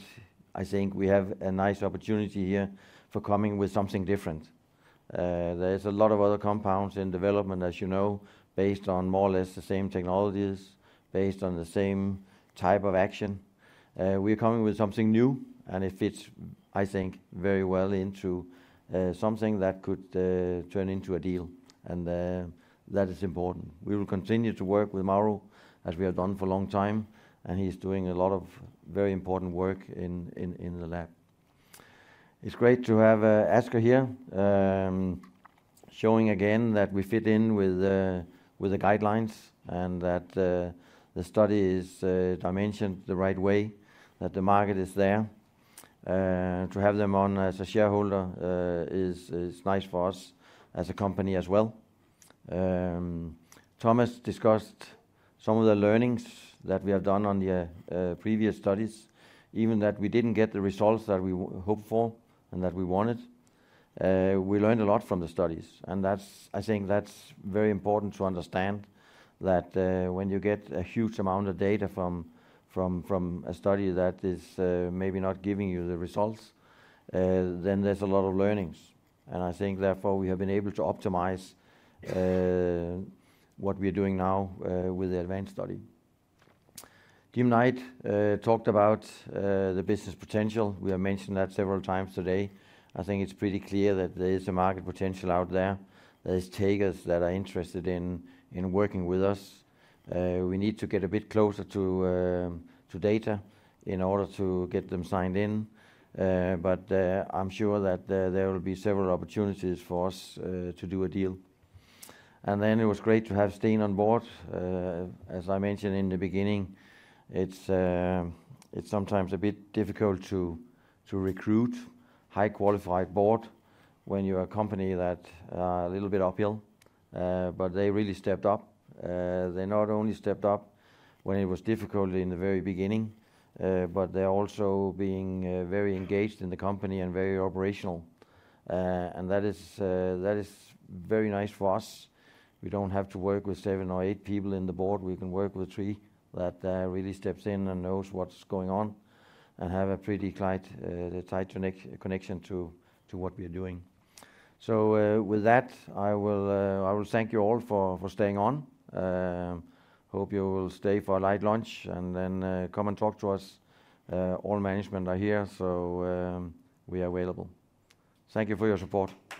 Speaker 2: I think we have a nice opportunity here for coming with something different. There is a lot of other compounds in development, as you know, based on more or less the same technologies, based on the same type of action. We're coming with something new, and it fits, I think, very well into something that could turn into a deal, and that is important. We will continue to work with Mauro, as we have done for a long time, and he's doing a lot of very important work in the lab. It's great to have Asger here, showing again that we fit in with the guidelines and that the study is dimensioned the right way, that the market is there. To have them on as a shareholder is nice for us as a company as well. Thomas discussed some of the learnings that we have done on the previous studies, even that we didn't get the results that we hoped for and that we wanted. We learned a lot from the studies, and that's- I think that's very important to understand, that, when you get a huge amount of data from a study that is, maybe not giving you the results, then there's a lot of learnings. And I think, therefore, we have been able to optimize what we're doing now with the ADVANCE study. Jim Knight talked about the business potential. We have mentioned that several times today. I think it's pretty clear that there is a market potential out there. There's takers that are interested in working with us. We need to get a bit closer to data in order to get them signed in. But I'm sure that there will be several opportunities for us to do a deal. And then it was great to have Sten on board. As I mentioned in the beginning, it's sometimes a bit difficult to recruit highly qualified board when you're a company that's a little bit uphill. But they really stepped up. They not only stepped up when it was difficult in the very beginning, but they're also being very engaged in the company and very operational. And that is very nice for us. We don't have to work with seven or eight people in the board. We can work with three that really steps in and knows what's going on and have a pretty tight connection to what we are doing. So, with that, I will thank you all for staying on. Hope you will stay for a light lunch, and then, come and talk to us. All management are here, so, we are available. Thank you for your support.